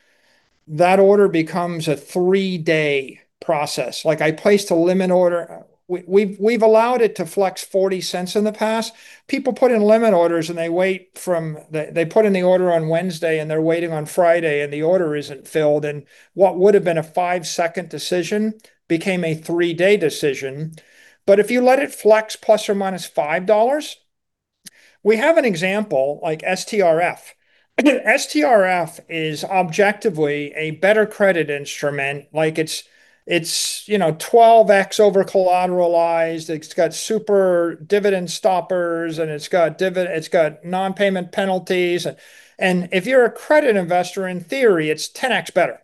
that order becomes a 3-day process. Like I placed a limit order. We've allowed it to flex $0.40 in the past. People put in limit orders, and they put in the order on Wednesday, and they're waiting on Friday, and the order isn't filled. What would've been a 5-second decision became a 3-day decision. If you let it flex ±$5, we have an example like STRF. STRF is objectively a better credit instrument. It's 12x over-collateralized. It's got super dividend stoppers, and it's got non-payment penalties. If you're a credit investor, in theory, it's 10x better.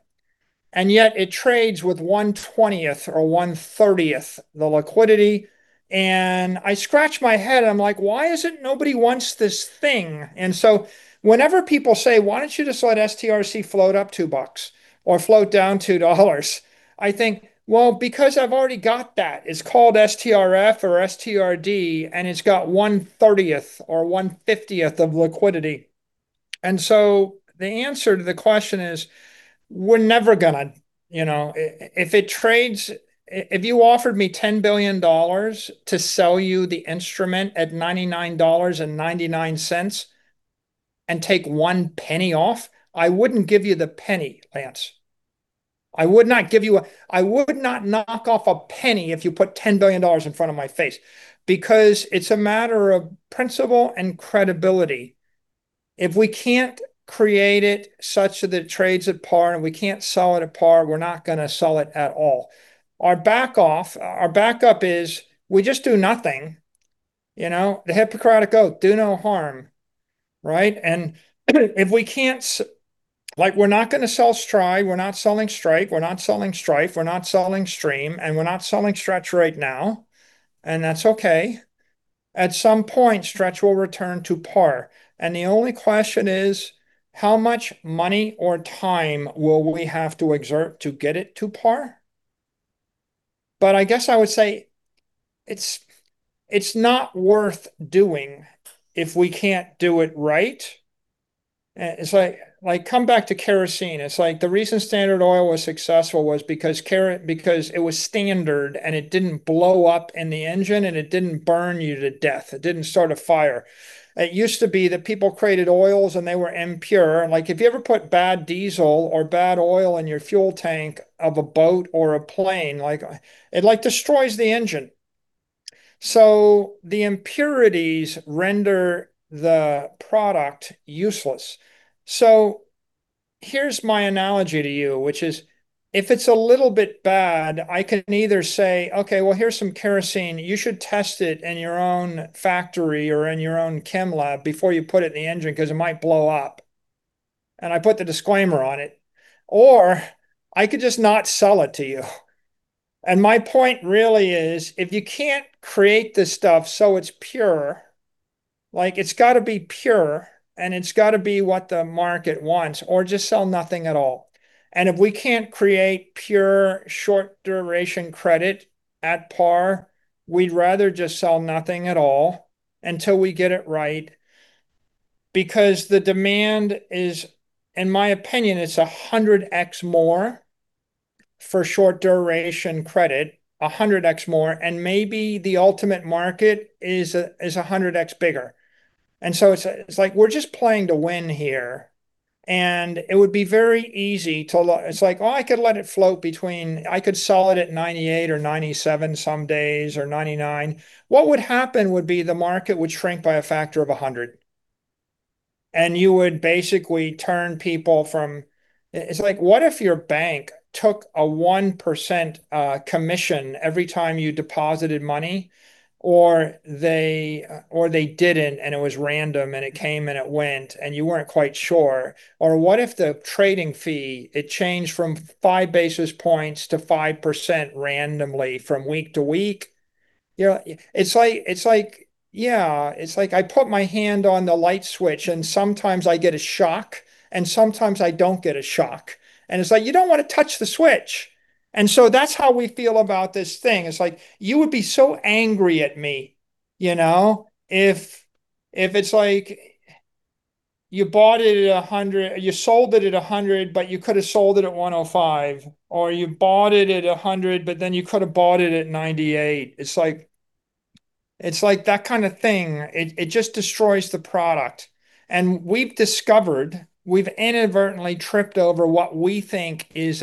Yet it trades with one-twentieth or one-thirtieth the liquidity. I scratch my head, I'm like, "Why is it nobody wants this thing?" Whenever people say, "Why don't you just let STRC float up $2 or float down $2?" I think, "Well, because I've already got that." It's called STRF or STRD, and it's got one-thirtieth or one-fiftieth of liquidity. The answer to the question is we're never going to. If you offered me $10 billion to sell you the instrument at $99.99 and take one penny off, I wouldn't give you the penny, Lance. I would not knock off a penny if you put $10 billion in front of my face, because it's a matter of principle and credibility. If we can't create it such that it trades at par, and we can't sell it at par, we're not going to sell it at all. Our backup is we just do nothing. The Hippocratic Oath, do no harm, right? We're not going to sell STRY, we're not selling STRK, we're not selling STRF, we're not selling STRE, and we're not selling STRC right now, and that's okay. At some point, STRC will return to par, and the only question is how much money or time will we have to exert to get it to par? I guess I would say it's not worth doing if we can't do it right. Come back to kerosene. The reason Standard Oil was successful was because it was standard, and it didn't blow up in the engine, and it didn't burn you to death. It didn't start a fire. It used to be that people created oils, and they were impure. If you ever put bad diesel or bad oil in your fuel tank of a boat or a plane, it destroys the engine. The impurities render the product useless. Here's my analogy to you, which is if it's a little bit bad, I can either say, "Okay, well, here's some kerosene. You should test it in your own factory or in your own chem lab before you put it in the engine because it might blow up," and I put the disclaimer on it, or I could just not sell it to you. My point really is if you can't create this stuff so it's pure, it's got to be pure, and it's got to be what the market wants, or just sell nothing at all. If we can't create pure short-duration credit at par, we'd rather just sell nothing at all until we get it right because the demand is, in my opinion, it's 100x more for short-duration credit, 100x more, and maybe the ultimate market is 100x bigger. It's like we're just playing to win here, and it would be very easy to. I could let it float between, I could sell it at 98 or 97 some days, or 99. What would happen would be the market would shrink by a factor of 100. You would basically turn people from. What if your bank took a 1% commission every time you deposited money? Or they didn't, and it was random, and it came, and it went, and you weren't quite sure. Or what if the trading fee, it changed from 5 basis points to 5% randomly from week to week? It's like I put my hand on the light switch and sometimes I get a shock, and sometimes I don't get a shock. It's like you don't want to touch the switch. That's how we feel about this thing. You would be so angry at me, if you sold it at 100, you could've sold it at 105, or you bought it at 100, you could've bought it at 98. That kind of thing. It just destroys the product. We've discovered, we've inadvertently tripped over what we think is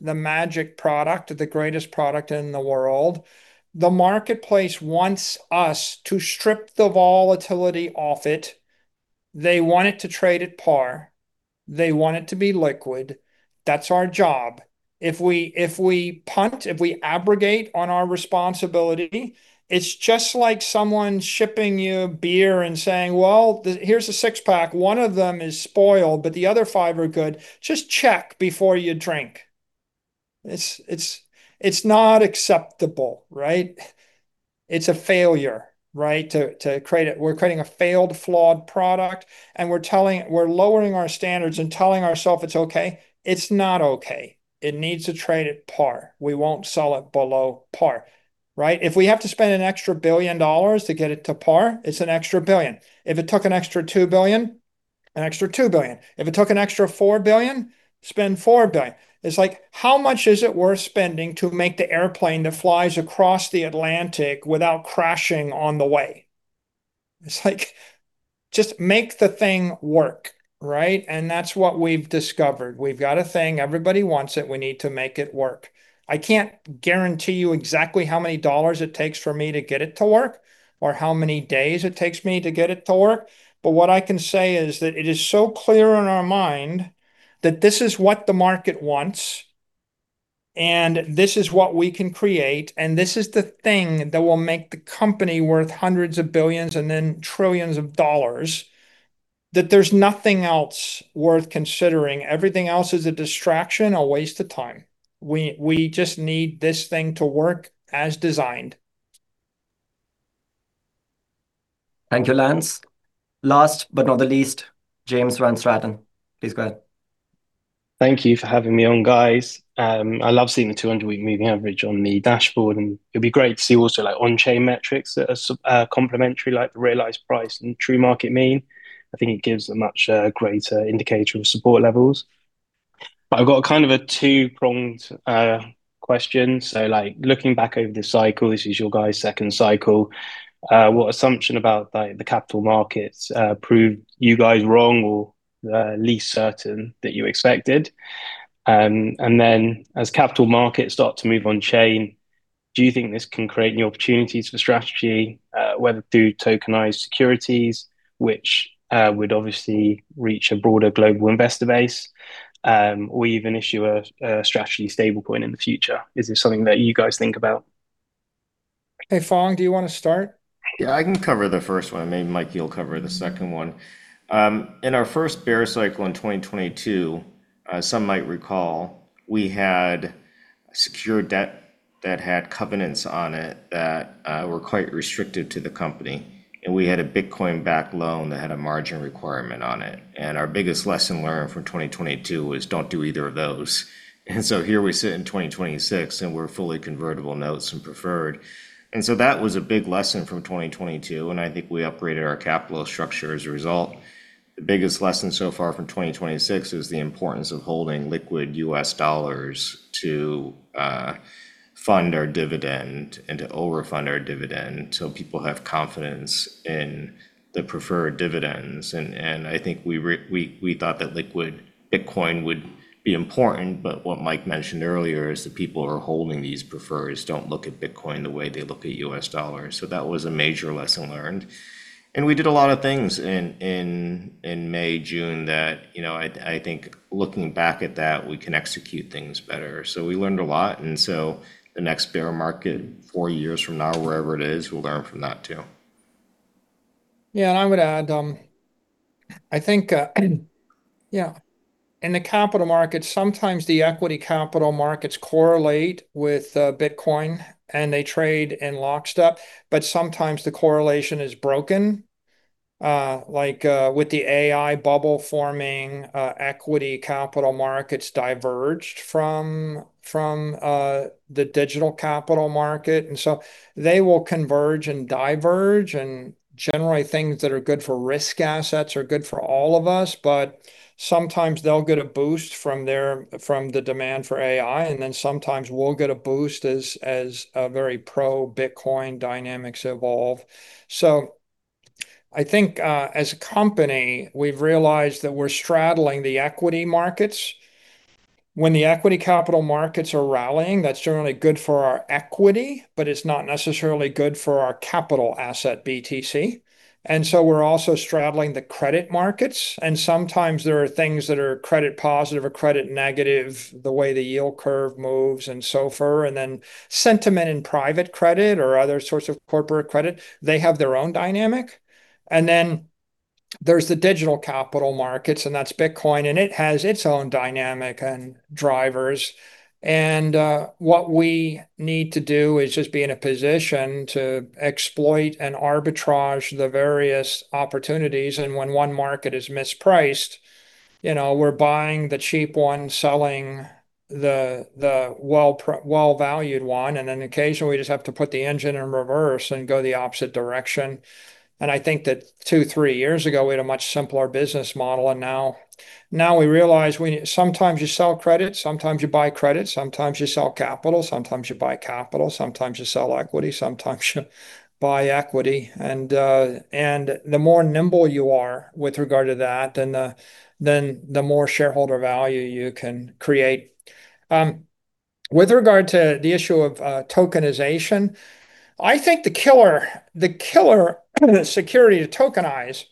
the magic product, the greatest product in the world. The marketplace wants us to strip the volatility off it. They want it to trade at par. They want it to be liquid. That's our job. If we punt, if we abrogate on our responsibility, it's just like someone shipping you beer and saying, "Well, here's a six-pack. One of them is spoiled, but the other five are good. Just check before you drink." It's not acceptable, right? It's a failure, right? We're creating a failed, flawed product, we're lowering our standards and telling ourself it's okay. It's not okay. It needs to trade at par. We won't sell it below par, right? If we have to spend an extra $1 billion to get it to par, it's an extra $1 billion. If it took an extra $2 billion, an extra $2 billion. If it took an extra $4 billion, spend $4 billion. How much is it worth spending to make the airplane that flies across the Atlantic without crashing on the way? Just make the thing work, right? That's what we've discovered. We've got a thing. Everybody wants it. We need to make it work. I can't guarantee you exactly how many dollars it takes for me to get it to work, or how many days it takes me to get it to work, what I can say is that it is so clear in our mind that this is what the market wants, this is what we can create, this is the thing that will make the company worth hundreds of billions and then trillions of dollars, that there's nothing else worth considering. Everything else is a distraction, a waste of time. We just need this thing to work as designed. Thank you, Lance. Last but not the least, James Van Straten. Please go ahead. Thank you for having me on, guys. I love seeing the 200-week moving average on the dashboard, and it will be great to see also on-chain metrics that are complementary, like the realized price and true market mean. I think it gives a much greater indicator of support levels. I've got a two-pronged question. Looking back over the cycle, this is your guys' second cycle, what assumption about the capital markets proved you guys wrong or least certain that you expected? As capital markets start to move on-chain, do you think this can create new opportunities for Strategy, whether through tokenized securities, which would obviously reach a broader global investor base, or even issue a Strategy stablecoin in the future? Is this something that you guys think about? Hey, Phong, do you want to start? Yeah, I can cover the first one. Maybe, Mike, you will cover the second one. In our first bear cycle in 2022, some might recall, we had secured debt that had covenants on it that were quite restricted to the company, and we had a Bitcoin-backed loan that had a margin requirement on it. Our biggest lesson learned from 2022 was don't do either of those. Here we sit in 2026, and we are fully convertible notes and preferred. That was a big lesson from 2022, and I think we upgraded our capital structure as a result. The biggest lesson so far from 2026 is the importance of holding liquid U.S. dollars to fund our dividend and to over-fund our dividend so people have confidence in the preferred dividends. I think we thought that liquid Bitcoin would be important, but what Mike mentioned earlier is the people who are holding these prefers don't look at Bitcoin the way they look at U.S. dollars. That was a major lesson learned. We did a lot of things in May, June that I think looking back at that, we can execute things better. We learned a lot. The next bear market, four years from now, wherever it is, we will learn from that too. I would add, I think in the capital markets, sometimes the equity capital markets correlate with Bitcoin, and they trade in lockstep. Sometimes the correlation is broken. Like with the AI bubble forming, equity capital markets diverged from the digital capital market. They will converge and diverge, and generally things that are good for risk assets are good for all of us. Sometimes they'll get a boost from the demand for AI, and then sometimes we'll get a boost as very pro-Bitcoin dynamics evolve. I think as a company, we've realized that we're straddling the equity markets. When the equity capital markets are rallying, that's generally good for our equity, but it's not necessarily good for our capital asset BTC. We're also straddling the credit markets, and sometimes there are things that are credit positive or credit negative, the way the yield curve moves and so forth. Sentiment in private credit or other sorts of corporate credit, they have their own dynamic. There's the digital capital markets, and that's Bitcoin, and it has its own dynamic and drivers. What we need to do is just be in a position to exploit and arbitrage the various opportunities. When one market is mispriced, we're buying the cheap one, selling the well-valued one, and then occasionally we just have to put the engine in reverse and go the opposite direction. I think that two, three years ago, we had a much simpler business model. Now we realize sometimes you sell credit, sometimes you buy credit, sometimes you sell capital, sometimes you buy capital, sometimes you sell equity, sometimes you buy equity. The more nimble you are with regard to that, then the more shareholder value you can create. With regard to the issue of tokenization, I think the killer security to tokenize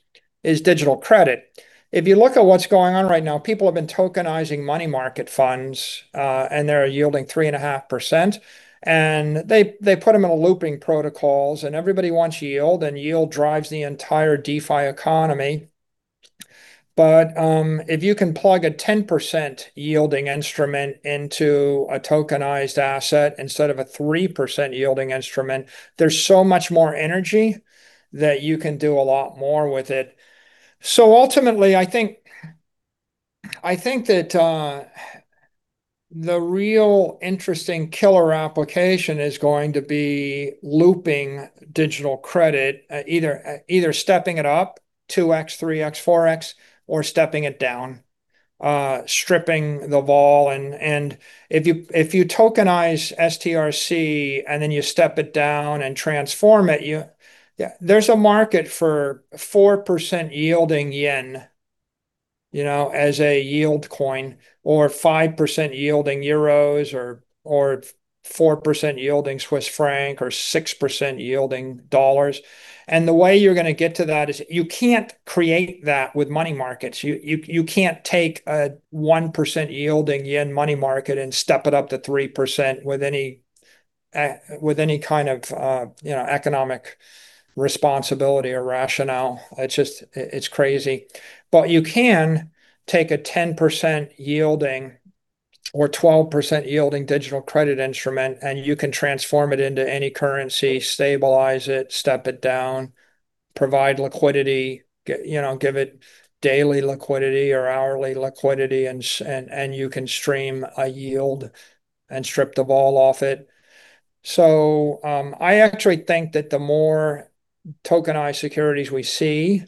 is digital credit. If you look at what's going on right now, people have been tokenizing money market funds, and they're yielding 3.5%, and they put them in looping protocols, and everybody wants yield, and yield drives the entire DeFi economy. If you can plug a 10%-yielding instrument into a tokenized asset instead of a 3%-yielding instrument, there's so much more energy that you can do a lot more with it. Ultimately, I think that the real interesting killer application is going to be looping digital credit, either stepping it up 2X, 3X, 4X, or stepping it down, stripping the vol. If you tokenize STRC and then you step it down and transform it, there's a market for 4%-yielding JPY as a yield coin, or 5%-yielding EUR, or 4%-yielding CHF, or 6%-yielding U.S. dollars. The way you're going to get to that is you can't create that with money markets. You can't take a 1%-yielding JPY money market and step it up to 3% with any kind of economic responsibility or rationale. It's crazy. You can take a 10%-yielding or 12%-yielding digital credit instrument, and you can transform it into any currency, stabilize it, step it down, provide liquidity, give it daily liquidity or hourly liquidity, and you can stream a yield and strip the vol off it. I actually think that the more tokenized securities we see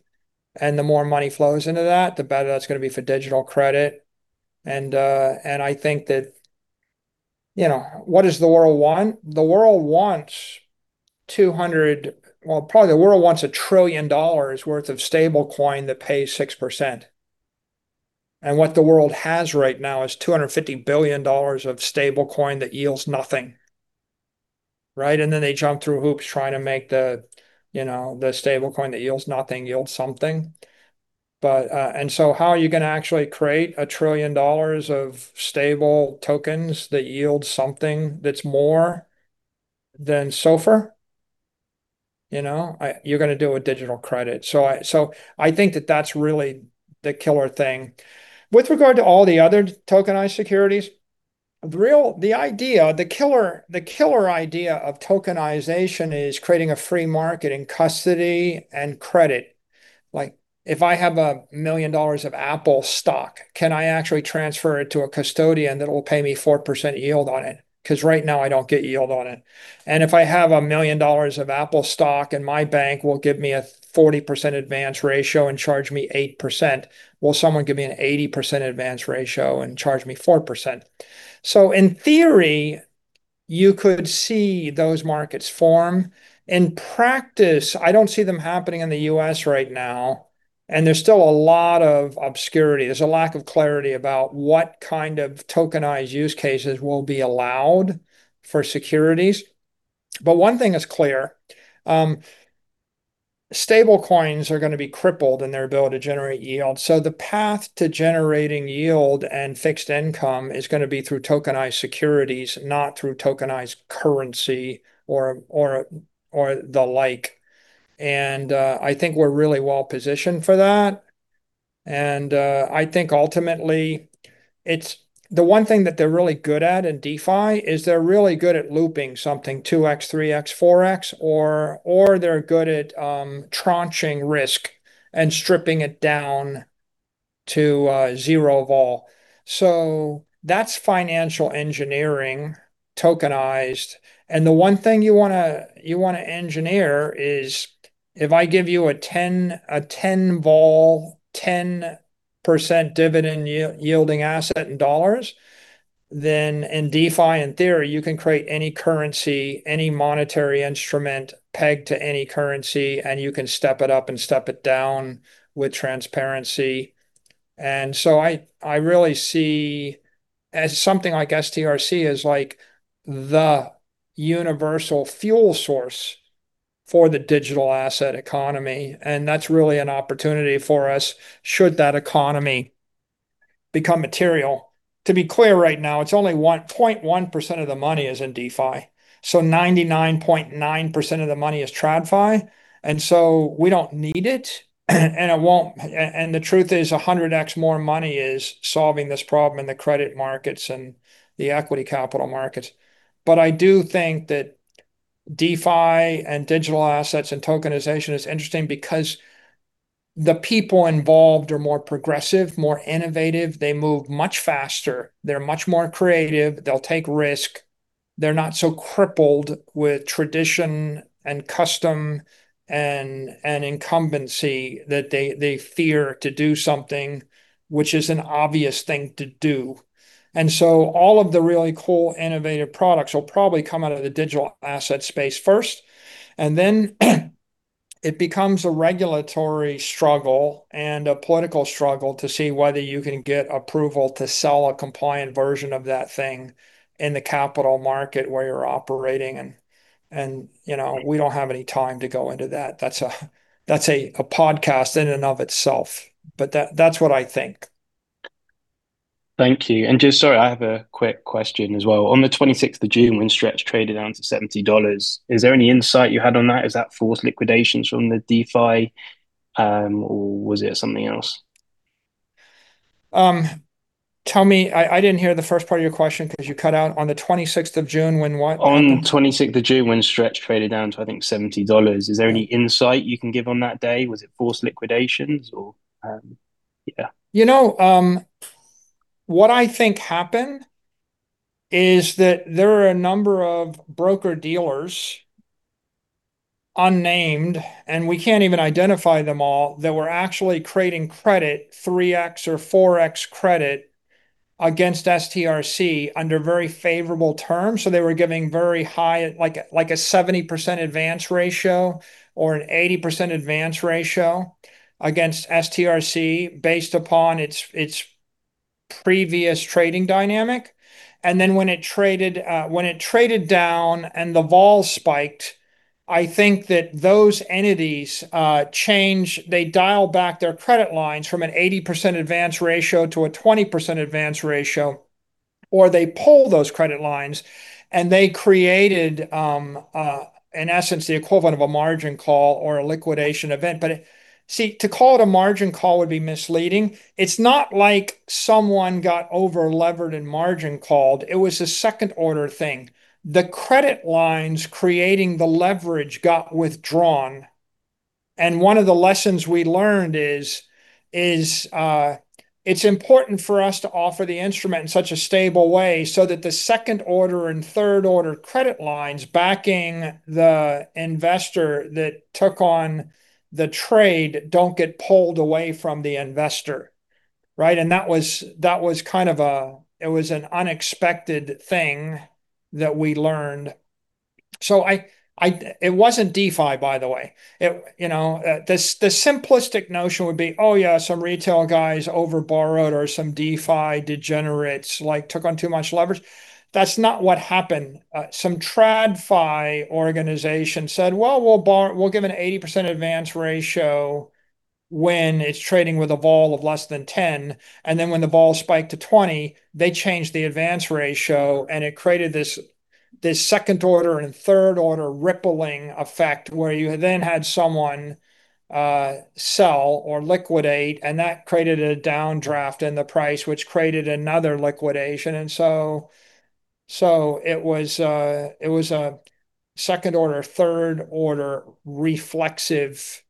The more money flows into that, the better that's going to be for digital credit. I think that what does the world want? The world wants a trillion dollars worth of stablecoin that pays 6%. What the world has right now is $250 billion of stablecoin that yields nothing, right? Then they jump through hoops trying to make the stablecoin that yields nothing yield something. How are you going to actually create a trillion dollars of stable tokens that yield something that's more than SOFR? You're going to do it with digital credit. I think that that's really the killer thing. With regard to all the other tokenized securities, the killer idea of tokenization is creating a free market in custody and credit. If I have a million dollars of Apple stock, can I actually transfer it to a custodian that'll pay me 4% yield on it? Because right now I don't get yield on it. If I have a million dollars of Apple stock and my bank will give me a 40% advance ratio and charge me 8%, will someone give me an 80% advance ratio and charge me 4%? In theory, you could see those markets form. In practice, I don't see them happening in the U.S. right now, there's still a lot of obscurity. There's a lack of clarity about what kind of tokenized use cases will be allowed for securities. One thing is clear, stable coins are going to be crippled in their ability to generate yield. The path to generating yield and fixed income is going to be through tokenized securities, not through tokenized currency, or the like. I think we're really well-positioned for that. I think ultimately, the one thing that they're really good at in DeFi is they're really good at looping something 2x, 3x, 4x, or they're good at tranching risk and stripping it down to zero vol. That's financial engineering tokenized, and the one thing you want to engineer is if I give you a 10 vol, 10% dividend yielding asset in dollars, then in DeFi, in theory, you can create any currency, any monetary instrument pegged to any currency, and you can step it up and step it down with transparency. I really see something like STRC as the universal fuel source for the digital asset economy, and that's really an opportunity for us should that economy become material. To be clear, right now, it's only 0.1% of the money is in DeFi. 99.9% of the money is TradFi, we don't need it, and the truth is 100x more money is solving this problem in the credit markets and the equity capital markets. I do think that DeFi and digital assets and tokenization is interesting because the people involved are more progressive, more innovative. They move much faster. They're much more creative. They'll take risk. They're not so crippled with tradition and custom and incumbency that they fear to do something which is an obvious thing to do. All of the really cool, innovative products will probably come out of the digital asset space first, then it becomes a regulatory struggle and a political struggle to see whether you can get approval to sell a compliant version of that thing in the capital market where you're operating, we don't have any time to go into that. That's a podcast in and of itself. That's what I think. Thank you. Just sorry, I have a quick question as well. On the 26th of June when STRC traded down to $70, is there any insight you had on that? Is that forced liquidations from the DeFi, or was it something else? Tell me, I didn't hear the first part of your question because you cut out. On the 26th of June when what happened? On the 26th of June when STRC traded down to, I think, $70. Is there any insight you can give on that day? Was it forced liquidations? What I think happened is that there are a number of broker-dealers, unnamed, and we can't even identify them all, that were actually creating credit, 3x or 4x credit, against STRC under very favorable terms. They were giving very high, like a 70% advance ratio or an 80% advance ratio against STRC based upon its previous trading dynamic. When it traded down and the vol spiked, I think that those entities change. They dial back their credit lines from an 80% advance ratio to a 20% advance ratio, or they pull those credit lines, and they created, in essence, the equivalent of a margin call or a liquidation event. See, to call it a margin call would be misleading. It's not like someone got over-levered and margin called. It was a second-order thing. The credit lines creating the leverage got withdrawn. It's important for us to offer the instrument in such a stable way so that the second-order and third-order credit lines backing the investor that took on the trade don't get pulled away from the investor, right? That was an unexpected thing that we learned. It wasn't DeFi, by the way. The simplistic notion would be, oh yeah, some retail guys over-borrowed or some DeFi degenerates took on too much leverage. That's not what happened. Some TradFi organization said, "Well, we'll give an 80% advance ratio when it's trading with a vol of less than 10%." When the vol spiked to 20%, they changed the advance ratio, and it created this second-order and third-order rippling effect where you then had someone sell or liquidate, and that created a downdraft in the price, which created another liquidation. It was a second-order, third-order reflexive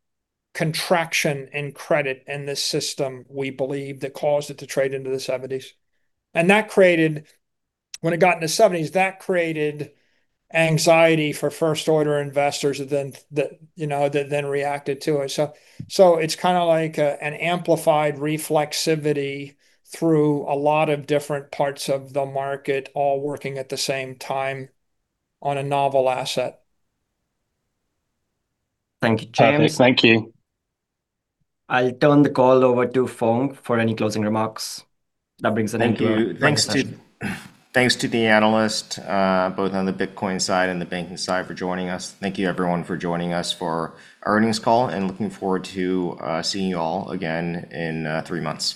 contraction in credit in the system, we believe, that caused it to trade into the 70s. When it got into the 70s, that created anxiety for first-order investors that then reacted to it. It's like an amplified reflexivity through a lot of different parts of the market all working at the same time on a novel asset. Thank you, James. Perfect. Thank you. I'll turn the call over to Phong for any closing remarks. That brings an end to our conference call. Thank you. Thanks to the analysts, both on the Bitcoin side and the banking side, for joining us. Thank you everyone for joining us for our earnings call. Looking forward to seeing you all again in three months.